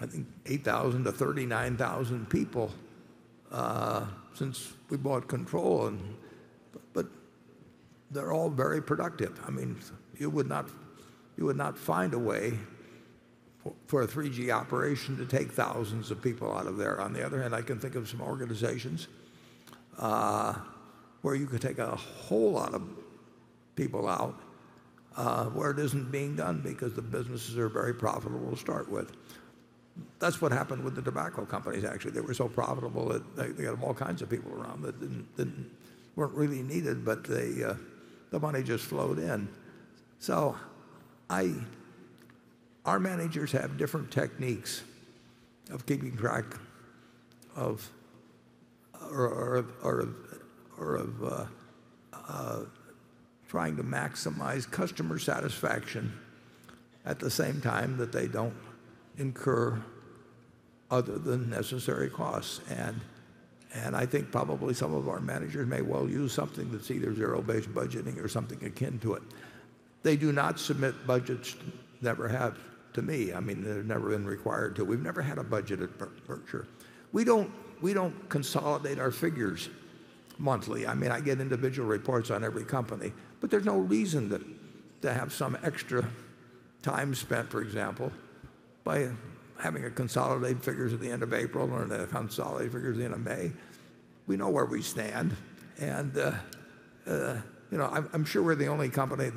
I think, 8,000 to 39,000 people since we bought control, but they're all very productive. You would not find a way for a 3G operation to take thousands of people out of there. On the other hand, I can think of some organizations where you could take a whole lot of people out, where it isn't being done because the businesses are very profitable to start with. That's what happened with the tobacco companies, actually. They were so profitable that they had all kinds of people around that weren't really needed, but the money just flowed in. Our managers have different techniques of keeping track of or of trying to maximize customer satisfaction at the same time that they don't incur other than necessary costs. I think probably some of our managers may well use something that's either zero-based budgeting or something akin to it. They do not submit budgets, never have to me. They've never been required to. We've never had a budget at Berkshire. We don't consolidate our figures monthly. I get individual reports on every company, there's no reason to have some extra time spent, for example, by having consolidated figures at the end of April or the consolidated figures at the end of May. We know where we stand, I'm sure we're the only company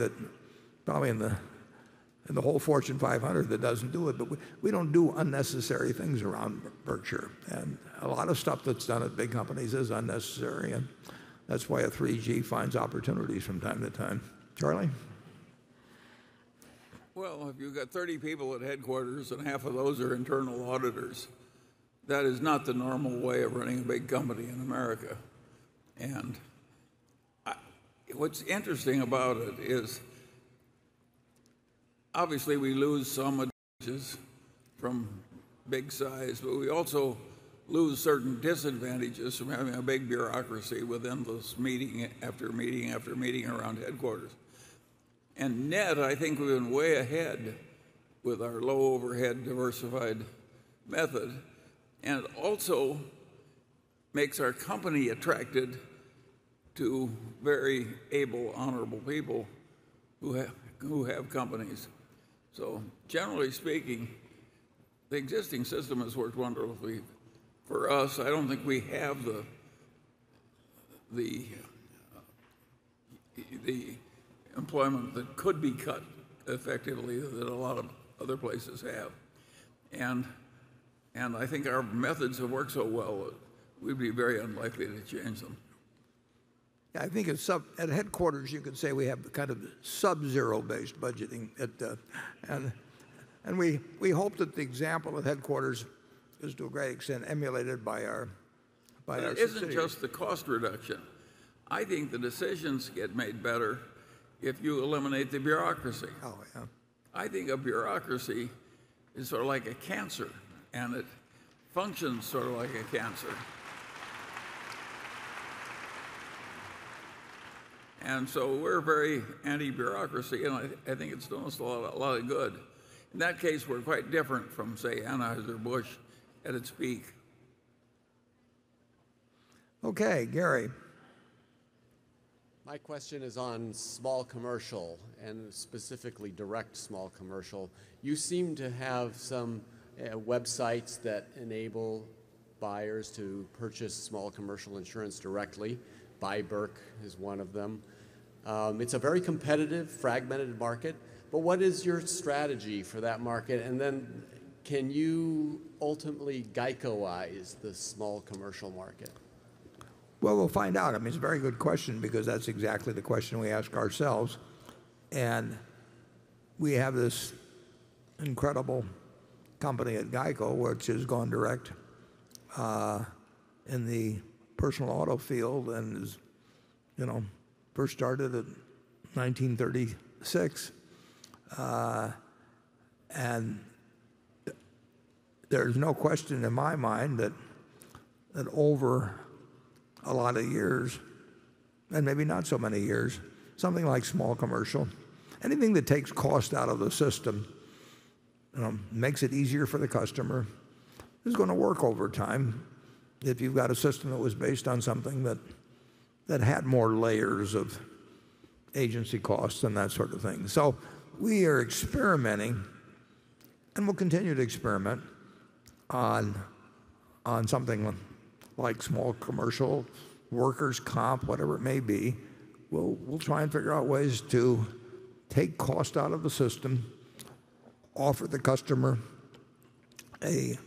probably in the whole Fortune 500 that doesn't do it, but we don't do unnecessary things around Berkshire. A lot of stuff that's done at big companies is unnecessary, and that's why 3G finds opportunities from time to time. Charlie? Well, if you've got 30 people at headquarters and half of those are internal auditors, that is not the normal way of running a big company in America. What's interesting about it is obviously we lose some advantages from big size, but we also lose certain disadvantages from having a big bureaucracy with endless meeting after meeting after meeting around headquarters. Net, I think we've been way ahead with our low overhead diversified method, and it also makes our company attractive to very able, honorable people who have companies. Generally speaking, the existing system has worked wonderfully for us. I don't think we have the employment that could be cut effectively that a lot of other places have. I think our methods have worked so well, we'd be very unlikely to change them. Yeah, I think at headquarters, you could say we have the kind of sub-zero-based budgeting. We hope that the example of headquarters is to a great extent emulated by our subsidiaries. It isn't just the cost reduction. I think the decisions get made better if you eliminate the bureaucracy. Oh, yeah. I think a bureaucracy is sort of like a cancer, and it functions sort of like a cancer. We're very anti-bureaucracy, and I think it's done us a lot of good. In that case, we're quite different from, say, Anheuser-Busch at its peak. Okay, Gary. My question is on small commercial, and specifically direct small commercial. You seem to have some websites that enable buyers to purchase small commercial insurance directly. biBERK is one of them. It's a very competitive, fragmented market, what is your strategy for that market? Can you ultimately GEICO-ize the small commercial market? Well, we'll find out. It's a very good question because that's exactly the question we ask ourselves, and we have this incredible company at GEICO, which has gone direct in the personal auto field and is first started in 1936. There's no question in my mind that over a lot of years, and maybe not so many years, something like small commercial, anything that takes cost out of the system, makes it easier for the customer, is going to work over time if you've got a system that was based on something that had more layers of agency costs and that sort of thing. We are experimenting And we'll continue to experiment on something like small commercial workers' comp, whatever it may be. We'll try and figure out ways to take cost out of the system, offer the customer an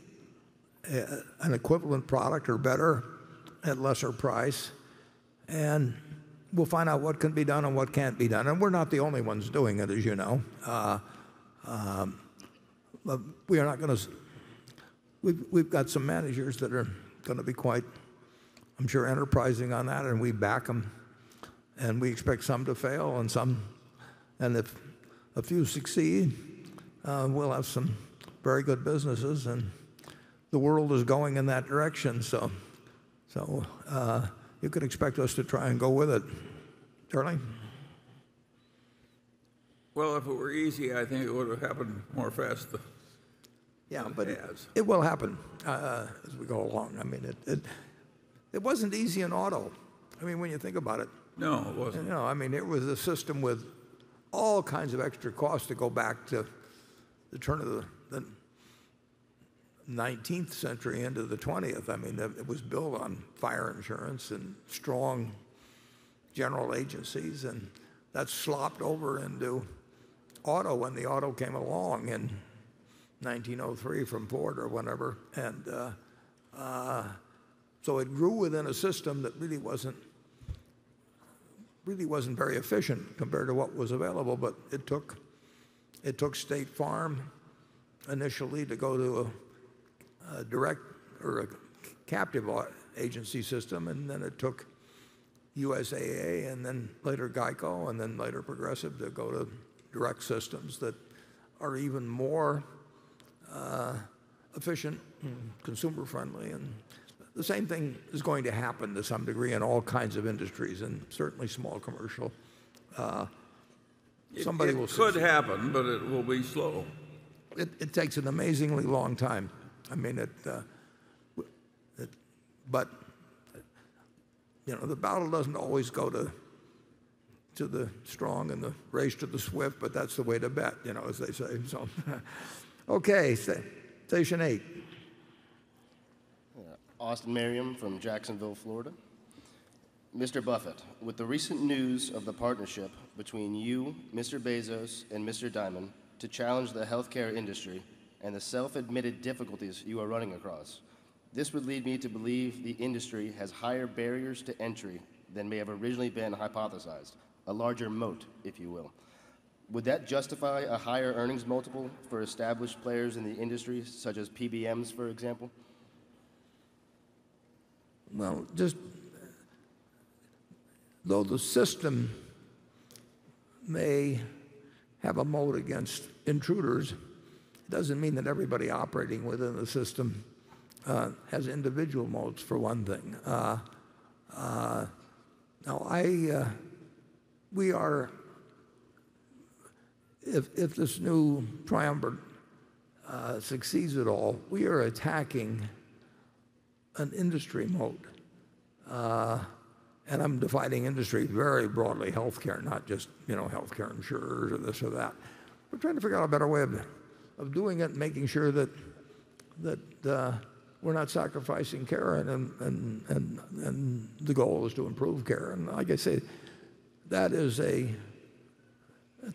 equivalent product or better at lesser price, and we'll find out what can be done and what can't be done. We're not the only ones doing it, as you know. We've got some managers that are going to be quite, I'm sure, enterprising on that, and we back them. We expect some to fail, and if a few succeed, we'll have some very good businesses, and the world is going in that direction. You could expect us to try and go with it. Charlie? Well, if it were easy, I think it would have happened more faster than it has. Yeah, it will happen as we go along. It wasn't easy in auto, when you think about it. No, it wasn't. No, it was a system with all kinds of extra costs to go back to the turn of the 19th century into the 20th. It was built on fire insurance and strong general agencies. That slopped over into auto when the auto came along in 1903 from Ford or whenever. It grew within a system that really wasn't very efficient compared to what was available, but it took State Farm initially to go to a captive agency system, and then it took USAA, and then later GEICO, and then later Progressive to go to direct systems that are even more efficient and consumer-friendly. The same thing is going to happen to some degree in all kinds of industries, and certainly small commercial. Somebody will succeed. It could happen, but it will be slow. It takes an amazingly long time. The battle doesn't always go to the strong and the race to the swift, but that's the way to bet, as they say. Okay, station 8. Austin Merriam from Jacksonville, Florida. Mr. Buffett, with the recent news of the partnership between you, Mr. Bezos, and Mr. Dimon to challenge the healthcare industry and the self-admitted difficulties you are running across, this would lead me to believe the industry has higher barriers to entry than may have originally been hypothesized. A larger moat, if you will. Would that justify a higher earnings multiple for established players in the industry, such as PBMs, for example? Well, just though the system may have a moat against intruders, it doesn't mean that everybody operating within the system has individual moats, for one thing. If this new triumvirate succeeds at all, we are attacking an industry moat. I'm defining industry very broadly, healthcare, not just healthcare insurers or this or that. We're trying to figure out a better way of doing it and making sure that we're not sacrificing care, and the goal is to improve care. Like I say, that is a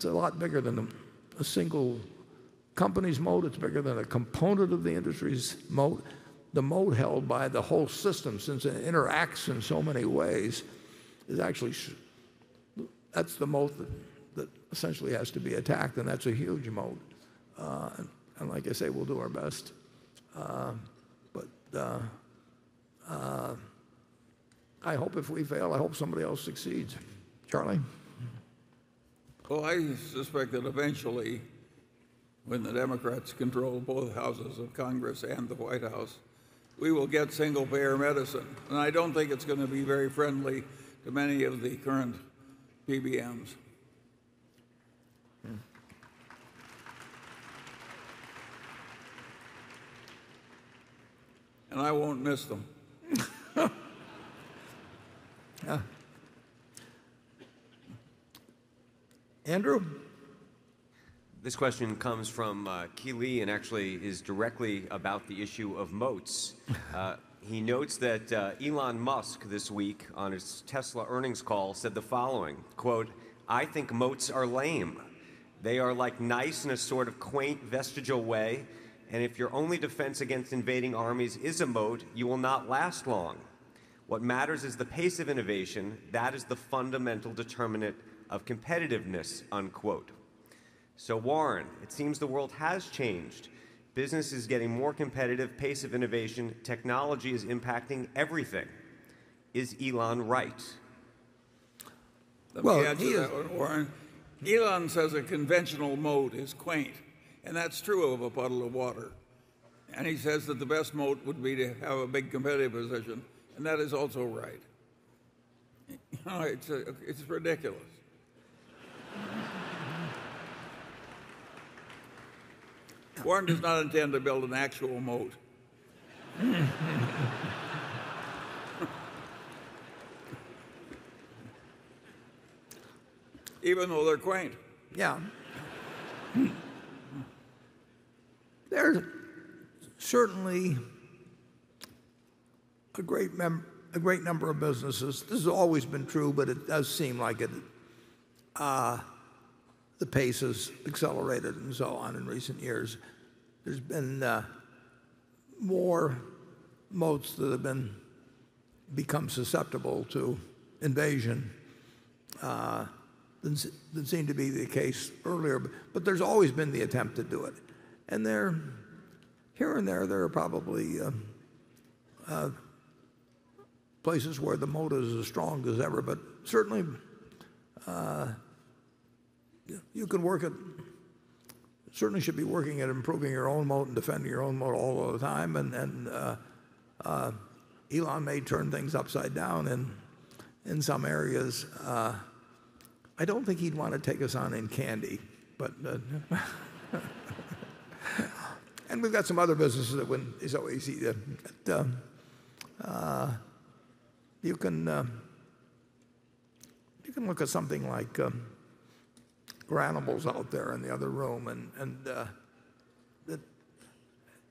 lot bigger than a single company's moat. It's bigger than a component of the industry's moat. The moat held by the whole system, since it interacts in so many ways, that's the moat that essentially has to be attacked, and that's a huge moat. Like I say, we'll do our best. I hope if we fail, I hope somebody else succeeds. Charlie? Well, I suspect that eventually, when the Democrats control both Houses of Congress and the White House, we will get single-payer medicine. I don't think it's going to be very friendly to many of the current PBMs. Yeah. I won't miss them. Yeah. Andrew? This question comes from Keeley and actually is directly about the issue of moats. He notes that Elon Musk this week on his Tesla earnings call said the following, quote, "I think moats are lame. They are like nice in a sort of quaint vestigial way, and if your only defense against invading armies is a moat, you will not last long. What matters is the pace of innovation. That is the fundamental determinant of competitiveness," unquote. Warren, it seems the world has changed. Business is getting more competitive, pace of innovation, technology is impacting everything. Is Elon right? Well- Let me add to that one, Warren. Elon says a conventional moat is quaint, that's true of a bottle of water. He says that the best moat would be to have a big competitive position, that is also right. It's ridiculous. Warren does not intend to build an actual moat. Even though they're quaint. Yeah. There's certainly a great number of businesses. This has always been true, it does seem like the pace has accelerated and so on in recent years. There's been more moats that have become susceptible to invasion than seemed to be the case earlier. There's always been the attempt to do it. Here and there are probably places where the moat is as strong as ever. Certainly, you should be working at improving your own moat and defending your own moat all the time. Elon may turn things upside down in some areas. I don't think he'd want to take us on in candy. We've got some other businesses that wouldn't be so easy. You can look at something like Garanimals out there in the other room, and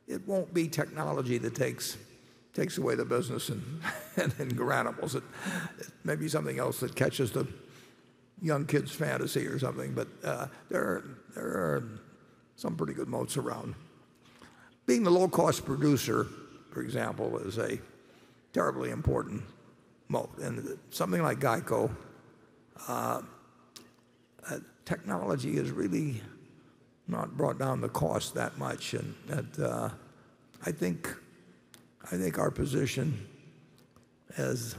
it won't be technology that takes away the business in Garanimals. It may be something else that catches the young kids' fantasy or something. There are some pretty good moats around. Being the low-cost producer, for example, is a terribly important moat. In something like GEICO, technology has really not brought down the cost that much. I think our position is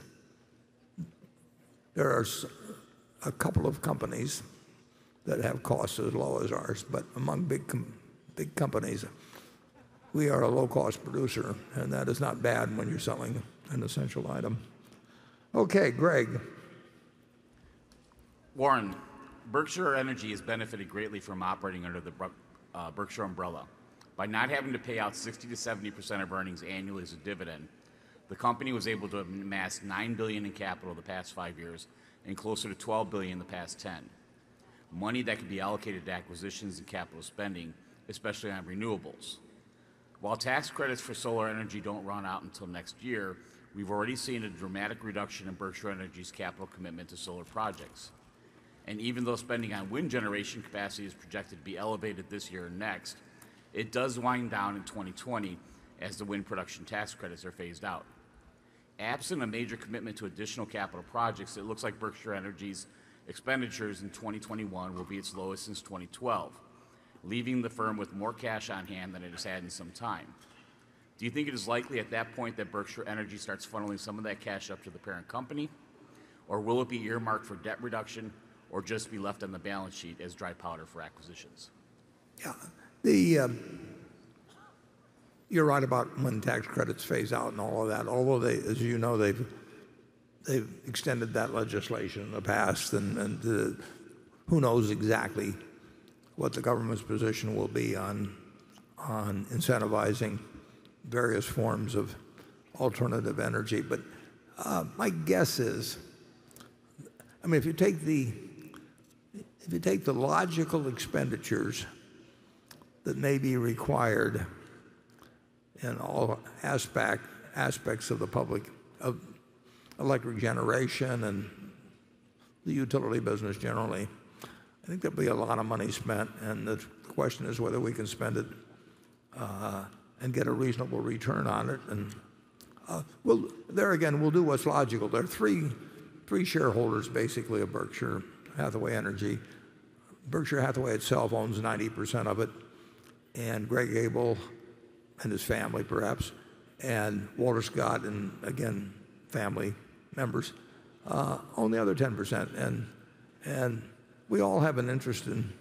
there are a couple of companies that have costs as low as ours, but among big companies, we are a low-cost producer, and that is not bad when you're selling an essential item. Okay, Gregg. Warren, Berkshire Energy has benefited greatly from operating under the Berkshire umbrella. By not having to pay out 60%-70% of earnings annually as a dividend, the company was able to amass $9 billion in capital the past five years and closer to $12 billion the past 10. Money that could be allocated to acquisitions and capital spending, especially on renewables. While tax credits for solar energy don't run out until next year, we've already seen a dramatic reduction in Berkshire Energy's capital commitment to solar projects. Even though spending on wind generation capacity is projected to be elevated this year and next, it does wind down in 2020 as the wind production tax credits are phased out. Absent a major commitment to additional capital projects, it looks like Berkshire Energy's expenditures in 2021 will be its lowest since 2012, leaving the firm with more cash on hand than it has had in some time. Do you think it is likely at that point that Berkshire Energy starts funneling some of that cash up to the parent company? Will it be earmarked for debt reduction or just be left on the balance sheet as dry powder for acquisitions? Yeah. You're right about when tax credits phase out and all of that, although, as you know, they've extended that legislation in the past, and who knows exactly what the government's position will be on incentivizing various forms of alternative energy. My guess is if you take the logical expenditures that may be required in all aspects of the public, of electric generation and the utility business generally, I think there'll be a lot of money spent, and the question is whether we can spend it and get a reasonable return on it. There again, we'll do what's logical. There are three shareholders, basically, of Berkshire Hathaway Energy. Berkshire Hathaway itself owns 90% of it, and Greg Abel and his family perhaps, and Walter Scott, and again, family members own the other 10%. We all have an interest in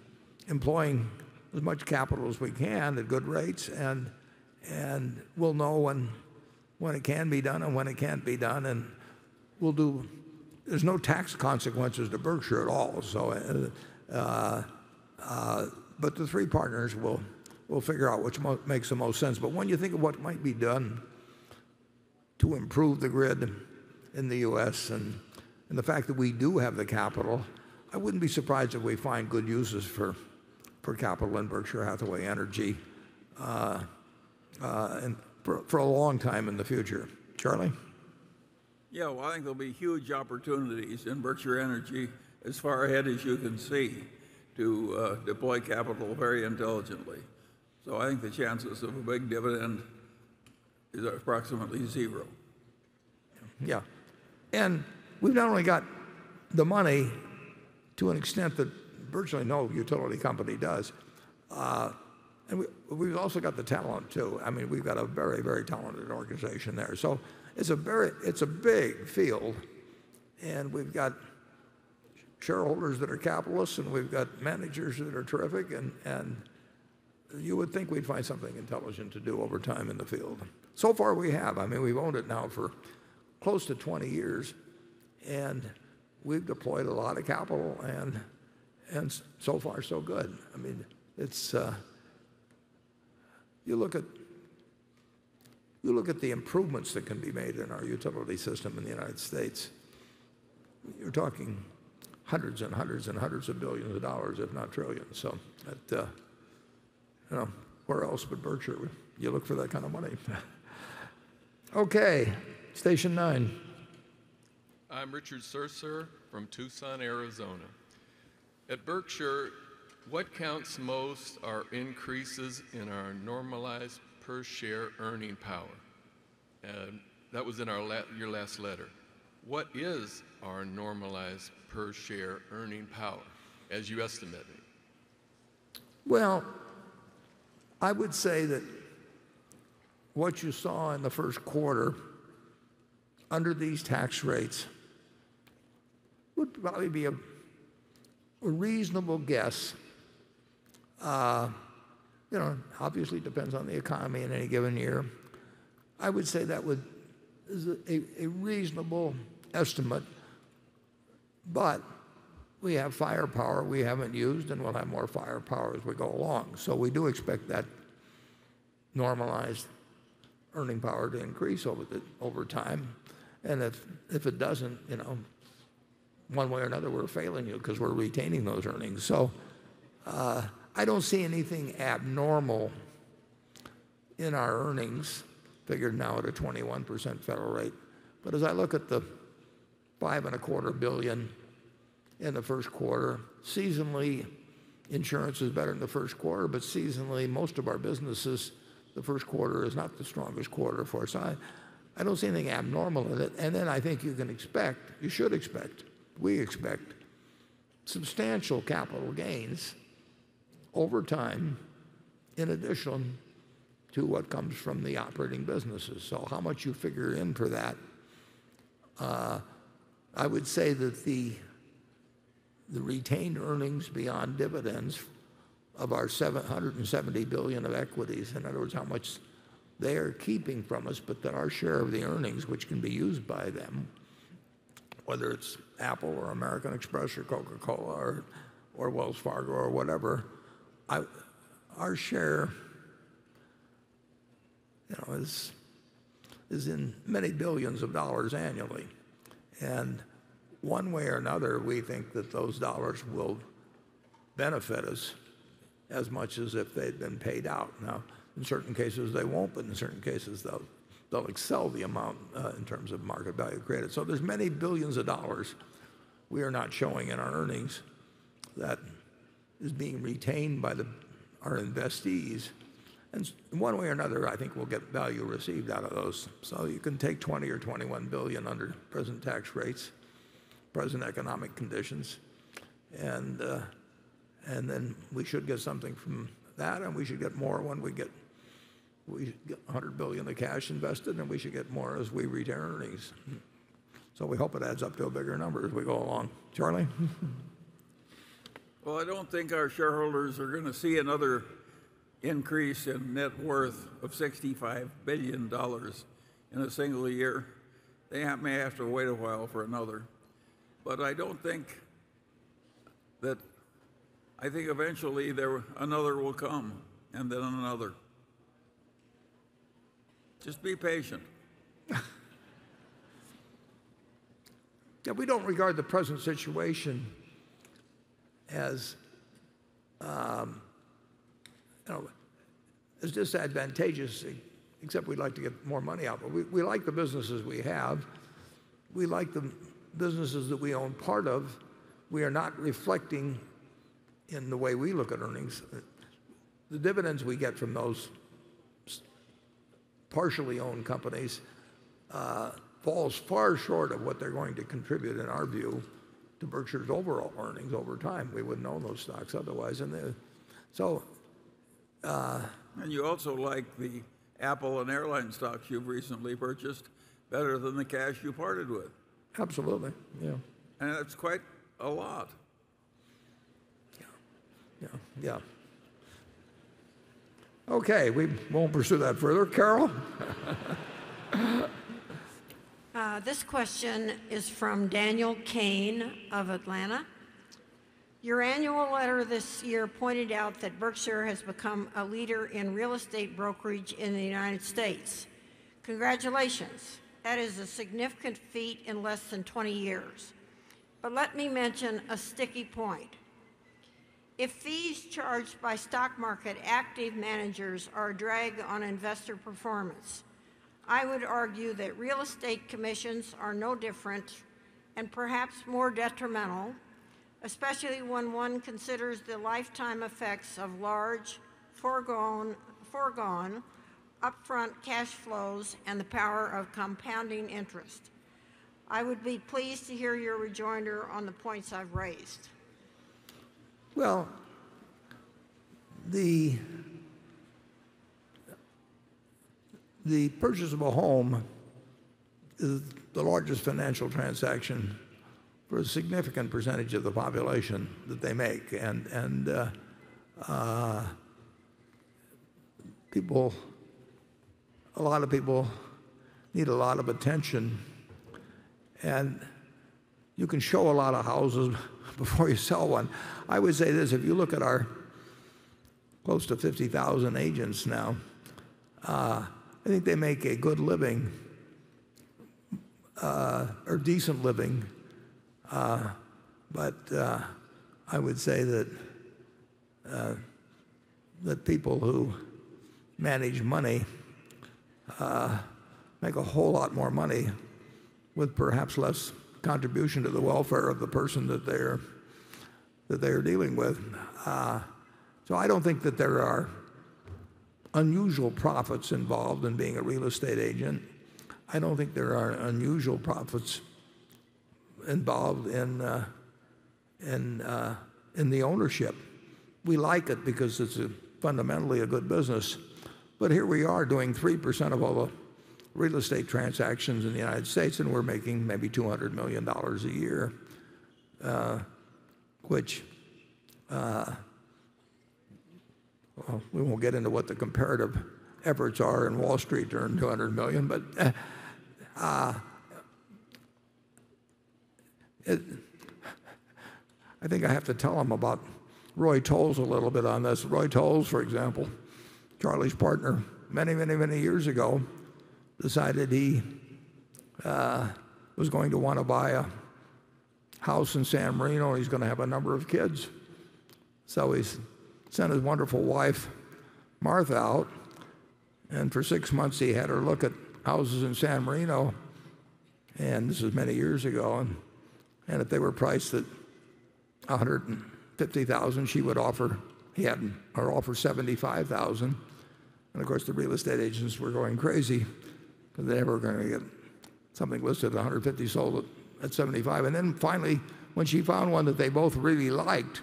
employing as much capital as we can at good rates. We'll know when it can be done and when it can't be done. There's no tax consequences to Berkshire at all. The three partners will figure out which makes the most sense. When you think of what might be done to improve the grid in the U.S. and the fact that we do have the capital, I wouldn't be surprised if we find good uses for capital in Berkshire Hathaway Energy for a long time in the future. Charlie? Well, I think there'll be huge opportunities in Berkshire Energy as far ahead as you can see to deploy capital very intelligently. I think the chances of a big dividend are approximately 0. We've not only got the money to an extent that virtually no utility company does, we've also got the talent too. We've got a very talented organization there. It's a big field. We've got shareholders that are capitalists, and we've got managers that are terrific. You would think we'd find something intelligent to do over time in the field. Far we have. We've owned it now for close to 20 years, and we've deployed a lot of capital, and so far so good. You look at the improvements that can be made in our utility system in the United States, you're talking hundreds of billions of dollars, if not trillions. Where else but Berkshire would you look for that kind of money? Okay, station 9. I'm Richard Sercer from Tucson, Arizona. At Berkshire, what counts most are increases in our normalized per share earning power. That was in your last letter. What is our normalized per share earning power, as you estimate it? I would say that what you saw in the first quarter, under these tax rates, would probably be a reasonable guess. Obviously, it depends on the economy in any given year. I would say that is a reasonable estimate. We have firepower we haven't used, and we'll have more firepower as we go along. We do expect that normalized earning power to increase over time. If it doesn't, one way or another, we're failing you because we're retaining those earnings. I don't see anything abnormal in our earnings figured now at a 21% federal rate. As I look at the $5 and a quarter billion in the first quarter, seasonally insurance is better in the first quarter, but seasonally most of our businesses, the first quarter is not the strongest quarter for us. I don't see anything abnormal in it. I think you can expect, you should expect, we expect substantial capital gains over time in addition to what comes from the operating businesses. How much you figure in for that, I would say that the retained earnings beyond dividends of our $170 billion of equities, in other words, how much they are keeping from us, but then our share of the earnings, which can be used by them, whether it's Apple or American Express or Coca-Cola or Wells Fargo or whatever, our share is in many billions of dollars annually. One way or another, we think that those dollars will benefit us as much as if they'd been paid out. Now, in certain cases they won't, but in certain cases they'll excel the amount, in terms of market value created. There's many billions of dollars we are not showing in our earnings that is being retained by our investees. One way or another, I think we'll get value received out of those. You can take $20 or $21 billion under present tax rates, present economic conditions, and then we should get something from that, and we should get more when we get $100 billion of cash invested, and we should get more as we retain earnings. We hope it adds up to a bigger number as we go along. Charlie? I don't think our shareholders are going to see another increase in net worth of $65 billion in a single year. They may have to wait a while for another. I think eventually another will come, and then another. Just be patient. Yeah, we don't regard the present situation as disadvantageous, except we'd like to get more money out. We like the businesses we have. We like the businesses that we own part of. We are not reflecting in the way we look at earnings. The dividends we get from those partially owned companies falls far short of what they're going to contribute, in our view, to Berkshire's overall earnings over time. We wouldn't own those stocks otherwise. You also like the Apple and airline stocks you've recently purchased better than the cash you parted with. Absolutely. Yeah. That's quite a lot. Yeah. Okay, we won't pursue that further. Carol? This question is from Daniel Kane of Atlanta. "Your annual letter this year pointed out that Berkshire has become a leader in real estate brokerage in the United States. Congratulations. That is a significant feat in less than 20 years. Let me mention a sticky point. If fees charged by stock market active managers are a drag on investor performance, I would argue that real estate commissions are no different and perhaps more detrimental, especially when one considers the lifetime effects of large, foregone upfront cash flows and the power of compounding interest. I would be pleased to hear your rejoinder on the points I've raised. Well, the purchase of a home is the largest financial transaction for a significant percentage of the population that they make. A lot of people need a lot of attention, and you can show a lot of houses before you sell one. I would say this, if you look at our close to 50,000 agents now, I think they make a good living, or decent living. I would say that people who manage money make a whole lot more money with perhaps less contribution to the welfare of the person that they are dealing with. I don't think that there are unusual profits involved in being a real estate agent. I don't think there are unusual profits involved in the ownership. We like it because it's fundamentally a good business. Here we are doing 3% of all the real estate transactions in the United States, and we're making maybe $200 million a year, which we won't get into what the comparative efforts are in Wall Street to earn $200 million. I think I have to tell them about Roy Tolles a little bit on this. Roy Tolles, for example, Charlie's partner many years ago, decided he was going to want to buy a house in San Marino, he's going to have a number of kids. He sent his wonderful wife, Martha, out, and for six months, he had her look at houses in San Marino. This was many years ago, and if they were priced at 150,000, he had her offer 75,000. Of course, the real estate agents were going crazy because they were never going to get something listed at 150, sold at 75. Finally, when she found one that they both really liked,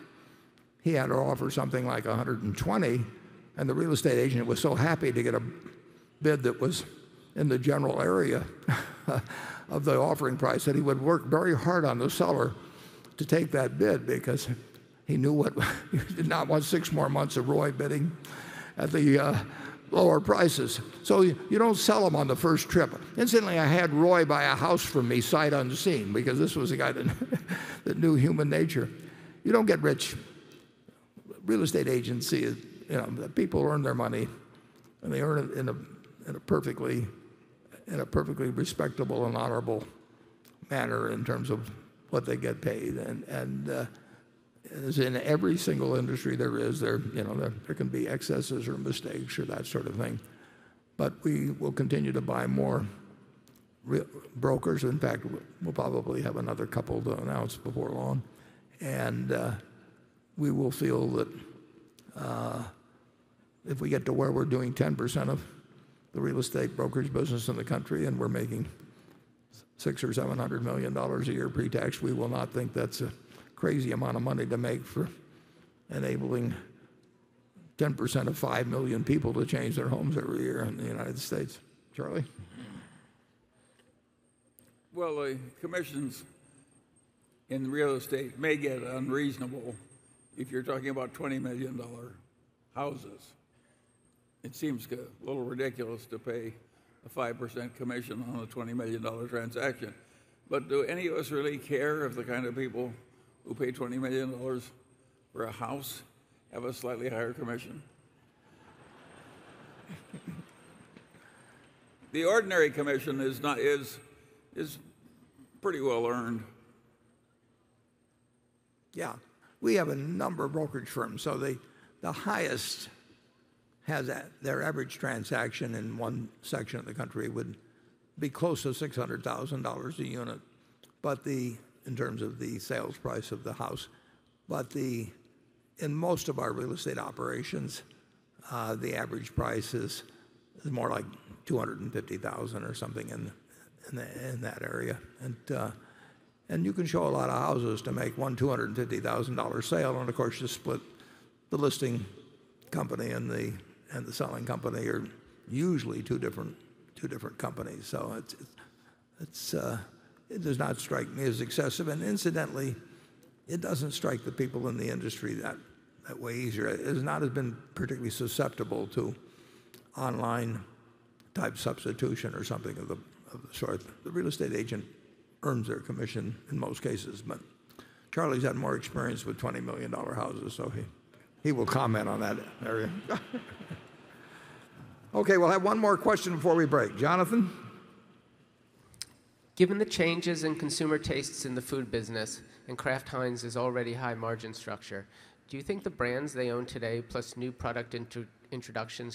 he had her offer something like $120, and the real estate agent was so happy to get a bid that was in the general area of the offering price that he would work very hard on the seller to take that bid because he did not want 6 more months of Roy bidding at the lower prices. You don't sell them on the first trip. Incidentally, I had Roy buy a house from me sight unseen because this was a guy that knew human nature. You don't get rich. Real estate agency is—People earn their money, and they earn it in a perfectly respectable and honorable manner in terms of what they get paid. As in every single industry there is, there can be excesses or mistakes or that sort of thing. We will continue to buy more brokers. In fact, we'll probably have another couple to announce before long. We will feel that if we get to where we're doing 10% of the real estate brokerage business in the country, and we're making $600 or $700 million a year pre-tax, we will not think that's a crazy amount of money to make for enabling 10% of 5 million people to change their homes every year in the U.S. Charlie? The commissions in real estate may get unreasonable if you're talking about $20 million houses. It seems a little ridiculous to pay a 5% commission on a $20 million transaction. Do any of us really care if the kind of people who pay $20 million for a house have a slightly higher commission? The ordinary commission is pretty well earned. We have a number of brokerage firms, the highest has their average transaction in one section of the country would be close to $600,000 a unit in terms of the sales price of the house. In most of our real estate operations, the average price is more like $250,000 or something in that area. You can show a lot of houses to make one $250,000 sale, and of course, you split the listing company and the selling company are usually two different companies. It does not strike me as excessive. Incidentally, it doesn't strike the people in the industry that way either. It has not been particularly susceptible to online type substitution or something of the sort. The real estate agent earns their commission in most cases, but Charlie's had more experience with $20 million houses, so he will comment on that area. Okay, we'll have one more question before we break. Jonathan? Given the changes in consumer tastes in the food business, Kraft Heinz' already high margin structure, do you think the brands they own today, plus new product introductions,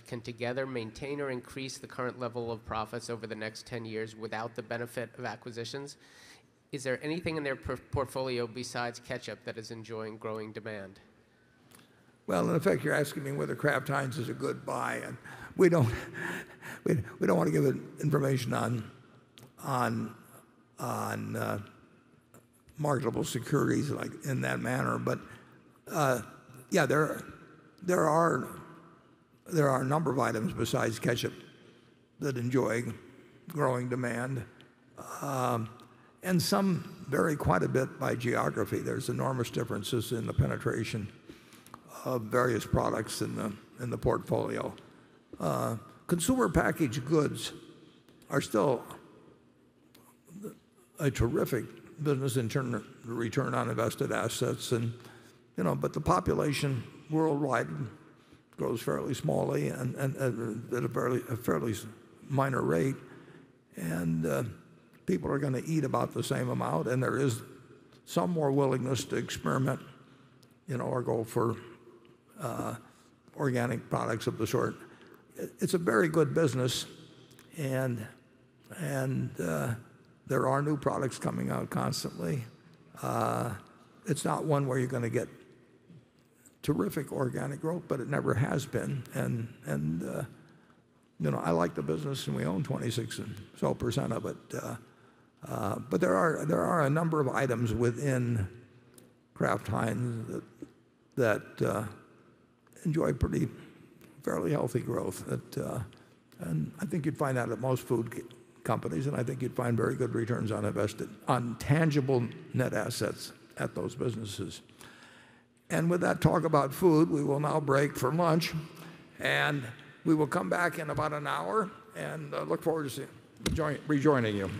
can together maintain or increase the current level of profits over the next 10 years without the benefit of acquisitions? Is there anything in their portfolio besides ketchup that is enjoying growing demand? Well, in effect, you're asking me whether Kraft Heinz is a good buy. We don't want to give information on marginal securities in that manner. There are a number of items besides ketchup that enjoy growing demand. Some vary quite a bit by geography. There's enormous differences in the penetration of various products in the portfolio. Consumer packaged goods are still a terrific business in terms of return on invested assets, but the population worldwide grows fairly small and at a fairly minor rate. People are going to eat about the same amount. There is some more willingness to experiment or go for organic products of the sort. It's a very good business. There are new products coming out constantly. It's not one where you're going to get terrific organic growth, but it never has been. I like the business and we own 26 and 12% of it. There are a number of items within Kraft Heinz that enjoy pretty fairly healthy growth. I think you'd find that at most food companies, and I think you'd find very good returns on tangible net assets at those businesses. With that talk about food, we will now break for lunch, and we will come back in about an hour, and look forward to rejoining you.